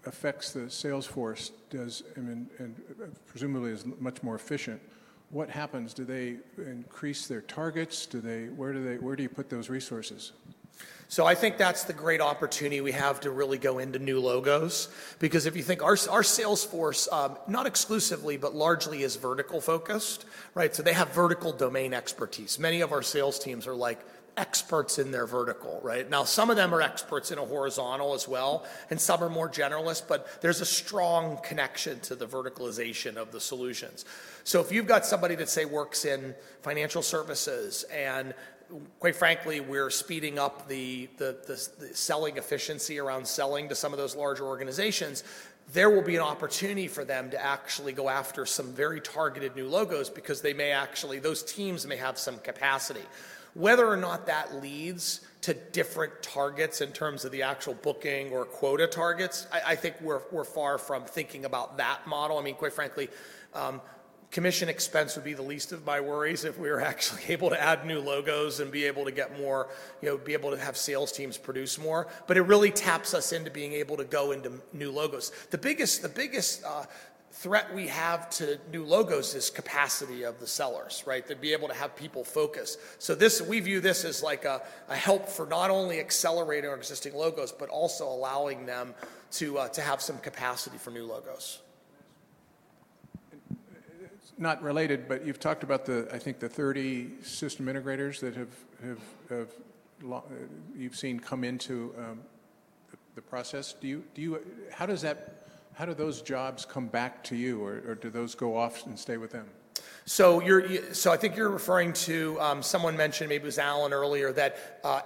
affects the sales force, I mean, and presumably is much more efficient, what happens? Do they increase their targets? Where do you put those resources? So I think that's the great opportunity we have to really go into new logos, because if you think our sales force, not exclusively, but largely is vertical focused, right? So they have vertical domain expertise. Many of our sales teams are, like, experts in their vertical, right? Now, some of them are experts in a horizontal as well, and some are more generalists, but there's a strong connection to the verticalization of the solutions. So if you've got somebody that, say, works in financial services, and quite frankly, we're speeding up the selling efficiency around selling to some of those larger organizations, there will be an opportunity for them to actually go after some very targeted new logos because they may actually, those teams may have some capacity. Whether or not that leads to different targets in terms of the actual booking or quota targets, I think we're far from thinking about that model. I mean, quite frankly, commission expense would be the least of my worries if we were actually able to add new logos and be able to get more, you know, be able to have sales teams produce more. But it really taps us into being able to go into new logos. The biggest threat we have to new logos is capacity of the sellers, right? To be able to have people focus. So this, we view this as like a help for not only accelerating our existing logos, but also allowing them to have some capacity for new logos. It's not related, but you've talked about the, I think, the 30 system integrators that have you've seen come into the process. Do you... How does that, How do those jobs come back to you, or do those go off and stay with them? ... So you're so I think you're referring to someone mentioned, maybe it was Alan earlier, that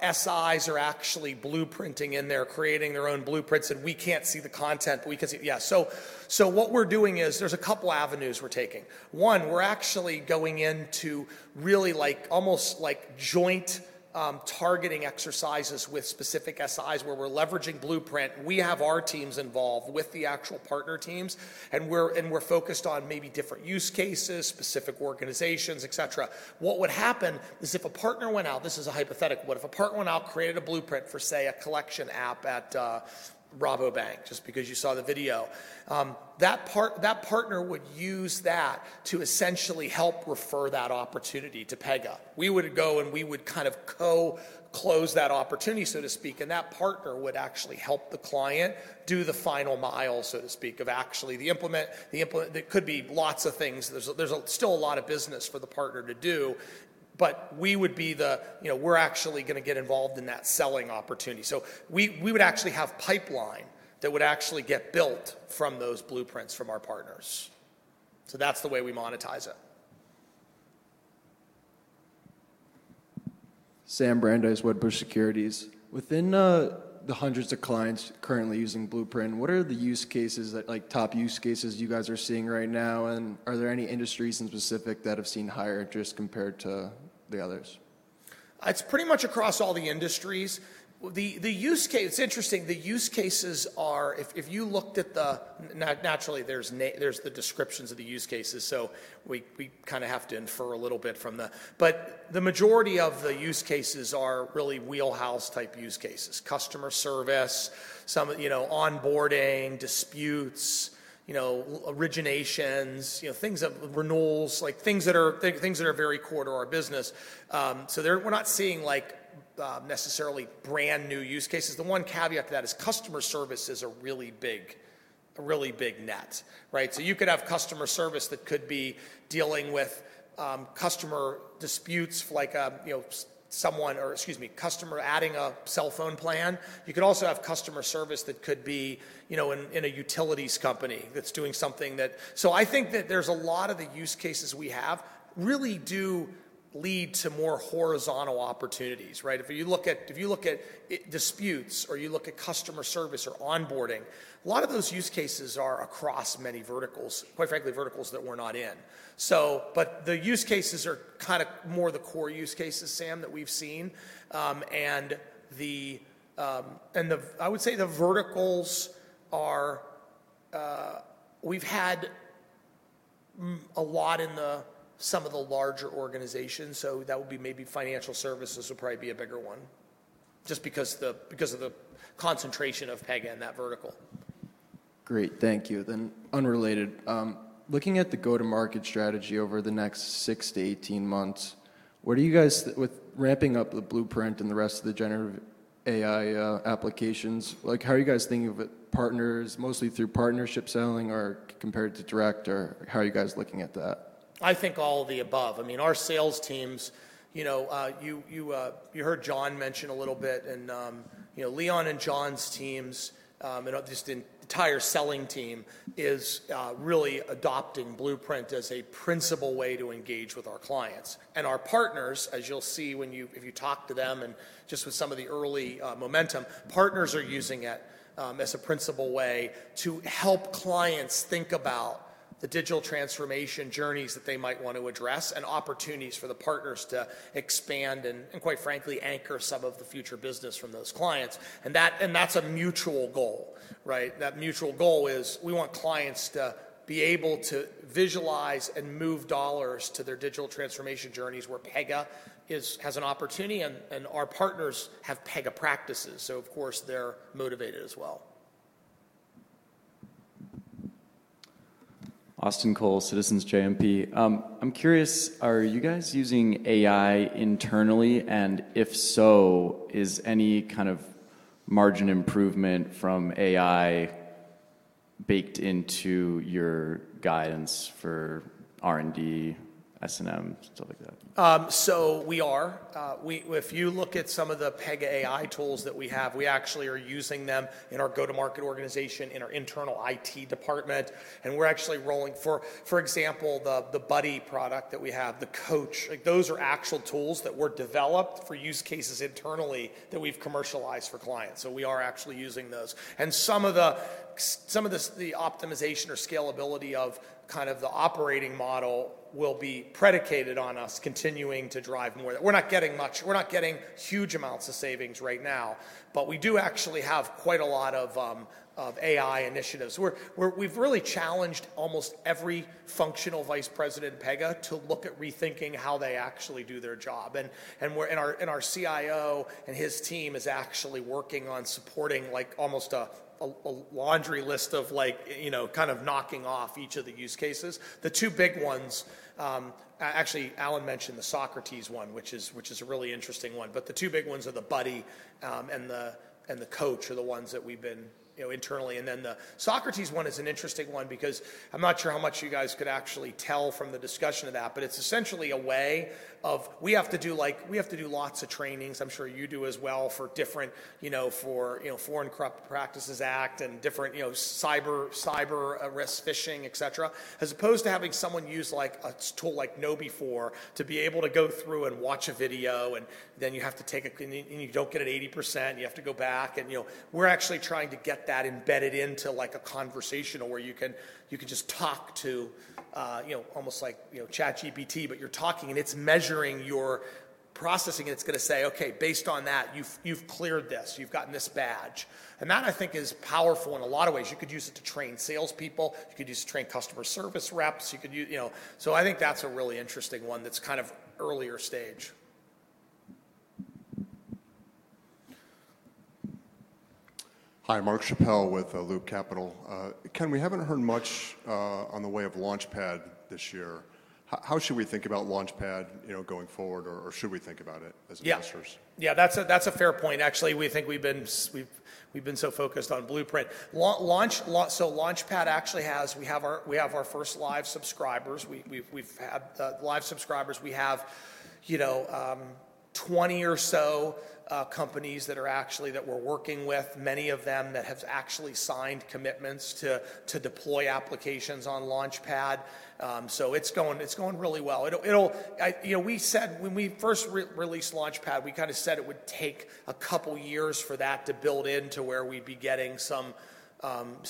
SIs are actually blueprinting in there, creating their own blueprints, and we can't see the content, but we can see- Yeah, so what we're doing is there's a couple avenues we're taking. One, we're actually going into really like almost like joint targeting exercises with specific SIs, where we're leveraging Blueprint. We have our teams involved with the actual partner teams, and we're and we're focused on maybe different use cases, specific organizations, et cetera. What would happen is if a partner went out, this is a hypothetical, but if a partner went out, created a blueprint for, say, a collection app at Rabobank, just because you saw the video, that part- that partner would use that to essentially help refer that opportunity to Pega. We would go, and we would kind of co-close that opportunity, so to speak, and that partner would actually help the client do the final mile, so to speak, of actually implementing. There could be lots of things. There's still a lot of business for the partner to do, but we would be the... You know, we're actually gonna get involved in that selling opportunity. So we would actually have pipeline that would actually get built from those blueprints from our partners. So that's the way we monetize it. Sam Brandeis, Wedbush Securities. Within the hundreds of clients currently using Blueprint, what are the use cases that, like, top use cases you guys are seeing right now? And are there any industries in specific that have seen higher interest compared to the others? It's pretty much across all the industries. The use case—It's interesting, the use cases are, if you looked at the... Naturally, there's the descriptions of the use cases, so we kinda have to infer a little bit from the—But the majority of the use cases are really wheelhouse-type use cases, customer service, some of, you know, onboarding, disputes, you know, originations, you know, things that renewals, like, things that are, things that are very core to our business. So they're—we're not seeing, like, necessarily brand-new use cases. The one caveat to that is customer service is a really big, a really big net, right? So you could have customer service that could be dealing with customer disputes, like, you know, someone, or excuse me, customer adding a cell phone plan. You could also have customer service that could be, you know, in a utilities company that's doing something that... So I think that there's a lot of the use cases we have really do lead to more horizontal opportunities, right? If you look at, if you look at disputes or you look at customer service or onboarding, a lot of those use cases are across many verticals, quite frankly, verticals that we're not in. So, but the use cases are kinda more the core use cases, Sam, that we've seen. And the, I would say the verticals are, we've had a lot in some of the larger organizations, so that would be maybe financial services would probably be a bigger one, just because of the concentration of Pega in that vertical. Great, thank you. Unrelated, looking at the go-to-market strategy over the next six to 18 months, what do you guys think with ramping up the Blueprint and the rest of the generative AI applications, like, how are you guys thinking of it? Partners, mostly through partnership selling or compared to direct, or how are you guys looking at that? I think all of the above. I mean, our sales teams, you know, you heard John mention a little bit and, you know, Leon and John's teams, and just the entire selling team is really adopting Blueprint as a principal way to engage with our clients. And our partners, as you'll see when you, if you talk to them and just with some of the early momentum, partners are using it as a principal way to help clients think about the digital transformation journeys that they might want to address and opportunities for the partners to expand and quite frankly, anchor some of the future business from those clients. And that's a mutual goal, right? That mutual goal is we want clients to be able to visualize and move dollars to their digital transformation journeys, where Pega is, has an opportunity, and, and our partners have Pega practices. So, of course, they're motivated as well. Austin Cole, Citizens JMP. I'm curious, are you guys using AI internally? And if so, is any kind of margin improvement from AI baked into your guidance for R&D, S&M, stuff like that? So we are. If you look at some of the Pega AI tools that we have, we actually are using them in our go-to-market organization, in our internal IT department, and we're actually rolling. For example, the Buddy product that we have, the Coach, like, those are actual tools that were developed for use cases internally that we've commercialized for clients. So we are actually using those. And some of the optimization or scalability of kind of the operating model will be predicated on us continuing to drive more. We're not getting huge amounts of savings right now, but we do actually have quite a lot of AI initiatives. We've really challenged almost every functional vice president at Pega to look at rethinking how they actually do their job. And our CIO and his team is actually working on supporting, like, almost a laundry list of, like, you know, kind of knocking off each of the use cases. The two big ones, actually, Alan mentioned the Socrates one, which is a really interesting one, but the two big ones are the Buddy and the Coach are the ones that we've been, you know, internally. And then the Socrates one is an interesting one because I'm not sure how much you guys could actually tell from the discussion of that, but it's essentially a way of. We have to do, like, we have to do lots of trainings. I'm sure you do as well, for different, you know, Foreign Corrupt Practices Act and different, you know, cyber risk, phishing, et cetera. As opposed to having someone use, like, a tool like KnowBe4 to be able to go through and watch a video, and then you have to take a quiz and you, you don't get an 80%, you have to go back. And, you know, we're actually trying to get that embedded into, like, a conversational where you can, you can just talk to, you know, almost like, you know, ChatGPT, but you're talking and it's measuring your processing, and it's gonna say, "Okay, based on that, you've, you've cleared this. You've gotten this badge." And that, I think, is powerful in a lot of ways. You could use it to train salespeople, you could use it to train customer service reps, you could use it, you know. So I think that's a really interesting one that's kind of earlier stage. Hi, Mark Schappel with Loop Capital. Ken, we haven't heard much on the way of Launchpad this year. How should we think about Launchpad, you know, going forward, or should we think about it as investors? Yeah. Yeah, that's a fair point. Actually, we think we've been, we've been so focused on Blueprint. Launchpad actually has. We have our first live subscribers. We've had live subscribers. We have, you know, 20 or so companies that are actually that we're working with, many of them that have actually signed commitments to deploy applications on Launchpad. So it's going really well. It'll. You know, we said when we first re-released Launchpad, we kind of said it would take a couple of years for that to build into where we'd be getting some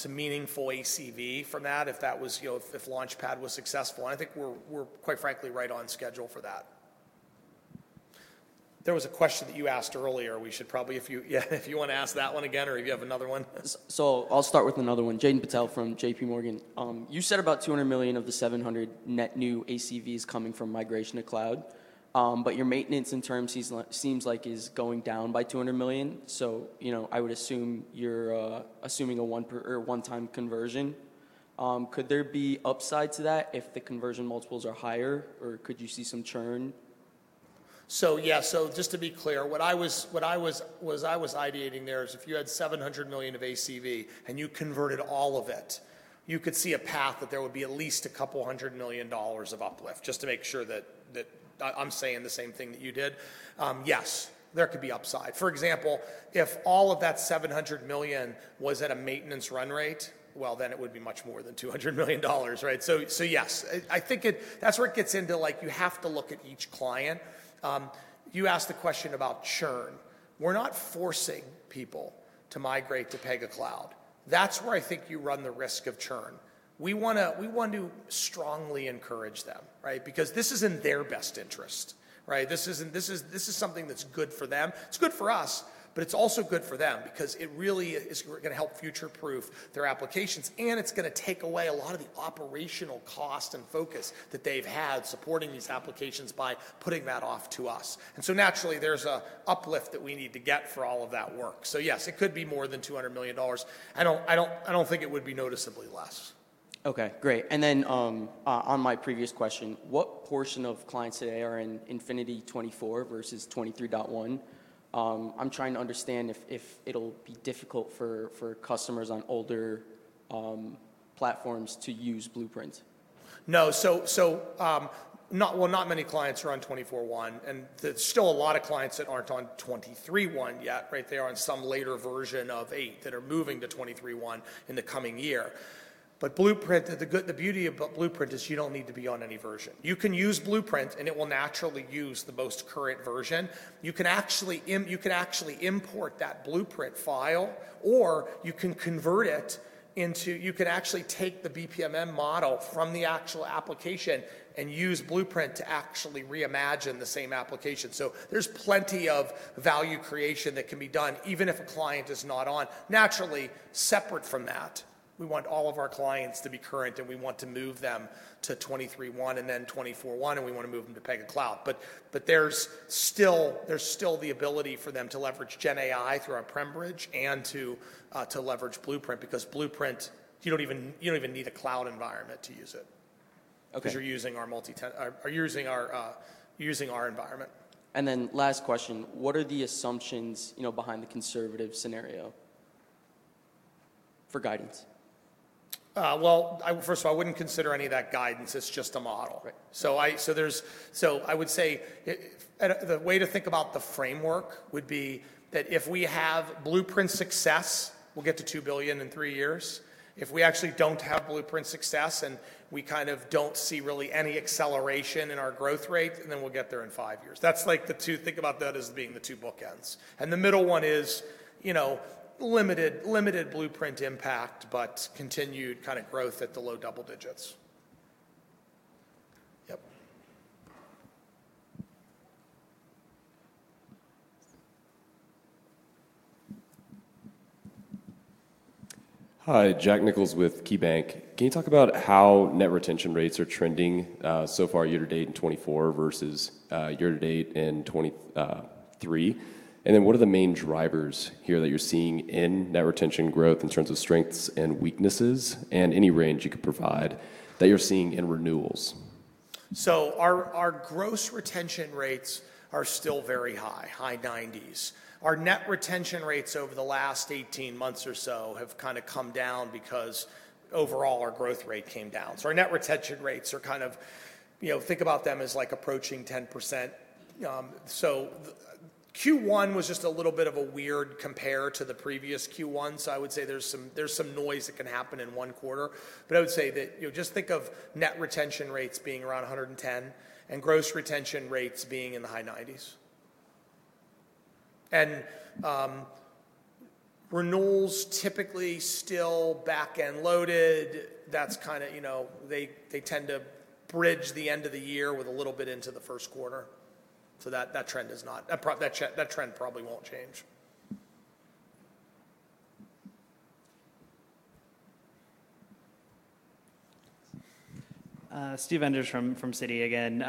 meaningful ACV from that, if that was, you know, if Launchpad was successful. I think we're quite frankly right on schedule for that. There was a question that you asked earlier. We should probably, if you. Yeah, if you want to ask that one again, or if you have another one. So I'll start with another one. Jaiden Patel from J.P. Morgan. You said about $200 million of the 700 net new ACVs coming from migration to cloud, but your maintenance in terms seems like is going down by $200 million. So, you know, I would assume you're assuming a one-time conversion. Could there be upside to that if the conversion multiples are higher, or could you see some churn? So yeah. So just to be clear, what I was ideating is if you had $700 million of ACV and you converted all of it, you could see a path that there would be at least $200 million of uplift, just to make sure that I'm saying the same thing that you did. Yes, there could be upside. For example, if all of that $700 million was at a maintenance run rate, well, then it would be much more than $200 million, right? So yes, I think it. That's where it gets into, like, you have to look at each client. You asked a question about churn. We're not forcing people to migrate to Pega Cloud. That's where I think you run the risk of churn. We wanna, we want to strongly encourage them, right? Because this is in their best interest, right? This isn't, this is, this is something that's good for them. It's good for us, but it's also good for them because it really is gonna help future-proof their applications, and it's gonna take away a lot of the operational cost and focus that they've had supporting these applications by putting that off to us. And so naturally, there's an uplift that we need to get for all of that work. So yes, it could be more than $200 million. I don't, I don't, I don't think it would be noticeably less. Okay, great. And then, on my previous question, what portion of clients today are in Infinity '24 versus 23.1? I'm trying to understand if, if it'll be difficult for, for customers on older platforms to use Blueprint. No. So, well, not many clients are on 24.1, and there's still a lot of clients that aren't on 23.1 yet, right? They are on some later version of 8 that are moving to 23.1 in the coming year. But Blueprint, the beauty about Blueprint is you don't need to be on any version. You can use Blueprint, and it will naturally use the most current version. You can actually import that Blueprint file, or you can convert it into... You can actually take the BPMN model from the actual application and use Blueprint to actually reimagine the same application. So there's plenty of value creation that can be done, even if a client is not on. Naturally, separate from that, we want all of our clients to be current, and we want to move them to 23.1 and then 24.1, and we want to move them to Pega Cloud. But, there's still the ability for them to leverage GenAI through our on-prem bridge and to, to leverage Blueprint, because Blueprint, you don't even need a cloud environment to use it- Okay... 'cause you're using our environment. Last question: What are the assumptions, you know, behind the conservative scenario for guidance? Well, first of all, I wouldn't consider any of that guidance. It's just a model. Right. I would say, the way to think about the framework would be that if we have Blueprint success, we'll get to $2 billion in three years. If we actually don't have Blueprint success, and we kind of don't see really any acceleration in our growth rate, and then we'll get there in 5 years. That's like the two bookends, and the middle one is, you know, limited Blueprint impact, but continued kind of growth at the low double digits. Yep. Hi, Jack Nichols with KeyBanc. Can you talk about how net retention rates are trending, so far year to date in 2024 versus year to date in 2023? And then, what are the main drivers here that you're seeing in net retention growth in terms of strengths and weaknesses, and any range you could provide that you're seeing in renewals?... So our gross retention rates are still very high, high 90s%. Our net retention rates over the last 18 months or so have kind of come down because overall, our growth rate came down. So our net retention rates are kind of, you know, think about them as like approaching 10%. So the Q1 was just a little bit of a weird compare to the previous Q1, so I would say there's some noise that can happen in one quarter. But I would say that, you know, just think of net retention rates being around 110, and gross retention rates being in the high 90s%. And renewals typically still back-end loaded, that's kinda, you know, they tend to bridge the end of the year with a little bit into the first quarter. That trend probably won't change. Steve Enders from Citi again.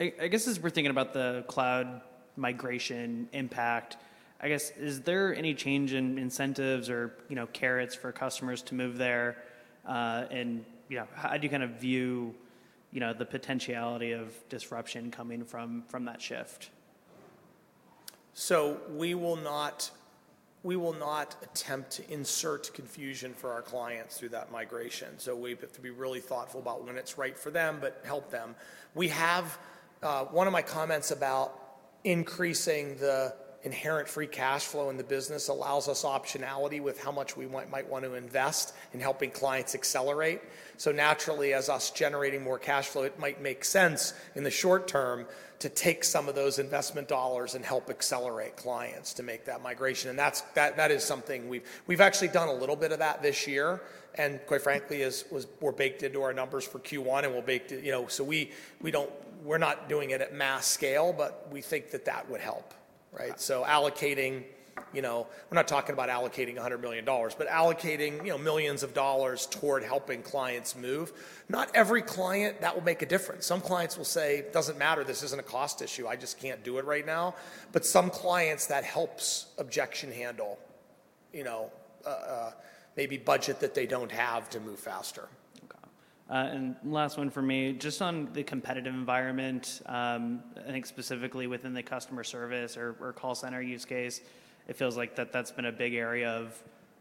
I guess, as we're thinking about the cloud migration impact, I guess, is there any change in incentives or, you know, carrots for customers to move there? And, you know, how do you kind of view, you know, the potentiality of disruption coming from that shift? So we will not, we will not attempt to insert confusion for our clients through that migration. So we have to be really thoughtful about when it's right for them, but help them. We have... One of my comments about increasing the inherent free cash flow in the business allows us optionality with how much we might want to invest in helping clients accelerate. So naturally, as we're generating more cash flow, it might make sense in the short term to take some of those investment dollars and help accelerate clients to make that migration, and that's something we've-- We've actually done a little bit of that this year, and quite frankly, it was baked into our numbers for Q1 and will be too, you know... So we're not doing it at mass scale, but we think that that would help, right? So allocating, you know, we're not talking about allocating $100 million, but allocating, you know, $ millions toward helping clients move. Not every client, that will make a difference. Some clients will say, "Doesn't matter, this isn't a cost issue. I just can't do it right now." But some clients, that helps objection handle, you know, maybe budget that they don't have to move faster. Okay. And last one for me. Just on the competitive environment, I think specifically within the customer service or call center use case, it feels like that's been a big area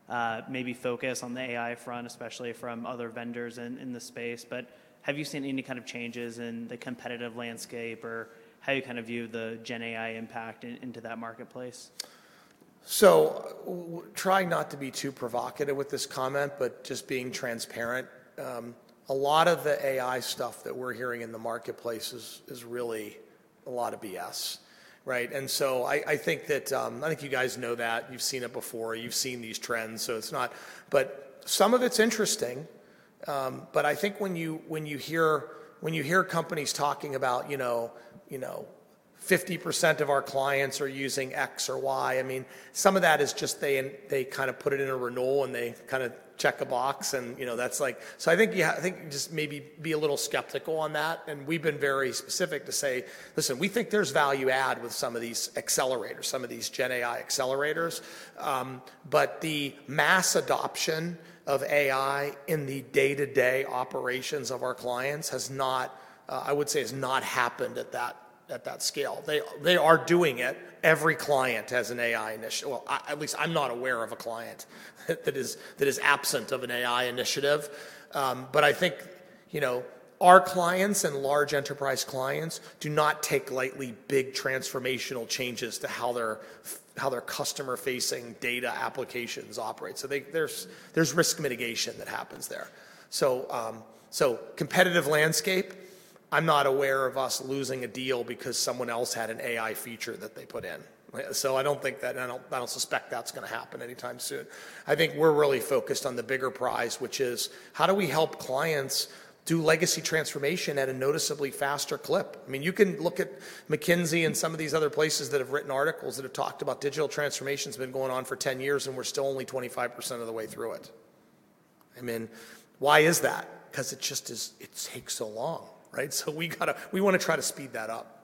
of maybe focus on the AI front, especially from other vendors in the space. But have you seen any kind of changes in the competitive landscape or how you kind of view the GenAI impact into that marketplace? So trying not to be too provocative with this comment, but just being transparent. A lot of the AI stuff that we're hearing in the marketplace is really a lot of BS, right? And so I think that, I think you guys know that. You've seen it before. You've seen these trends, so it's not... But some of it's interesting, but I think when you hear companies talking about, you know, you know, "50% of our clients are using X or Y," I mean, some of that is just they kind of put it in a renewal, and they kinda check a box and, you know, that's like... So I think, yeah, I think just maybe be a little skeptical on that, and we've been very specific to say, "Listen, we think there's value add with some of these accelerators, some of these GenAI accelerators," but the mass adoption of AI in the day-to-day operations of our clients has not, I would say, happened at that scale. They are doing it. Every client has an AI initiative. Well, at least I'm not aware of a client that is absent of an AI initiative. But I think, you know, our clients and large enterprise clients do not take lightly big transformational changes to how their customer-facing data applications operate. So there's risk mitigation that happens there. So, so competitive landscape, I'm not aware of us losing a deal because someone else had an AI feature that they put in. So I don't think that, and I don't suspect that's gonna happen anytime soon. I think we're really focused on the bigger prize, which is: How do we help clients do legacy transformation at a noticeably faster clip? I mean, you can look at McKinsey and some of these other places that have written articles that have talked about digital transformation's been going on for 10 years, and we're still only 25% of the way through it. I mean, why is that? 'Cause it just is, it takes so long, right? So we gotta, we wanna try to speed that up.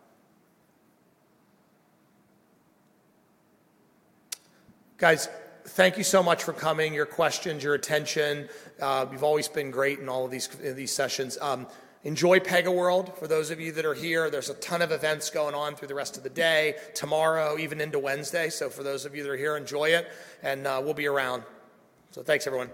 Guys, thank you so much for coming, your questions, your attention. You've always been great in all of these, in these sessions. Enjoy PegaWorld. For those of you that are here, there's a ton of events going on through the rest of the day, tomorrow, even into Wednesday. So for those of you that are here, enjoy it, and we'll be around. So thanks, everyone.